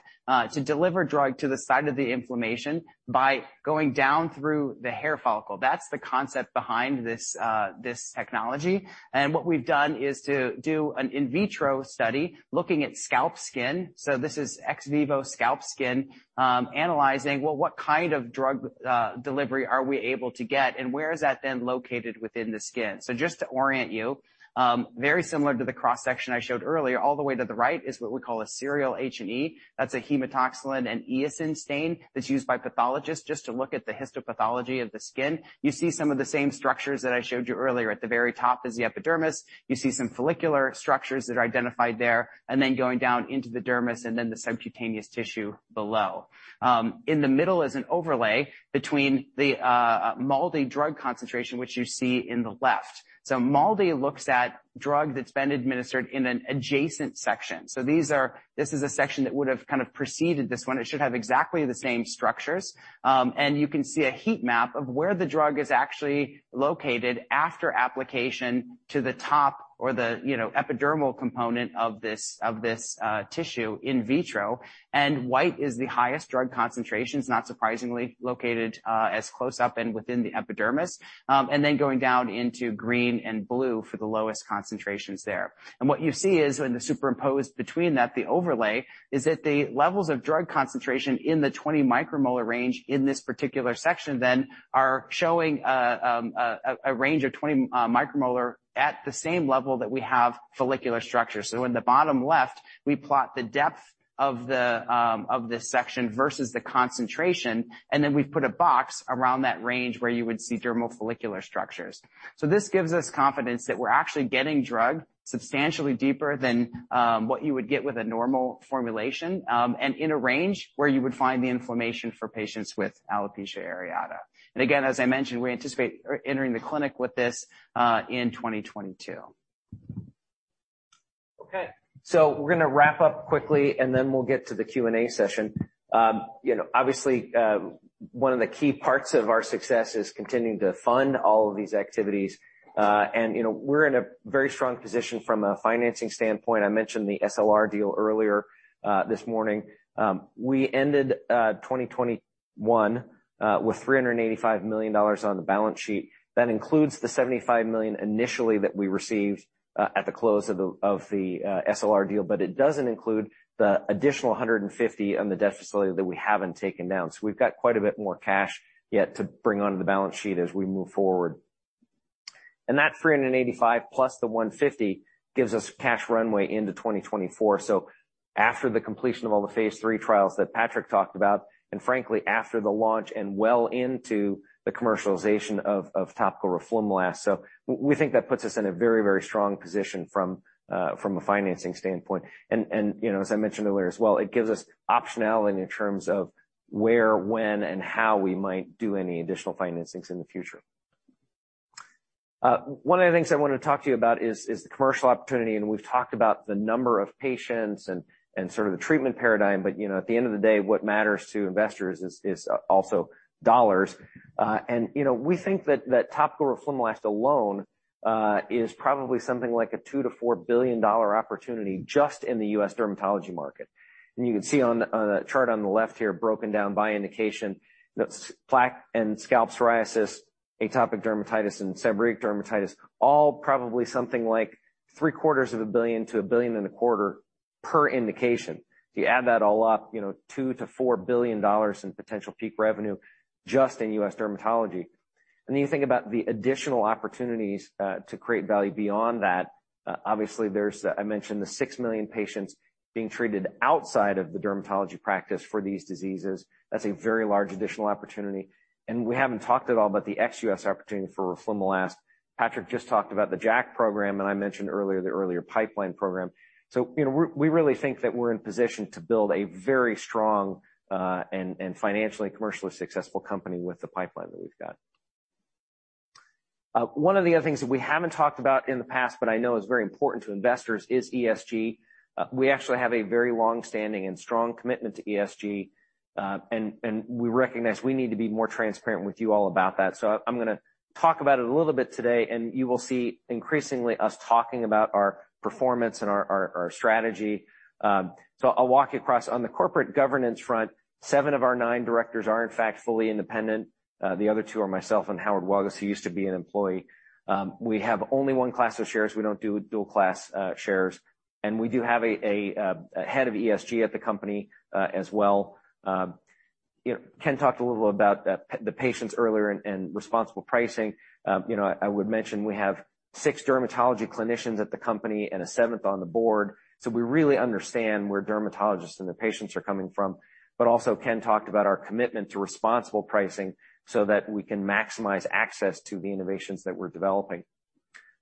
to deliver drug to the site of the inflammation by going down through the hair follicle. That's the concept behind this technology. What we've done is to do an in vitro study looking at scalp skin. This is ex vivo scalp skin, analyzing, well, what kind of drug delivery are we able to get, and where is that then located within the skin? Just to orient you, very similar to the cross-section I showed earlier. All the way to the right is what we call a serial H&E. That's a hematoxylin and eosin stain that's used by pathologists just to look at the histopathology of the skin. You see some of the same structures that I showed you earlier. At the very top is the epidermis. You see some follicular structures that are identified there, and then going down into the dermis and then the subcutaneous tissue below. In the middle is an overlay between the MALDI drug concentration, which you see in the left. MALDI looks at drug that's been administered in an adjacent section. This is a section that would have kind of preceded this one. It should have exactly the same structures. You can see a heat map of where the drug is actually located after application to the top or the, you know, epidermal component of this, tissue in vitro. White is the highest drug concentrations, not surprisingly, located as close up and within the epidermis, and then going down into green and blue for the lowest concentrations there. What you see is in the superimposed between that, the overlay, is that the levels of drug concentration in the 20 micromolar range in this particular section then are showing a range of 20 micromolar at the same level that we have follicular structures. In the bottom left, we plot the depth of this section versus the concentration, and then we've put a box around that range where you would see dermal follicular structures. This gives us confidence that we're actually getting drug, substantially deeper than what you would get with a normal formulation, and in a range where you would find the inflammation for patients with alopecia areata. Again, as I mentioned, we anticipate entering the clinic with this in 2022. Okay, we're going to wrap up quickly, and then we'll get to the Q&A session. You know, obviously, one of the key parts of our success is continuing to fund all of these activities. You know, we're in a very strong position from a financing standpoint. I mentioned the SLR deal earlier this morning. We ended 2021 with $385 million on the balance sheet. That includes the $75 million initially that we received at the close of the SLR deal, but it doesn't include the additional $150 million on the debt facility that we haven't taken down. We've got quite a bit more cash yet to bring onto the balance sheet as we move forward. That $385 million plus the $150 million gives us cash runway into 2024. After the completion of all the phase III trials that Patrick talked about, and frankly after the launch and well into the commercialization of topical roflumilast. We think that puts us in a very, very strong position from a financing standpoint. You know, as I mentioned earlier as well, it gives us optionality in terms of where, when, and how we might do any additional financings in the future. One of the things I want to talk to you about is the commercial opportunity, and we've talked about the number of patients and sort of the treatment paradigm. You know, at the end of the day, what matters to investors is also dollars. You know, we think that topical roflumilast alone is probably something like a $2 billion-$4 billion opportunity just in the U.S. dermatology market. You can see on the chart on the left here, broken down by indication, you know, plaque and scalp psoriasis, atopic dermatitis, and seborrheic dermatitis, all probably something like three-quarters of a billion to a billion and a quarter per indication. If you add that all up, you know, $2 billion-$4 billion in potential peak revenue just in U.S. dermatology. You think about the additional opportunities to create value beyond that. Obviously, I mentioned the six million patients being treated outside of the dermatology practice for these diseases. That's a very large additional opportunity. We haven't talked at all about the ex-U.S. opportunity for roflumilast. Patrick just talked about the JAK program, and I mentioned earlier the pipeline program. You know, we really think that we're in position to build a very strong and financially commercially successful company with the pipeline that we've got. One of the other things that we haven't talked about in the past, but I know is very important to investors, is ESG. We actually have a very long-standing and strong commitment to ESG, and we recognize we need to be more transparent with you all about that. I'm gonna talk about it a little bit today, and you will see increasingly us talking about our performance and our strategy. I'll walk you through. On the corporate governance front, seven of our nine directors are in fact fully independent. The other two are myself and Howard Welgus, who used to be an employee. We have only one class of shares. We don't do dual class shares, and we do have a head of ESG at the company, as well. You know, Ken talked a little about the patients earlier and responsible pricing. You know, I would mention we have six dermatology clinicians at the company and a seventh on the board, so we really understand where dermatologists and the patients are coming from. Also Ken talked about our commitment to responsible pricing so that we can maximize access to the innovations that we're developing.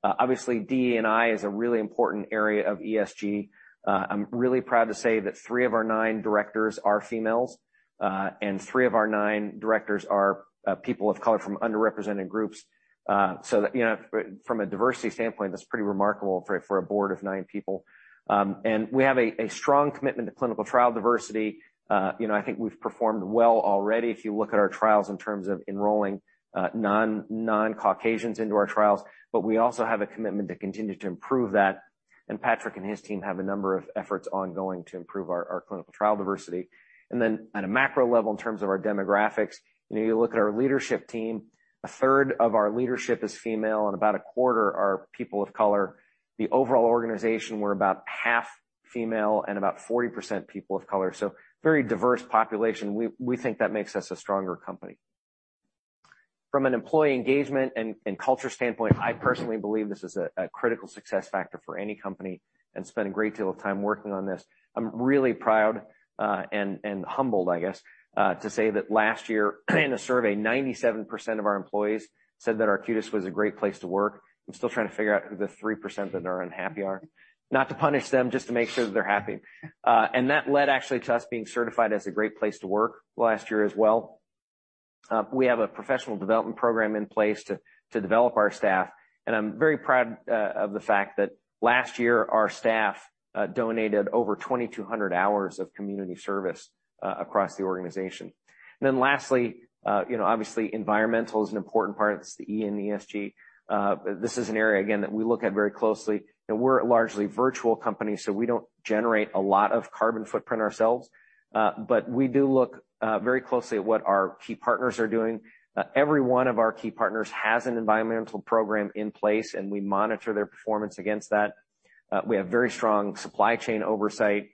Obviously, DE&I is a really important area of ESG. I'm really proud to say that three of our nine directors are females, and three of our nine directors are people of color from underrepresented groups. So that, you know, from a diversity standpoint, that's pretty remarkable for a board of nine people. And we have a strong commitment to clinical trial diversity. You know, I think we've performed well already if you look at our trials in terms of enrolling non-Caucasians into our trials. We also have a commitment to continue to improve that, and Patrick and his team have a number of efforts ongoing to improve our clinical trial diversity. Then at a macro level, in terms of our demographics, you know, you look at our leadership team, a third of our leadership is female, and about a quarter are people of color. The overall organization, we're about half female and about 40% people of color, so very diverse population. We think that makes us a stronger company. From an employee engagement and culture standpoint, I personally believe this is a critical success factor for any company, and spend a great deal of time working on this. I'm really proud and humbled, I guess, to say that last year in a survey, 97% of our employees said that Arcutis was a great place to work. I'm still trying to figure out who the 3% that are unhappy are. Not to punish them, just to make sure that they're happy. That led actually to us being certified as a great place to work last year as well. We have a professional development program in place to develop our staff, and I'm very proud of the fact that last year our staff donated over 2,200 hours of community service across the organization. Then lastly, you know, obviously environmental is an important part. It's the E in ESG. This is an area again that we look at very closely, and we're a largely virtual company, so we don't generate a lot of carbon footprint ourselves. We do look very closely at what our key partners are doing. Every one of our key partners has an environmental program in place, and we monitor their performance against that. We have very strong supply chain oversight.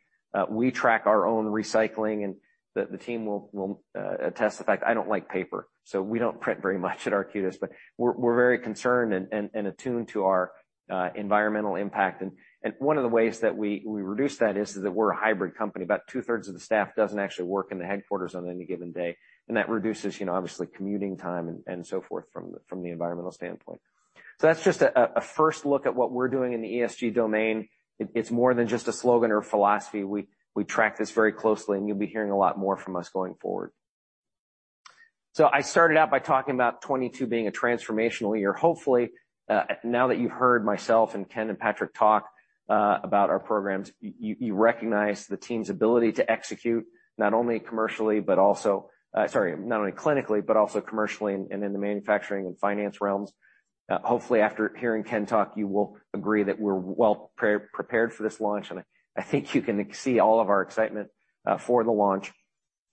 We track our own recycling and the team will attest to the fact I don't like paper, so we don't print very much at Arcutis. We're very concerned and attuned to our environmental impact. One of the ways that we reduce that is that we're a hybrid company. About two-thirds of the staff doesn't actually work in the headquarters on any given day, and that reduces, you know, obviously commuting time and so forth from the environmental standpoint. That's just a first look at what we're doing in the ESG domain. It's more than just a slogan or philosophy. We track this very closely, and you'll be hearing a lot more from us going forward. I started out by talking about 2022 being a transformational year. Hopefully, now that you've heard myself and Ken and Patrick talk about our programs, you recognize the team's ability to execute not only clinically, but also commercially and in the manufacturing and finance realms. Hopefully, after hearing Ken talk, you will agree that we're well prepared for this launch. I think you can see all of our excitement for the launch.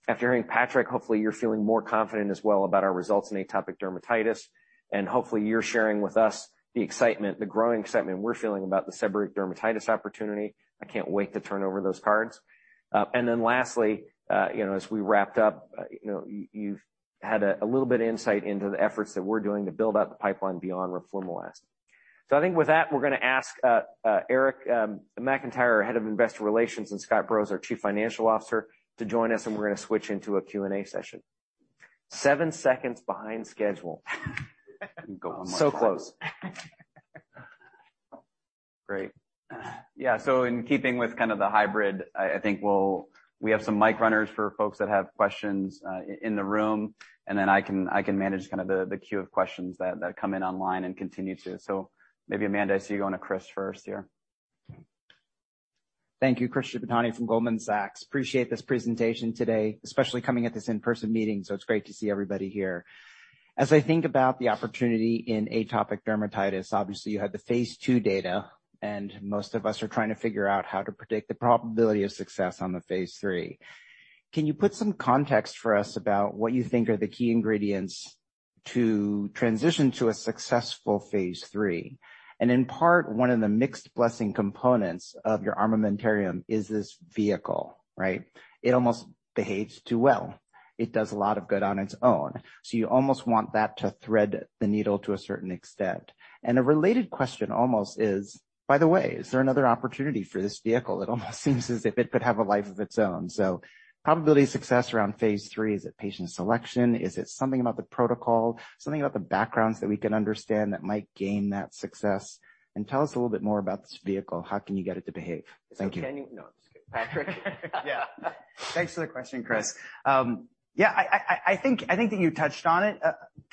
After hearing Patrick, hopefully you're feeling more confident as well about our results in atopic dermatitis, and hopefully you're sharing with us the excitement, the growing excitement we're feeling about the seborrheic dermatitis opportunity. I can't wait to turn over those cards. Lastly, you know, as we wrapped up, you know, you've had a little bit of insight into the efforts that we're doing to build out the pipeline beyond roflumilast. I think with that, we're gonna ask Eric McIntyre, our head of investor relations, and Scott Burrows, our chief financial officer, to join us, and we're gonna switch into a Q&A session. Seven seconds behind schedule. Close. Great. Yeah. In keeping with kind of the hybrid, I think we'll have some mic runners for folks that have questions in the room, and then I can manage kind of the queue of questions that come in online and continue to. Maybe Amanda, I see you going to Chris first here. Thank you. Chris Shibutani from Goldman Sachs. Appreciate this presentation today, especially coming at this in-person meeting, so it's great to see everybody here. As I think about the opportunity in atopic dermatitis, obviously you had the phase II data, and most of us are trying to figure out how to predict the probability of success on the phase III. Can you put some context for us about what you think are the key ingredients, to transition to a successful phase III? In part, one of the mixed blessing components of your armamentarium is this vehicle, right? It almost behaves too well. It does a lot of good on its own. You almost want that to thread the needle to a certain extent. A related question almost is, by the way, is there another opportunity for this vehicle? It almost seems as if it could have a life of its own. Probability of success around phase III, is it patient selection? Is it something about the protocol, something about the backgrounds that we can understand that might gain that success? Tell us a little bit more about this vehicle. How can you get it to behave? Thank you. No, just kidding, Patrick. Yeah. Thanks for the question, Chris. Yeah, I think that you touched on it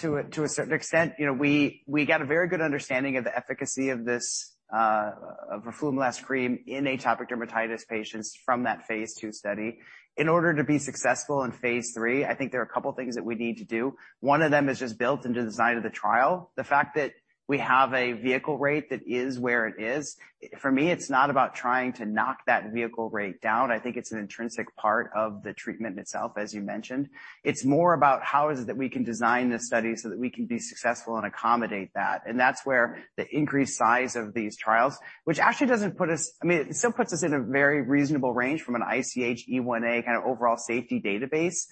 to a certain extent. You know, we got a very good understanding of the efficacy of roflumilast cream in atopic dermatitis patients from that phase II study. In order to be successful in phase III, I think there are a couple of things that we need to do. One of them is just built into the design of the trial. The fact that we have a vehicle rate that is where it is, for me, it's not about trying to knock that vehicle rate down. I think it's an intrinsic part of the treatment itself, as you mentioned. It's more about how is it that we can design this study so that we can be successful and accommodate that. That's where the increased size of these trials, which actually doesn't put us, I mean, it still puts us in a very reasonable range from an ICH E1A kind of overall safety database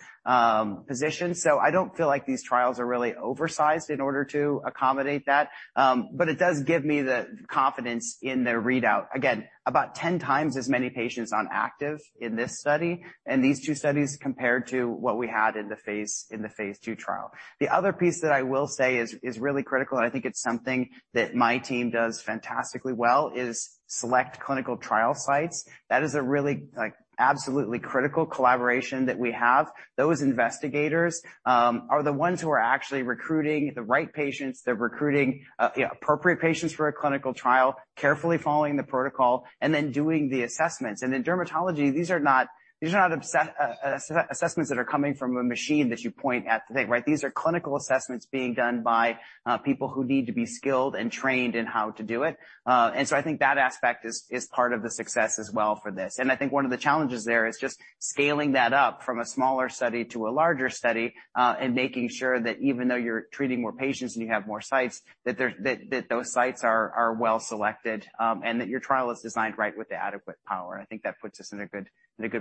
position. I don't feel like these trials are really oversized in order to accommodate that. It does give me the confidence in the readout. Again, about 10 times as many patients on active, in this study and these two studies compared to what we had in the phase II trial. The other piece that I will say is really critical, and I think it's something that my team does fantastically well, is select clinical trial sites. That is a really, like, absolutely critical collaboration that we have. Those investigators are the ones who are actually recruiting the right patients. They're recruiting appropriate patients for a clinical trial, carefully following the protocol and then doing the assessments. In dermatology, these are not assessments that are coming from a machine that you point at the thing, right? These are clinical assessments being done by people who need to be skilled and trained in how to do it. I think that aspect is part of the success as well for this. I think one of the challenges there is just scaling that up from a smaller study to a larger study, and making sure that even though you're treating more patients and you have more sites, that those sites are well selected, and that your trial is designed right with the adequate power. I think that puts us in a good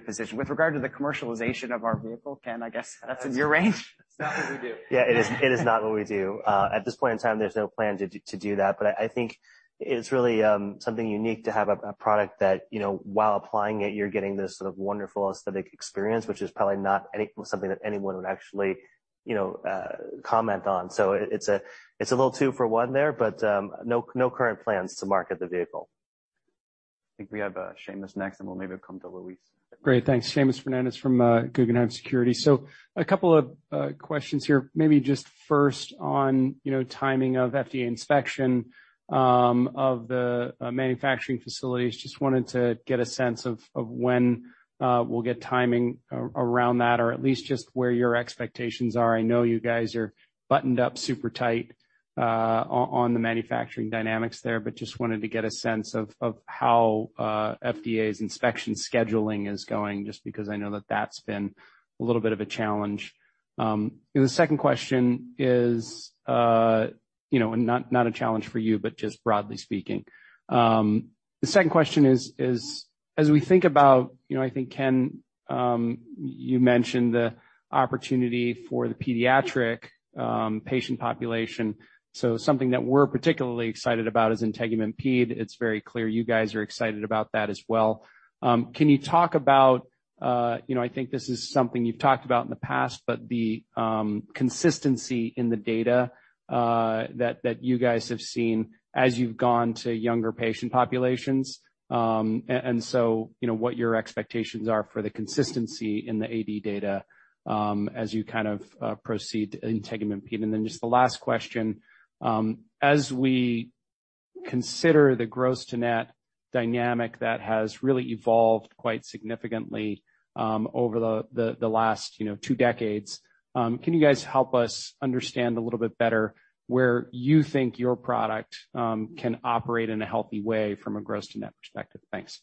position. With regard to the commercialization of our vehicle, Ken, I guess that's in your range. It's not what we do. Yeah, it is not what we do. At this point in time, there's no plan to do that. I think it's really something unique to have a product that, you know, while applying it, you're getting this sort of wonderful aesthetic experience, which is probably not anything that anyone would actually, you know, comment on. It's a little two-for-one there, but no current plans to market the vehicle. I think we have Seamus next, and we'll maybe come to Luis. Great. Thanks. Seamus Fernandez from Guggenheim Securities. So a couple of questions here. Maybe just first on, you know, timing of FDA inspection of the manufacturing facilities. Just wanted to get a sense of when we'll get timing around that, or at least just where your expectations are. I know you guys are buttoned up super tight on the manufacturing dynamics there, but just wanted to get a sense of how FDA's inspection scheduling is going, just because I know that that's been a little bit of a challenge. The second question is, you know, not a challenge for you, but just broadly speaking. The second question is as we think about, you know, I think, Ken, you mentioned the opportunity for the pediatric patient population. Something that we're particularly excited about is INTEGUMENT-PED. It's very clear you guys are excited about that as well. Can you talk about, you know, I think this is something you've talked about in the past, but the consistency in the data, that you guys have seen as you've gone to younger patient populations. And so, you know, what your expectations are for the consistency in the AD data, as you kind of proceed INTEGUMENT-PED. Then just the last question, as we consider the gross to net dynamic that has really evolved quite significantly over the last two decades, can you guys help us understand a little bit better where you think your product can operate in a healthy way from a gross to net perspective? Thanks.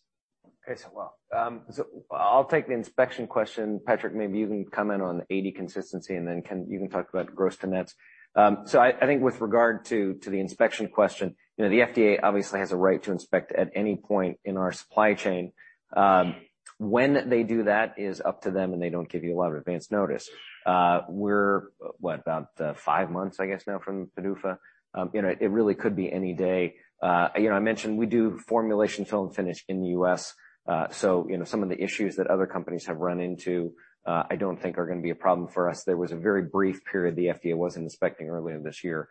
I'll take the inspection question. Patrick, maybe you can comment on the AD consistency, and then Ken, you can talk about gross to nets. I think with regard to the inspection question, you know, the FDA obviously has a right to inspect at any point in our supply chain. When they do that is up to them, and they don't give you a lot of advanced notice. We're about five months, I guess, now from PDUFA. You know, it really could be any day. You know, I mentioned we do formulation fill and finish in the U.S. You know, some of the issues that other companies have run into, I don't think are gonna be a problem for us. There was a very brief period the FDA wasn't inspecting earlier this year.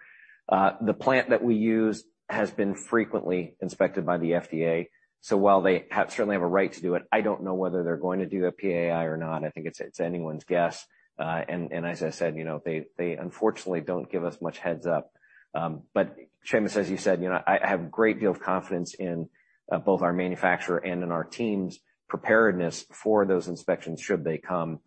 The plant that we use has been frequently inspected by the FDA. While they certainly have a right to do it, I don't know whether they're going to do a PAI or not. I think it's anyone's guess. As I said, you know, they unfortunately don't give us much heads-up. Seamus, as you said, you know, I have a great deal of confidence in both our manufacturer and in our team's preparedness for those inspections should they come.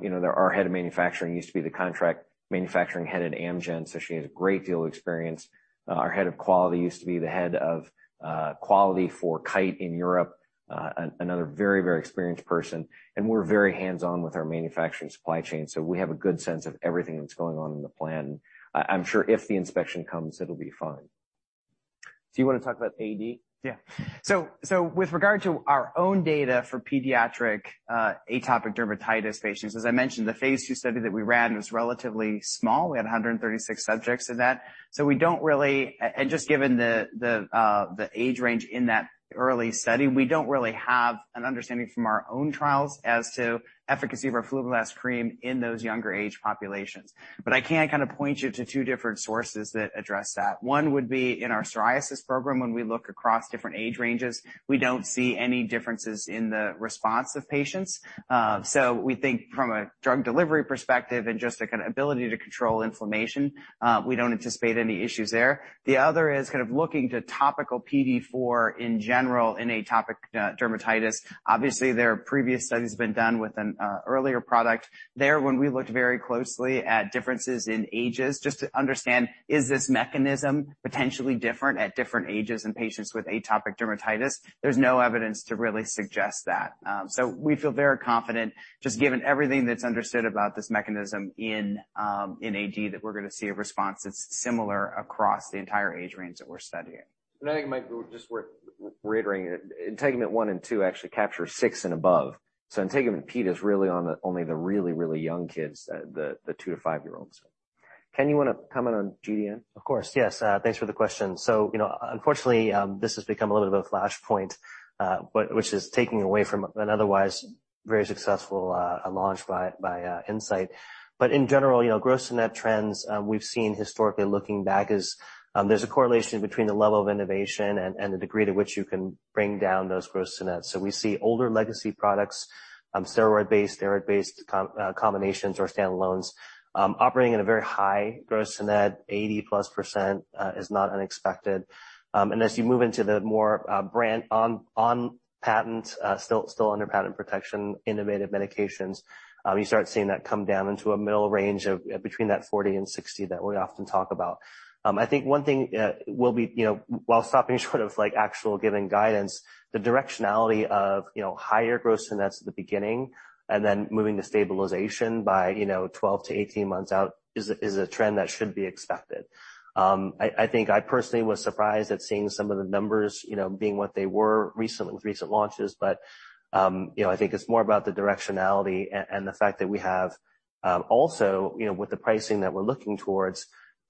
You know, our head of manufacturing used to be the contract manufacturing head at Amgen, so she has a great deal of experience. Our head of quality used to be the head of quality for Kite in Europe, another very experienced person. We're very hands-on with our manufacturing supply chain, so we have a good sense of everything that's going on in the plan. I'm sure if the inspection comes, it'll be fine. Do you want to talk about AD? Yeah. With regard to our own data for pediatric atopic dermatitis patients, as I mentioned, the phase II study that we ran was relatively small. We had 136 subjects in that. Just given the age range in that early study, we don't really have an understanding from our own trials as to efficacy of our roflumilast cream in those younger age populations. I can kind of point you to two different sources that address that. One would be in our psoriasis program, when we look across different age ranges, we don't see any differences in the response of patients. We think from a drug delivery perspective and just an ability to control inflammation, we don't anticipate any issues there. The other is kind of looking to topical PDE4 in general in atopic dermatitis. Obviously, there are previous studies been done with an earlier product. There, when we looked very closely at differences in ages, just to understand, is this mechanism potentially different at different ages in patients with atopic dermatitis? There's no evidence to really suggest that. We feel very confident, just given everything that's understood about this mechanism in in AD, that we're going to see a response that's similar across the entire age range that we're studying. I think it might be just worth reiterating it. INTEGUMENT-1 and INTEGUMENT-2 actually capture 6 and above. INTEGUMENT-PED is really on the only the really, really young kids, the two to five year-olds. Ken, you want to comment on GDN? Of course, yes. Thanks for the question. You know, unfortunately, this has become a little bit of a flashpoint, but which is taking away from an otherwise very successful launch by Incyte. In general, you know, gross to net trends we've seen historically looking back, there's a correlation between the level of innovation and the degree to which you can bring down those gross to nets. We see older legacy products, steroid-based, vitamin D-based combinations or standalones, operating at a very high gross to net, 80%+, is not unexpected. And as you move into the more branded, on-patent, still under patent protection, innovative medications, you start seeing that come down into a middle range of between that 40% and 60% that we often talk about. I think one thing, we'll be, you know, while stopping short of like actual giving guidance, the directionality of, you know, higher gross to nets at the beginning, and then moving to stabilization by, you know, 12-18 months out is a trend that should be expected. I think I personally was surprised at seeing some of the numbers, you know, being what they were recently with recent launches. I think it's more about the directionality and the fact that we have, also, you know, with the pricing that we're looking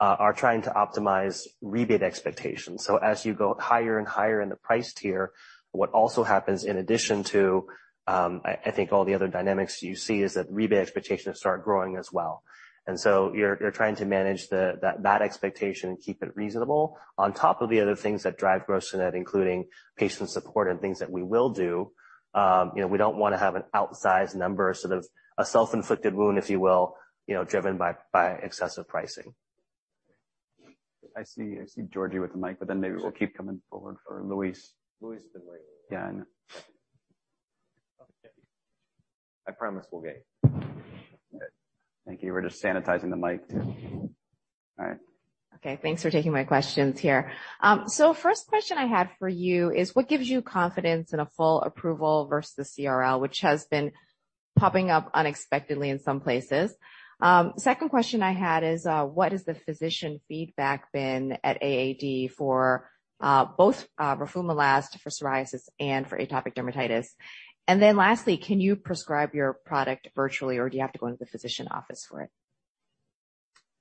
towards, are trying to optimize rebate expectations. As you go higher and higher in the price tier, what also happens in addition to, I think all the other dynamics you see is that rebate expectations start growing as well. You're trying to manage that expectation and keep it reasonable on top of the other things that drive gross to net, including patient support and things that we will do. You know, we don't want to have an outsized number, sort of a self-inflicted wound, if you will, you know, driven by excessive pricing. I see, I see Georgie with the mic, but then maybe we'll keep coming forward for Luis. Luis has been waiting. Yeah, I know. I promise we'll get you. Thank you. We're just sanitizing the mic, too. All right. Okay. Thanks for taking my questions here. First question I had for you is, what gives you confidence in a full approval versus the CRL, which has been popping up unexpectedly in some places? Second question I had is, what has the physician feedback been at AAD for both roflumilast for psoriasis and for atopic dermatitis? And then lastly, can you prescribe your product virtually or do you have to go into the physician office for it?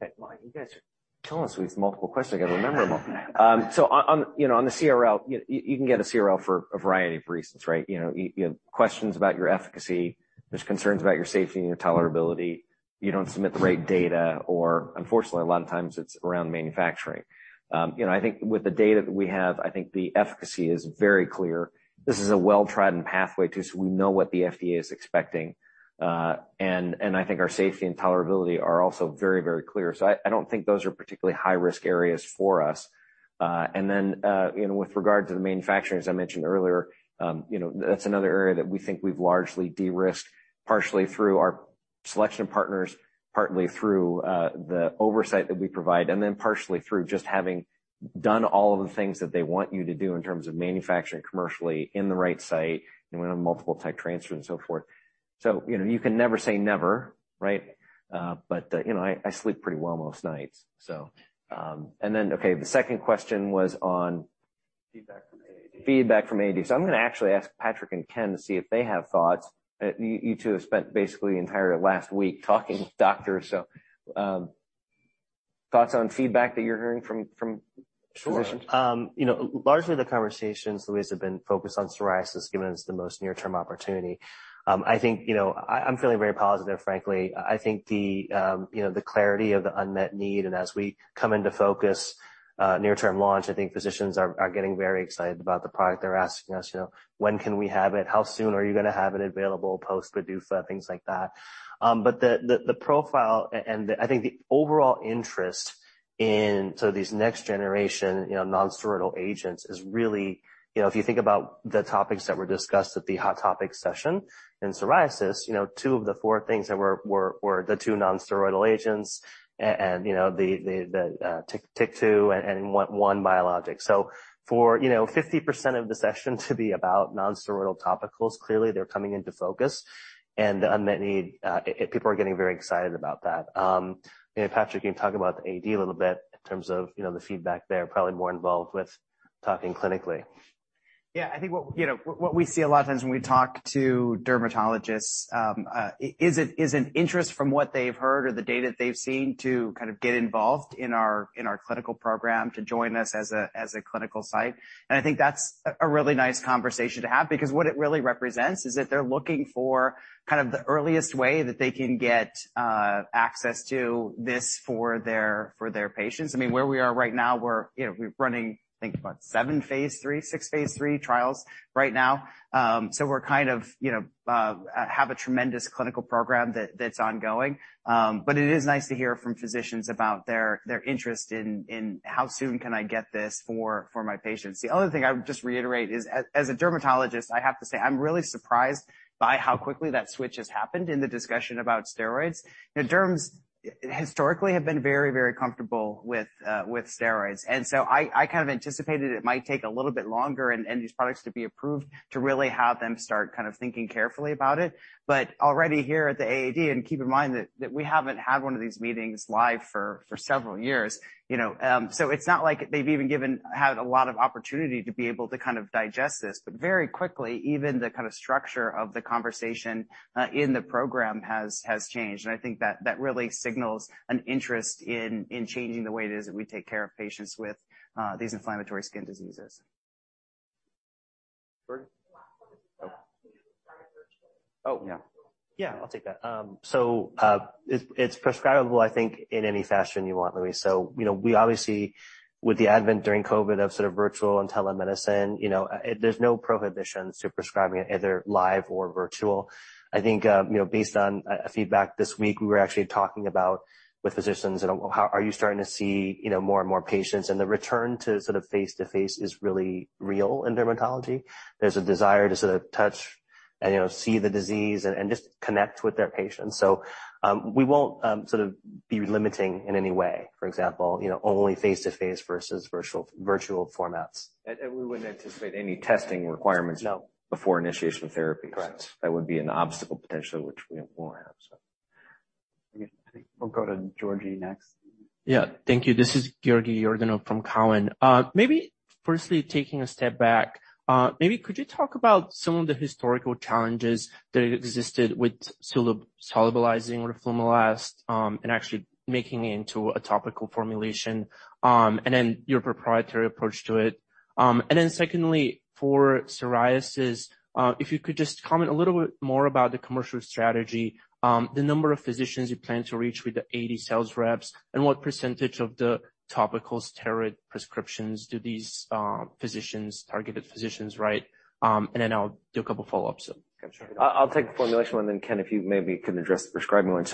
You guys are killing us with multiple questions. I got to remember them all. On the CRL, you know, you can get a CRL for a variety of reasons, right? You know, you have questions about your efficacy. There are concerns about your safety and your tolerability. You don't submit the right data, or unfortunately, a lot of times it's around manufacturing. You know, I think with the data that we have, the efficacy is very clear. This is a well-trodden pathway too, so we know what the FDA is expecting. I think our safety and tolerability are also very, very clear. I don't think those are particularly high-risk areas for us. with regard to the manufacturing, as I mentioned earlier, you know, that's another area that we think we've largely de-risked, partially through our selection of partners, partly through the oversight that we provide, and then partially through just having done all of the things that they want you to do in terms of manufacturing commercially in the right site, you know, multiple tech transfer and so forth. You know, you can never say never, right? You know, I sleep pretty well most nights. Okay, the second question was on- Feedback from AD. Feedback from AD. I'm going to actually ask Patrick and Ken to see if they have thoughts. You two have spent basically the entire last week talking to doctors, thoughts on feedback that you're hearing from physicians? Sure. You know, largely the conversations, Luis, have been focused on psoriasis, given it's the most near-term opportunity. I think, you know, I'm feeling very positive, frankly. I think the clarity of the unmet need and as we come into focus, near-term launch, I think physicians are getting very excited about the product. They're asking us, you know, when can we have it? How soon are you going to have it available post PDUFA, things like that. The profile and I think the overall interest in sort of these next generation, you know, nonsteroidal agents is really, you know, if you think about the topics that were discussed at the hot topic session in psoriasis, you know, two of the four things that were the two nonsteroidal agents and, you know, the TCI, too, and one biologic. For 50% of the session to be about nonsteroidal topicals, clearly they're coming into focus and the unmet need, people are getting very excited about that. You know, Patrick, you can talk about the AD a little bit in terms of, you know, the feedback there, probably more involved with talking clinically. Yeah, I think what, you know, what we see a lot of times when we talk to dermatologists is an interest from what they've heard or the data they've seen to kind of get involved in our clinical program to join us as a clinical site. I think that's a really nice conversation to have because what it really represents is that they're looking for kind of the earliest way that they can get access to this for their patients. I mean, where we are right now, we're, you know, running, I think about seven phase III, six phase III trials right now. We're kind of, you know, have a tremendous clinical program that's ongoing. It is nice to hear from physicians about their interest in how soon can I get this for my patients. The other thing I would just reiterate is as a dermatologist, I have to say, I'm really surprised by how quickly that switch has happened in the discussion about steroids. You know, derms historically have been very comfortable with steroids. I kind of anticipated it might take a little bit longer and these products to be approved to really have them start kind of thinking carefully about it. Already here at the AAD, and keep in mind that we haven't had one of these meetings live for several years, you know, so it's not like they've even had a lot of opportunity to be able to kind of digest this. Very quickly, even the kind of structure of the conversation in the program has changed. I think that really signals an interest in changing the way it is that we take care of patients with these inflammatory skin diseases. Sorry? Oh. Oh, yeah. Yeah, I'll take that. It's prescribable, I think, in any fashion you want, Luis. You know, we obviously, with the advent during COVID of sort of virtual and telemedicine, you know, there's no prohibitions to prescribing it either live or virtual. I think, you know, based on feedback this week, we were actually talking about with physicians, you know, how are you starting to see, you know, more and more patients, and the return to sort of face-to-face is really real in dermatology. There's a desire to sort of touch and, you know, see the disease and just connect with their patients. We won't sort of be limiting in any way, for example, you know, only face-to-face versus virtual formats. We wouldn't anticipate any testing requirements. No. before initiation of therapy. Correct. That would be an obstacle potentially, which we won't have, so we'll go to Georgi next. Yeah. Thank you. This is Georgi Yordanov from Cowen. Maybe firstly, taking a step back, maybe could you talk about some of the historical challenges that existed with solubilizing roflumilast, and actually making it into a topical formulation, and then your proprietary approach to it. Then secondly, for psoriasis, if you could just comment a little bit more about the commercial strategy, the number of physicians you plan to reach with the 80 sales reps, and what percentage of the topical steroid prescriptions do these targeted physicians write. Then I'll do a couple follow-ups. Got you. I'll take the formulation one, and then, Ken, if you maybe can address the prescribing one.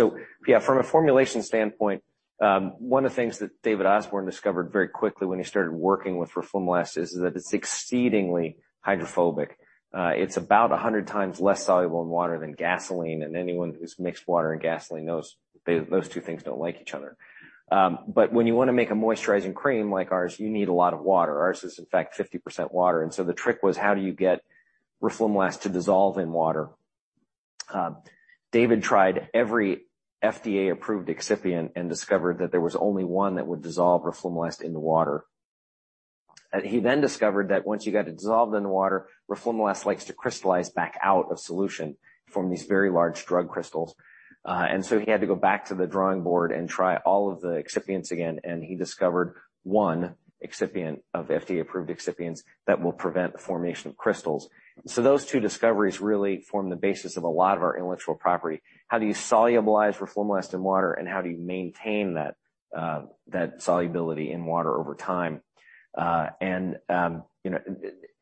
Yeah, from a formulation standpoint, one of the things that David Osborne discovered very quickly when he started working with roflumilast is that it's exceedingly hydrophobic. It's about 100 times less soluble in water than gasoline, and anyone who's mixed water and gasoline knows those two things don't like each other. But when you want to make a moisturizing cream like ours, you need a lot of water. Ours is in fact 50% water, and so the trick was how do you get roflumilast to dissolve in water? David tried every FDA-approved excipient and discovered that there was only one that would dissolve roflumilast in the water. He then discovered that once you got it dissolved in the water, roflumilast likes to crystallize back out of solution from these very large drug crystals. He had to go back to the drawing board and try all of the excipients again, and he discovered one excipient of FDA-approved excipients that will prevent the formation of crystals. Those two discoveries really form the basis of a lot of our intellectual property. How do you solubilize roflumilast in water, and how do you maintain that solubility in water over time?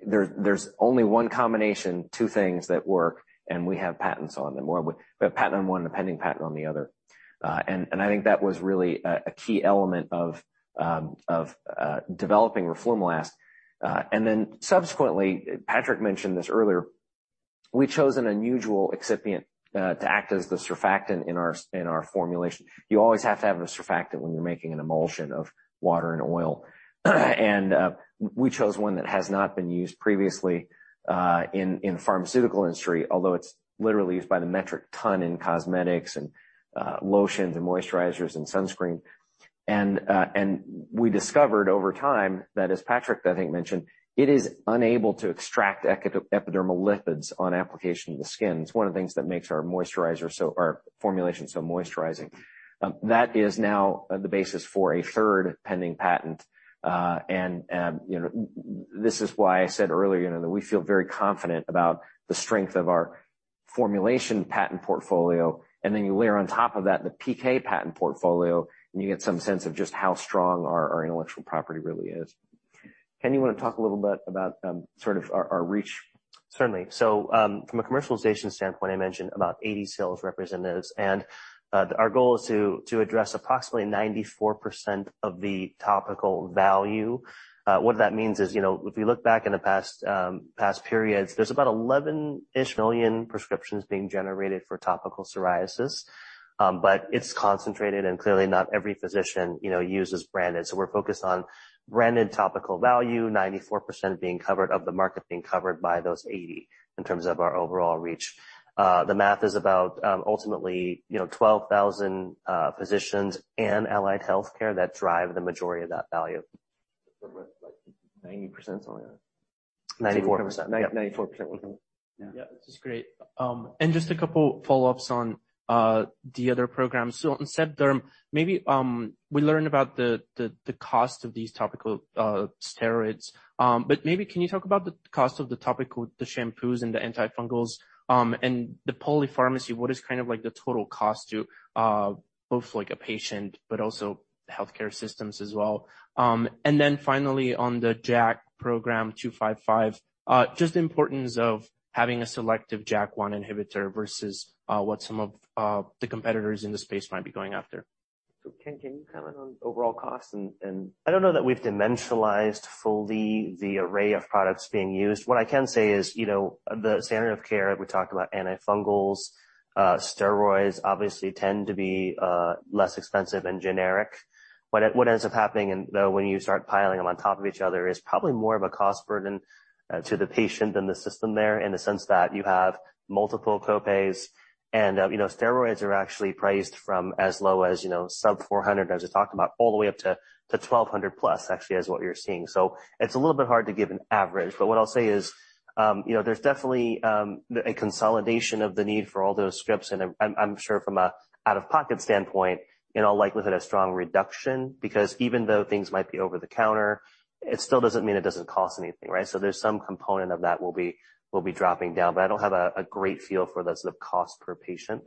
There's only one combination, two things that work, and we have patents on them. Well, we have a patent on one and a pending patent on the other. I think that was really a key element of developing roflumilast. Subsequently, Patrick mentioned this earlier, we chose an unusual excipient to act as the surfactant in our formulation. You always have to have a surfactant when you're making an emulsion of water and oil. We chose one that has not been used previously in the pharmaceutical industry, although it's literally used by the metric ton in cosmetics and lotions and moisturizers and sunscreen. We discovered over time that, as Patrick I think mentioned, it is unable to extract epidermal lipids on application to the skin. It's one of the things that makes our formulation so moisturizing. That is now the basis for a third pending patent. You know, this is why I said earlier, you know, that we feel very confident about the strength of our formulation patent portfolio, and then you layer on top of that the PK patent portfolio, and you get some sense of just how strong our intellectual property really is. Ken, you want to talk a little bit about sort of our reach? Certainly. From a commercialization standpoint, I mentioned about 80 sales representatives, and our goal is to address approximately 94% of the topical value. What that means is, you know, if you look back in the past periods, there's about 11 million prescriptions being generated for topical psoriasis. It's concentrated, and clearly not every physician, you know, uses branded. We're focused on branded topical value, 94% being covered, of the market being covered by those 80, in terms of our overall reach. The math is about ultimately, you know, 12,000 physicians and allied healthcare that drive the majority of that value. 90% something like that. 94%. 94%. Yeah. Yeah, this is great. Just a couple follow-ups on the other programs. On Seb-Derm, maybe we learn about the cost of these topical steroids. Maybe can you talk about the cost of the topical shampoos and the antifungals, and the polypharmacy, what is kind of like the total cost to both like a patient but also healthcare systems as well? Finally on the JAK program 255, just the importance of having a selective JAK1 inhibitor versus what some of the competitors in the space might be going after. Ken, can you comment on overall costs and- I don't know that we've dimensionalized fully the array of products being used. What I can say is, you know, the standard of care, we talked about antifungals, steroids obviously tend to be less expensive and generic. What ends up happening, though, when you start piling them on top of each other, is probably more of a cost burden to the patient than the system there, in the sense that you have multiple co-pays and, you know, steroids are actually priced from as low as, you know, sub $400, as we talked about, all the way up to $1,200 plus actually is what we're seeing. It's a little bit hard to give an average, but what I'll say is, you know, there's definitely a consolidation of the need for all those scripts and I'm sure from an out-of-pocket standpoint, in all likelihood, a strong reduction. Because even though things might be over the counter, it still doesn't mean it doesn't cost anything, right? There's some component of that will be dropping down, but I don't have a great feel for the sort of cost per patient.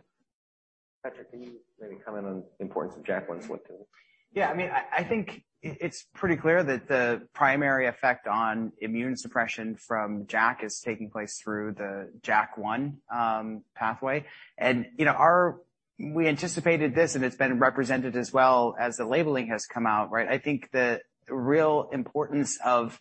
Patrick, can you maybe comment on the importance of JAK1 selectivity? I mean, I think it's pretty clear that the primary effect on immune suppression from JAK is taking place through the JAK1 pathway. You know, we anticipated this, and it's been represented as well as the labeling has come out, right? I think the real importance of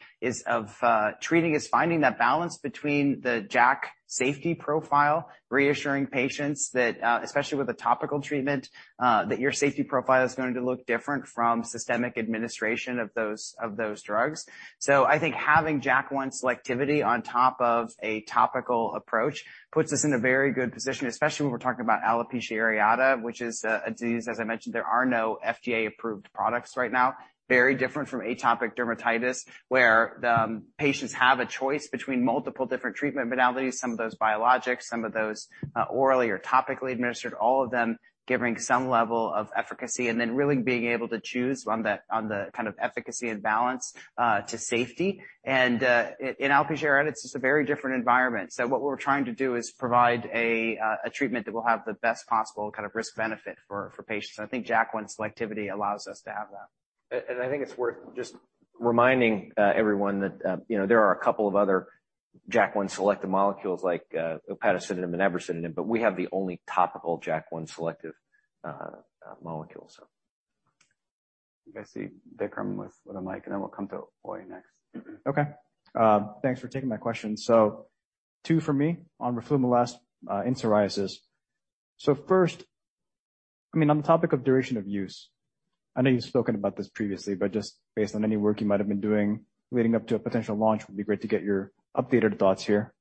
treating is finding that balance between the JAK safety profile, reassuring patients that, especially with a topical treatment, that your safety profile is going to look different from systemic administration of those drugs. I think having JAK1 selectivity on top of a topical approach, puts us in a very good position, especially when we're talking about alopecia areata, which is a disease, as I mentioned, there are no FDA-approved products right now. Very different from atopic dermatitis, where the patients have a choice between multiple different treatment modalities, some of those biologics, some of those, orally or topically administered, all of them giving some level of efficacy, and then really being able to choose on the, on the kind of efficacy and balance to safety. In alopecia areata, it's just a very different environment. What we're trying to do is provide a treatment that will have the best possible kind of risk benefit for patients. I think JAK1 selectivity allows us to have that. I think it's worth just reminding everyone that you know there are a couple of other JAK1 selective molecules like upadacitinib and abrocitinib, but we have the only topical JAK1 selective molecule, so. I see Vikram with a mic, and then we'll come to Uy Ear next. Okay. Thanks for taking my question. Two for me on roflumilast in psoriasis. First, I mean, on the topic of duration of use, I know you've spoken about this previously, but just based on any work you might have been doing leading up to a potential launch, it would be great to get your updated thoughts here.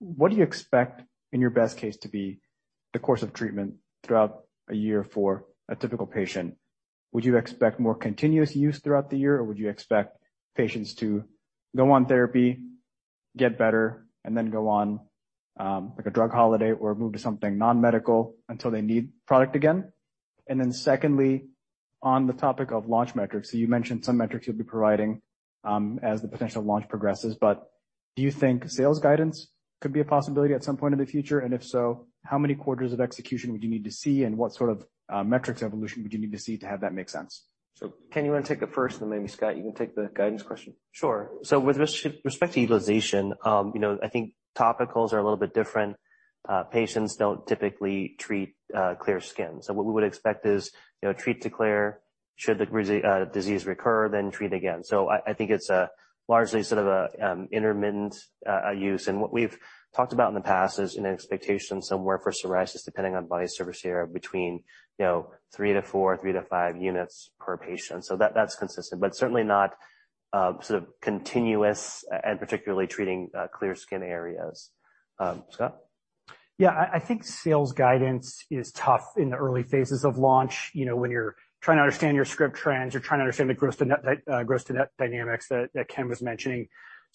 What do you expect in your best case to be, the course of treatment throughout a year for a typical patient? Would you expect more continuous use throughout the year, or would you expect patients to go on therapy, get better, and then go on, like a drug holiday or move to something non-medical until they need product again? Secondly, on the topic of launch metrics. You mentioned some metrics you'll be providing, as the potential launch progresses, but do you think sales guidance could be a possibility at some point in the future? If so, how many quarters of execution would you need to see, and what sort of metrics evolution would you need to see to have that make sense? Ken, you want to take it first, then maybe Scott, you can take the guidance question. Sure. With respect to utilization, you know, I think topicals are a little bit different. Patients don't typically treat clear skin. What we would expect is, you know, treat to clear, should the disease recur, then treat again. I think it's a largely sort of a intermittent use. What we've talked about in the past is an expectation somewhere for psoriasis, depending on body surface area between three to four, three to five units per patient. That’s consistent, but certainly not sort of continuous and particularly treating clear skin areas. Scott? Yeah. I think sales guidance is tough in the early phases of launch. You know, when you're trying to understand your script trends, you're trying to understand the gross to net, gross to net dynamics that Ken was mentioning.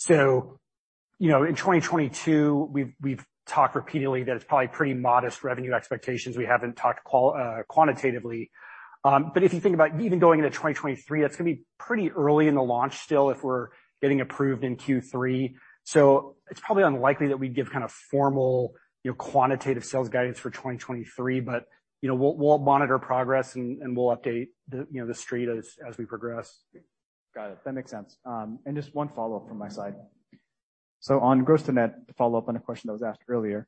You know, in 2022, we've talked repeatedly that it's probably pretty modest revenue expectations. We haven't talked quantitatively. But if you think about even going into 2023, that's gonna be pretty early in the launch still, if we're getting approved in Q3. It's probably unlikely that we'd give kind of formal, you know, quantitative sales guidance for 2023. You know, we'll monitor progress and we'll update the, you know, the street as we progress. Got it. That makes sense. Just one follow-up from my side. On gross to net, to follow up on a question that was asked earlier.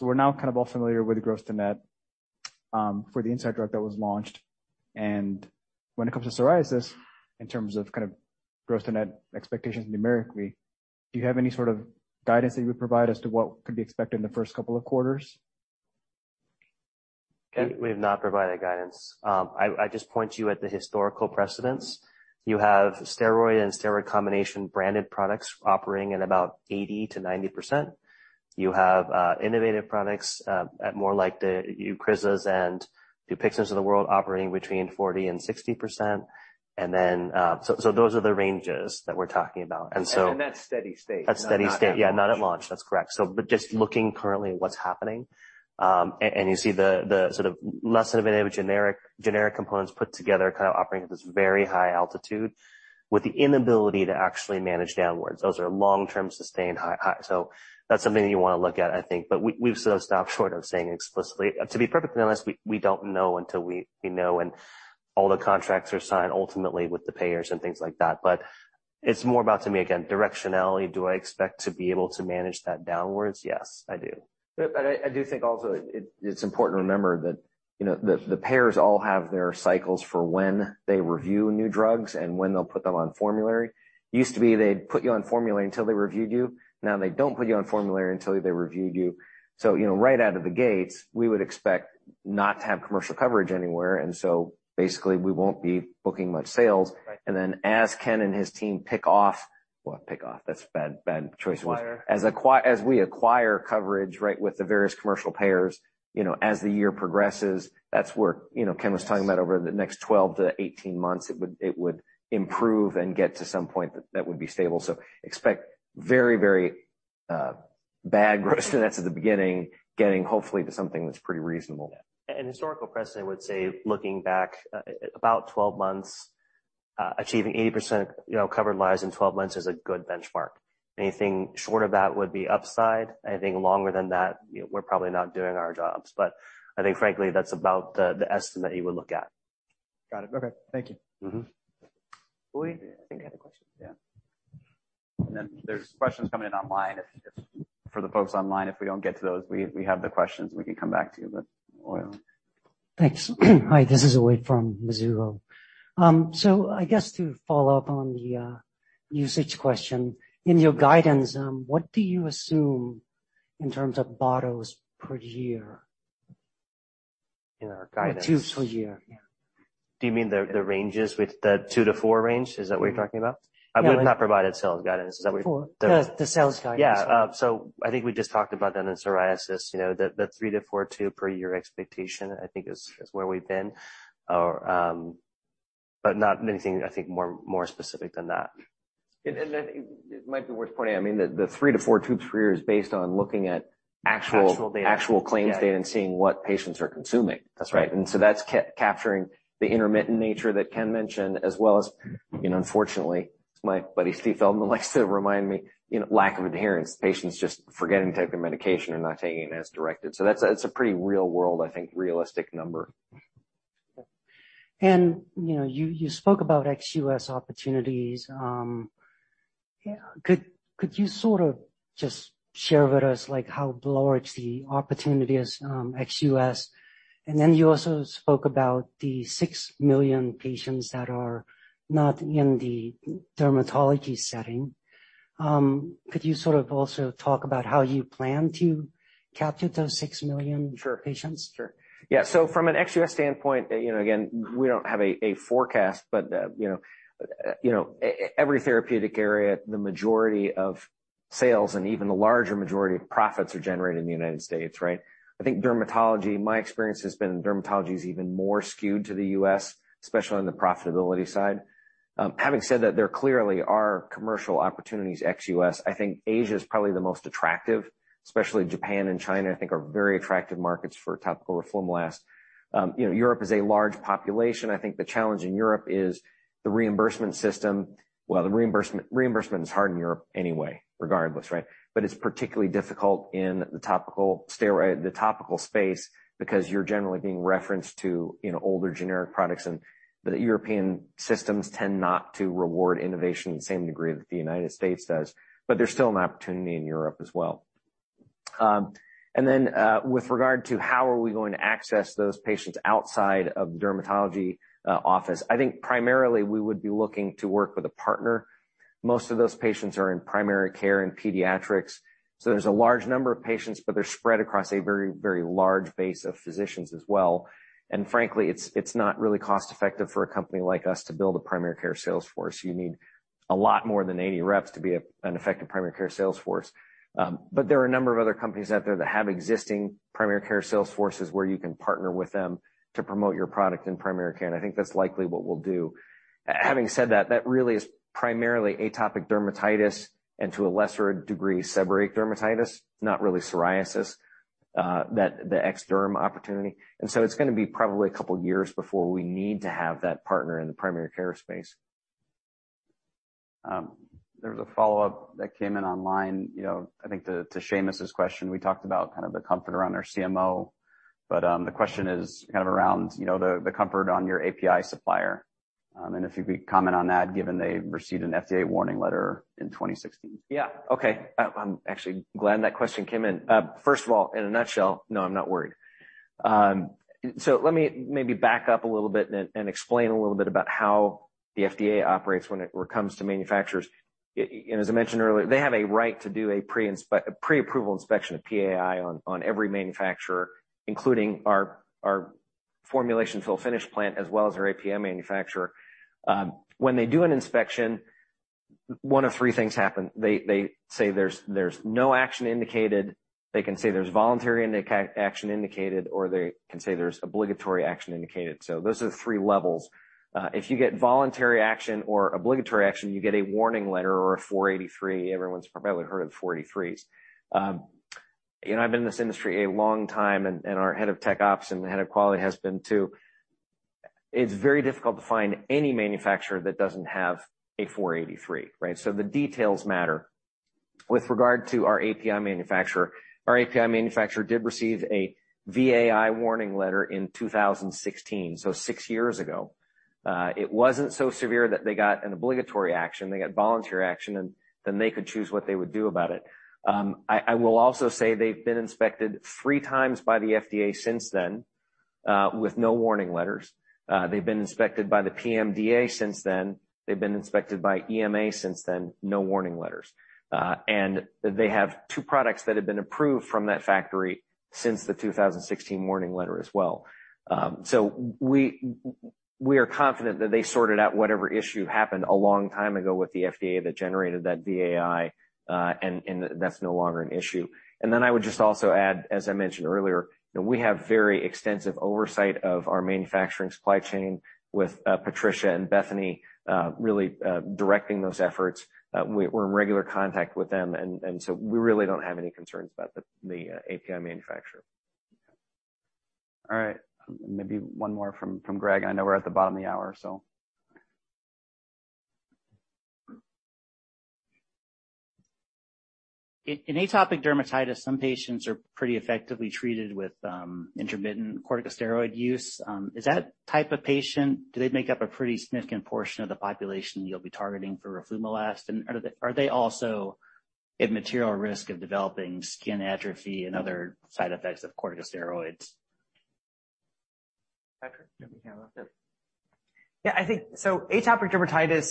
We're now kind of all familiar with gross to net for ZORYVE that was launched. When it comes to psoriasis, in terms of kind of gross to net expectations numerically, do you have any sort of guidance that you would provide as to what could be expected in the first couple of quarters? We have not provided guidance. I just point you at the historical precedents. You have steroid and steroid combination branded products operating at about 80%-90%. You have innovative products at more like the Eucrisas and Dupixents of the world operating between 40%-60%. Those are the ranges that we're talking about. That's steady state. That's steady state. Yeah. Not at launch. That's correct. Just looking currently at what's happening, and you see the sort of less innovative generic components put together kind of operating at this very high altitude with the inability to actually manage downwards. Those are long-term sustained high. That's something you want to look at, I think. We've sort of stopped short of saying explicitly. To be perfectly honest, we don't know until we know and all the contracts are signed ultimately with the payers and things like that. It's more about, to me, again, directionality. Do I expect to be able to manage that downwards? Yes, I do. I do think also it's important to remember that, you know, the payers all have their cycles for when they review new drugs and when they'll put them on formulary. Used to be they'd put you on formulary until they reviewed you. Now they don't put you on formulary until they reviewed you. You know, right out of the gates, we would expect not to have commercial coverage anywhere, and so basically we won't be booking much sales. Right. As Ken and his team pick off. Well, pick off, that's bad choice of words. Acquire. As we acquire coverage, right, with the various commercial payers, you know, as the year progresses, that's where, you know, Ken was talking about over the next 12-18 months, it would improve and get to some point that would be stable. Expect very bad growth rates at the beginning, getting hopefully to something that's pretty reasonable. Yeah. Historical precedent would say, looking back, about 12 months, achieving 80%, you know, covered lives in 12 months is a good benchmark. Anything short of that would be upside. Anything longer than that, you know, we're probably not doing our jobs. I think frankly, that's about the estimate you would look at. Got it. Okay. Thank you. Mm-hmm. I think you had a question. Yeah. There's questions coming in online. If for the folks online, if we don't get to those, we have the questions, and we can come back to you. Uy Ear? Thanks. Hi, this is Uy Ear from Mizuho. I guess to follow up on the usage question, in your guidance, what do you assume in terms of bottles per year? In our guidance. Tubes per year, yeah. Do you mean the ranges with the two to four range? Is that what you're talking about? No. We've not provided sales guidance. Is that what you're? Four. The sales guidance. Yeah. I think we just talked about that in psoriasis, you know, the three to four tube per year expectation, I think is where we've been. But not anything, I think, more specific than that. It might be worth pointing out, I mean, the three to four tubes per year is based on looking at actual Actual data. Actual claims data and seeing what patients are consuming. That's right. that's capturing the intermittent nature that Ken mentioned, as well as, you know, unfortunately, my buddy Steve Feldman likes to remind me, you know, lack of adherence, patients just forgetting to take their medication or not taking it as directed. That's a pretty real-world, I think, realistic number. You know, you spoke about ex-U.S. opportunities. Could you sort of just share with us like how large the opportunity is, ex-U.S.? Then you also spoke about the six million patients that are not in the dermatology setting. Could you sort of also talk about how you plan to capture those six million- Sure. -patients? Sure. Yeah. From an ex-U.S. standpoint, you know, again, we don't have a forecast, but, you know, every therapeutic area, the majority of sales and even the larger majority of profits are generated in the United States, right? I think dermatology, my experience has been dermatology is even more skewed to the U.S., especially on the profitability side. Having said that, there clearly are commercial opportunities ex-U.S. I think Asia is probably the most attractive, especially Japan and China, I think, are very attractive markets for topical roflumilast. You know, Europe is a large population. I think the challenge in Europe is the reimbursement system. The reimbursement is hard in Europe anyway, regardless, right? It's particularly difficult in the topical space because you're generally being referenced to, you know, older generic products, and the European systems tend not to reward innovation in the same degree that the United States does. There's still an opportunity in Europe as well. With regard to how are we going to access those patients outside of the dermatology office, I think primarily we would be looking to work with a partner. Most of those patients are in primary care and pediatrics, so there's a large number of patients, but they're spread across a very, very large base of physicians as well. Frankly, it's not really cost-effective for a company like us to build a primary care sales force. You need a lot more than 80 reps to be an effective primary care sales force. There are a number of other companies out there that have existing primary care sales forces where you can partner with them to promote your product in primary care, and I think that's likely what we'll do. Having said that really is primarily atopic dermatitis and to a lesser degree, seborrheic dermatitis, not really psoriasis, the ex derm opportunity. It's gonna be probably a couple of years before we need to have that partner in the primary care space. There was a follow-up that came in online, you know, I think to Seamus's question. We talked about kind of the comfort around our CMO, but the question is kind of around, you know, the comfort on your API supplier. If you could comment on that, given they received an FDA warning letter in 2016. I'm actually glad that question came in. First of all, in a nutshell, no, I'm not worried. So let me maybe back up a little bit and explain a little bit about how the FDA operates when it comes to manufacturers. You know, as I mentioned earlier, they have a right to do a pre-approval inspection, a PAI on every manufacturer, including our formulation fill finish plant as well as our API manufacturer. When they do an inspection, one of three things happen. They say there's no action indicated. They can say there's voluntary action indicated, or they can say there's obligatory action indicated. So those are the three levels. If you get voluntary action or obligatory action, you get a warning letter or a 483. Everyone's probably heard of 483s. You know, I've been in this industry a long time, and our head of tech ops and the head of quality has been too. It's very difficult to find any manufacturer that doesn't have a 483, right? So the details matter. With regard to our API manufacturer, our API manufacturer did receive a VAI warning letter in 2016, so six years ago. It wasn't so severe that they got an obligatory action. They got voluntary action, and then they could choose what they would do about it. I will also say they've been inspected three times by the FDA since then, with no warning letters. They've been inspected by the PMDA since then. They've been inspected by the EMA since then, no warning letters. They have two products that have been approved from that factory since the 2016 warning letter as well. We are confident that they sorted out whatever issue happened a long time ago with the FDA that generated that VAI, and that's no longer an issue. I would just also add, as I mentioned earlier, you know, we have very extensive oversight of our manufacturing supply chain with Patricia and Bethany really directing those efforts. We're in regular contact with them. We really don't have any concerns about the API manufacturer. All right. Maybe one more from Greg. I know we're at the bottom of the hour, so. In atopic dermatitis, some patients are pretty effectively treated with intermittent corticosteroid use. Is that type of patient, do they make up a pretty significant portion of the population you'll be targeting for roflumilast? Are they also at material risk of developing skin atrophy and other side effects of corticosteroids? Patrick, do you want me to handle that? Yep. Yeah, I think so. Atopic dermatitis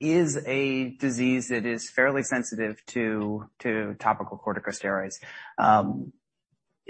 is a disease that is fairly sensitive to topical corticosteroids.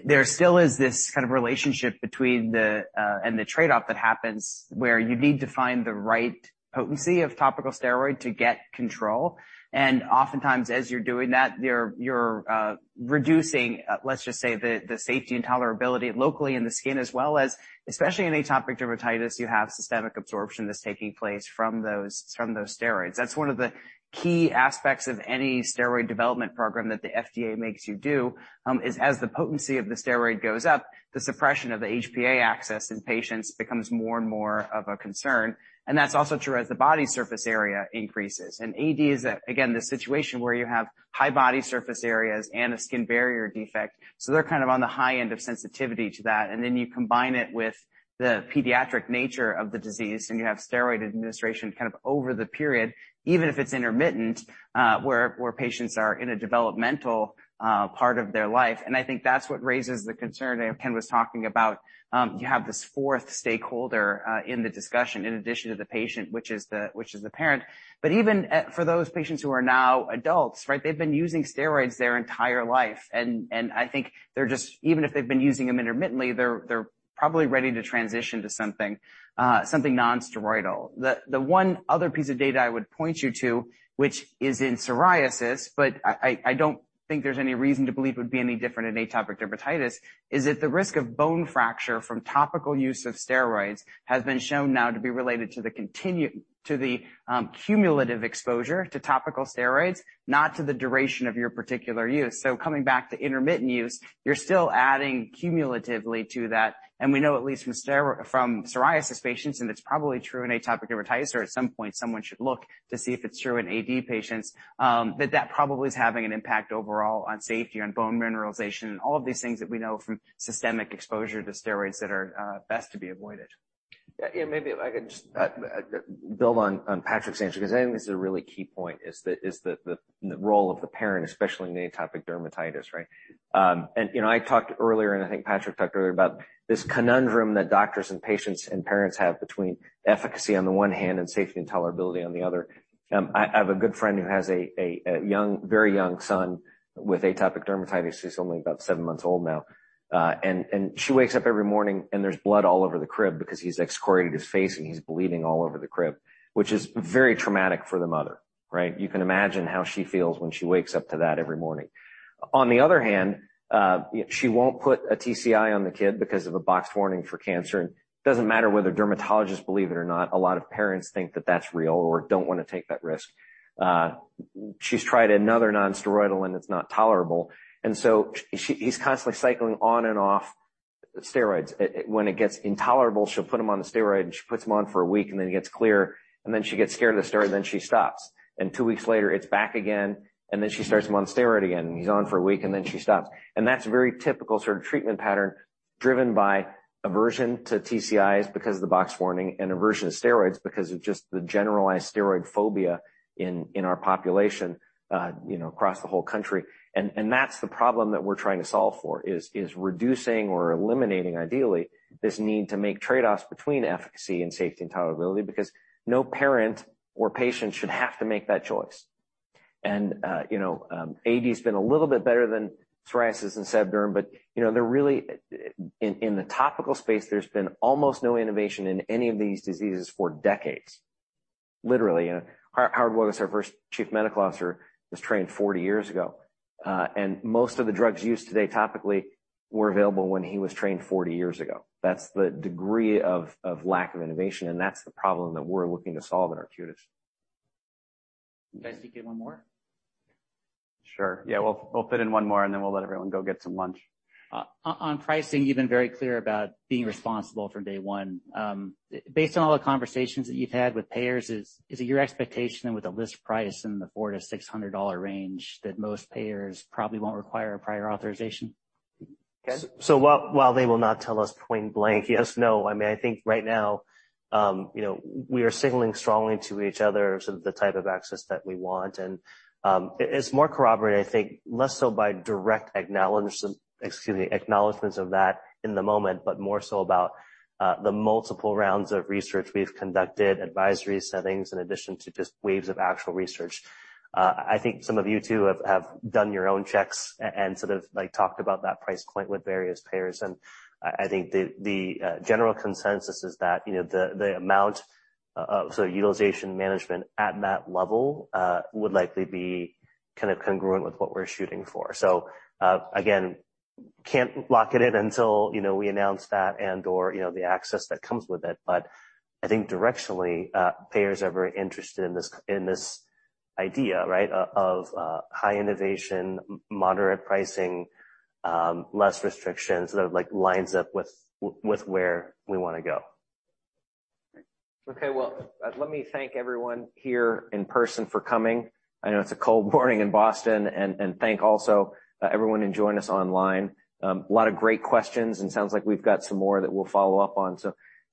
There still is this kind of relationship between the and the trade-off that happens where you need to find the right potency of topical steroid to get control. Oftentimes as you're doing that, you're reducing, let's just say the safety and tolerability locally in the skin as well as especially in atopic dermatitis, you have systemic absorption that's taking place from those steroids. That's one of the key aspects of any steroid development program that the FDA makes you do, is as the potency of the steroid goes up, the suppression of the HPA axis in patients becomes more and more of a concern. That's also true as the body surface area increases. AD is, again, the situation where you have high body surface areas and a skin barrier defect. They're kind of on the high end of sensitivity to that. You combine it with the pediatric nature of the disease, and you have steroid administration kind of over the period, even if it's intermittent, where patients are in a developmental part of their life. I think that's what raises the concern that Ken was talking about. You have this fourth stakeholder in the discussion in addition to the patient, which is the parent. Even for those patients who are now adults, right, they've been using steroids their entire life, and I think they're just even if they've been using them intermittently, they're probably ready to transition to something non-steroidal. The one other piece of data I would point you to, which is in psoriasis, but I don't think there's any reason to believe it would be any different in atopic dermatitis, is that the risk of bone fracture from topical use of steroids has been shown now to be related to the cumulative exposure to topical steroids, not to the duration of your particular use. Coming back to intermittent use, you're still adding cumulatively to that. We know at least from psoriasis patients, and it's probably true in atopic dermatitis, or at some point someone should look to see if it's true in AD patients, that that probably is having an impact overall on safety, on bone mineralization, and all of these things that we know from systemic exposure to steroids that are best to be avoided. Yeah, maybe if I could just build on Patrick's answer, because I think this is a really key point, the role of the parent, especially in atopic dermatitis, right? You know, I talked earlier, and I think Patrick talked earlier about this conundrum that doctors and patients and parents have between efficacy on the one hand and safety and tolerability on the other. I have a good friend who has a very young son with atopic dermatitis. He's only about seven months old now. She wakes up every morning, and there's blood all over the crib because he's excoriated his face, and he's bleeding all over the crib, which is very traumatic for the mother, right? You can imagine how she feels when she wakes up to that every morning. On the other hand, she won't put a TCI on the kid because of a box warning for cancer. It doesn't matter whether dermatologists believe it or not, a lot of parents think that that's real or don't want to take that risk. She's tried another non-steroidal, and it's not tolerable. He's constantly cycling on and off steroids. When it gets intolerable, she'll put him on the steroid, and she puts him on for a week, and then he gets clear, and then she gets scared of the steroid, and then she stops. Two weeks later, it's back again, and then she starts him on steroid again, and he's on for a week, and then she stops. That's a very typical sort of treatment pattern driven by aversion to TCIs because of the box warning and aversion to steroids because of just the generalized steroid phobia in our population, you know, across the whole country. That's the problem that we're trying to solve for, is reducing or eliminating ideally this need to make trade-offs between efficacy and safety and tolerability because no parent or patient should have to make that choice. AD has been a little bit better than psoriasis and Sebderm, but you know, in the topical space, there's been almost no innovation in any of these diseases for decades, literally. You know, Howard Welgus, our first Chief Medical Officer, was trained 40 years ago, and most of the drugs used today topically were available when he was trained 40 years ago. That's the degree of lack of innovation, and that's the problem that we're looking to solve at Arcutis. Can I sneak in one more? Sure. Yeah. We'll fit in one more, and then we'll let everyone go get some lunch. On pricing, you've been very clear about being responsible from day one. Based on all the conversations that you've had with payers, is it your expectation with a list price in the $400-$600 range that most payers probably won't require a prior authorization? While they will not tell us point blank, yes, no, I mean, I think right now, you know, we are signaling strongly to each other sort of the type of access that we want. It's more corroborated, I think, less so by direct acknowledgments of that in the moment, but more so about the multiple rounds of research we've conducted, advisory settings, in addition to just waves of actual research. I think some of you too have done your own checks and sort of like talked about that price point with various payers. I think the general consensus is that, you know, the amount of sort of utilization management at that level would likely be kind of congruent with what we're shooting for. Again, can't lock it in until, you know, we announce that and/or, you know, the access that comes with it. I think directionally, payers are very interested in this idea, right, of high innovation, moderate pricing, less restrictions that like lines up with where we wanna go. Okay. Well, let me thank everyone here in person for coming. I know it's a cold morning in Boston, and thank also everyone joining us online. A lot of great questions, and sounds like we've got some more that we'll follow up on.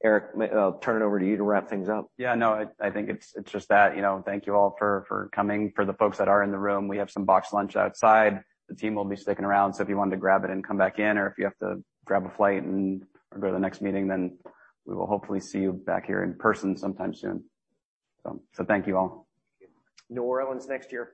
Eric, I'll turn it over to you to wrap things up. Yeah, no, I think it's just that, you know, thank you all for coming. For the folks that are in the room, we have some boxed lunch outside. The team will be sticking around, so if you wanted to grab it and come back in, or if you have to grab a flight and go to the next meeting, then we will hopefully see you back here in person sometime soon. Thank you all. New Orleans next year.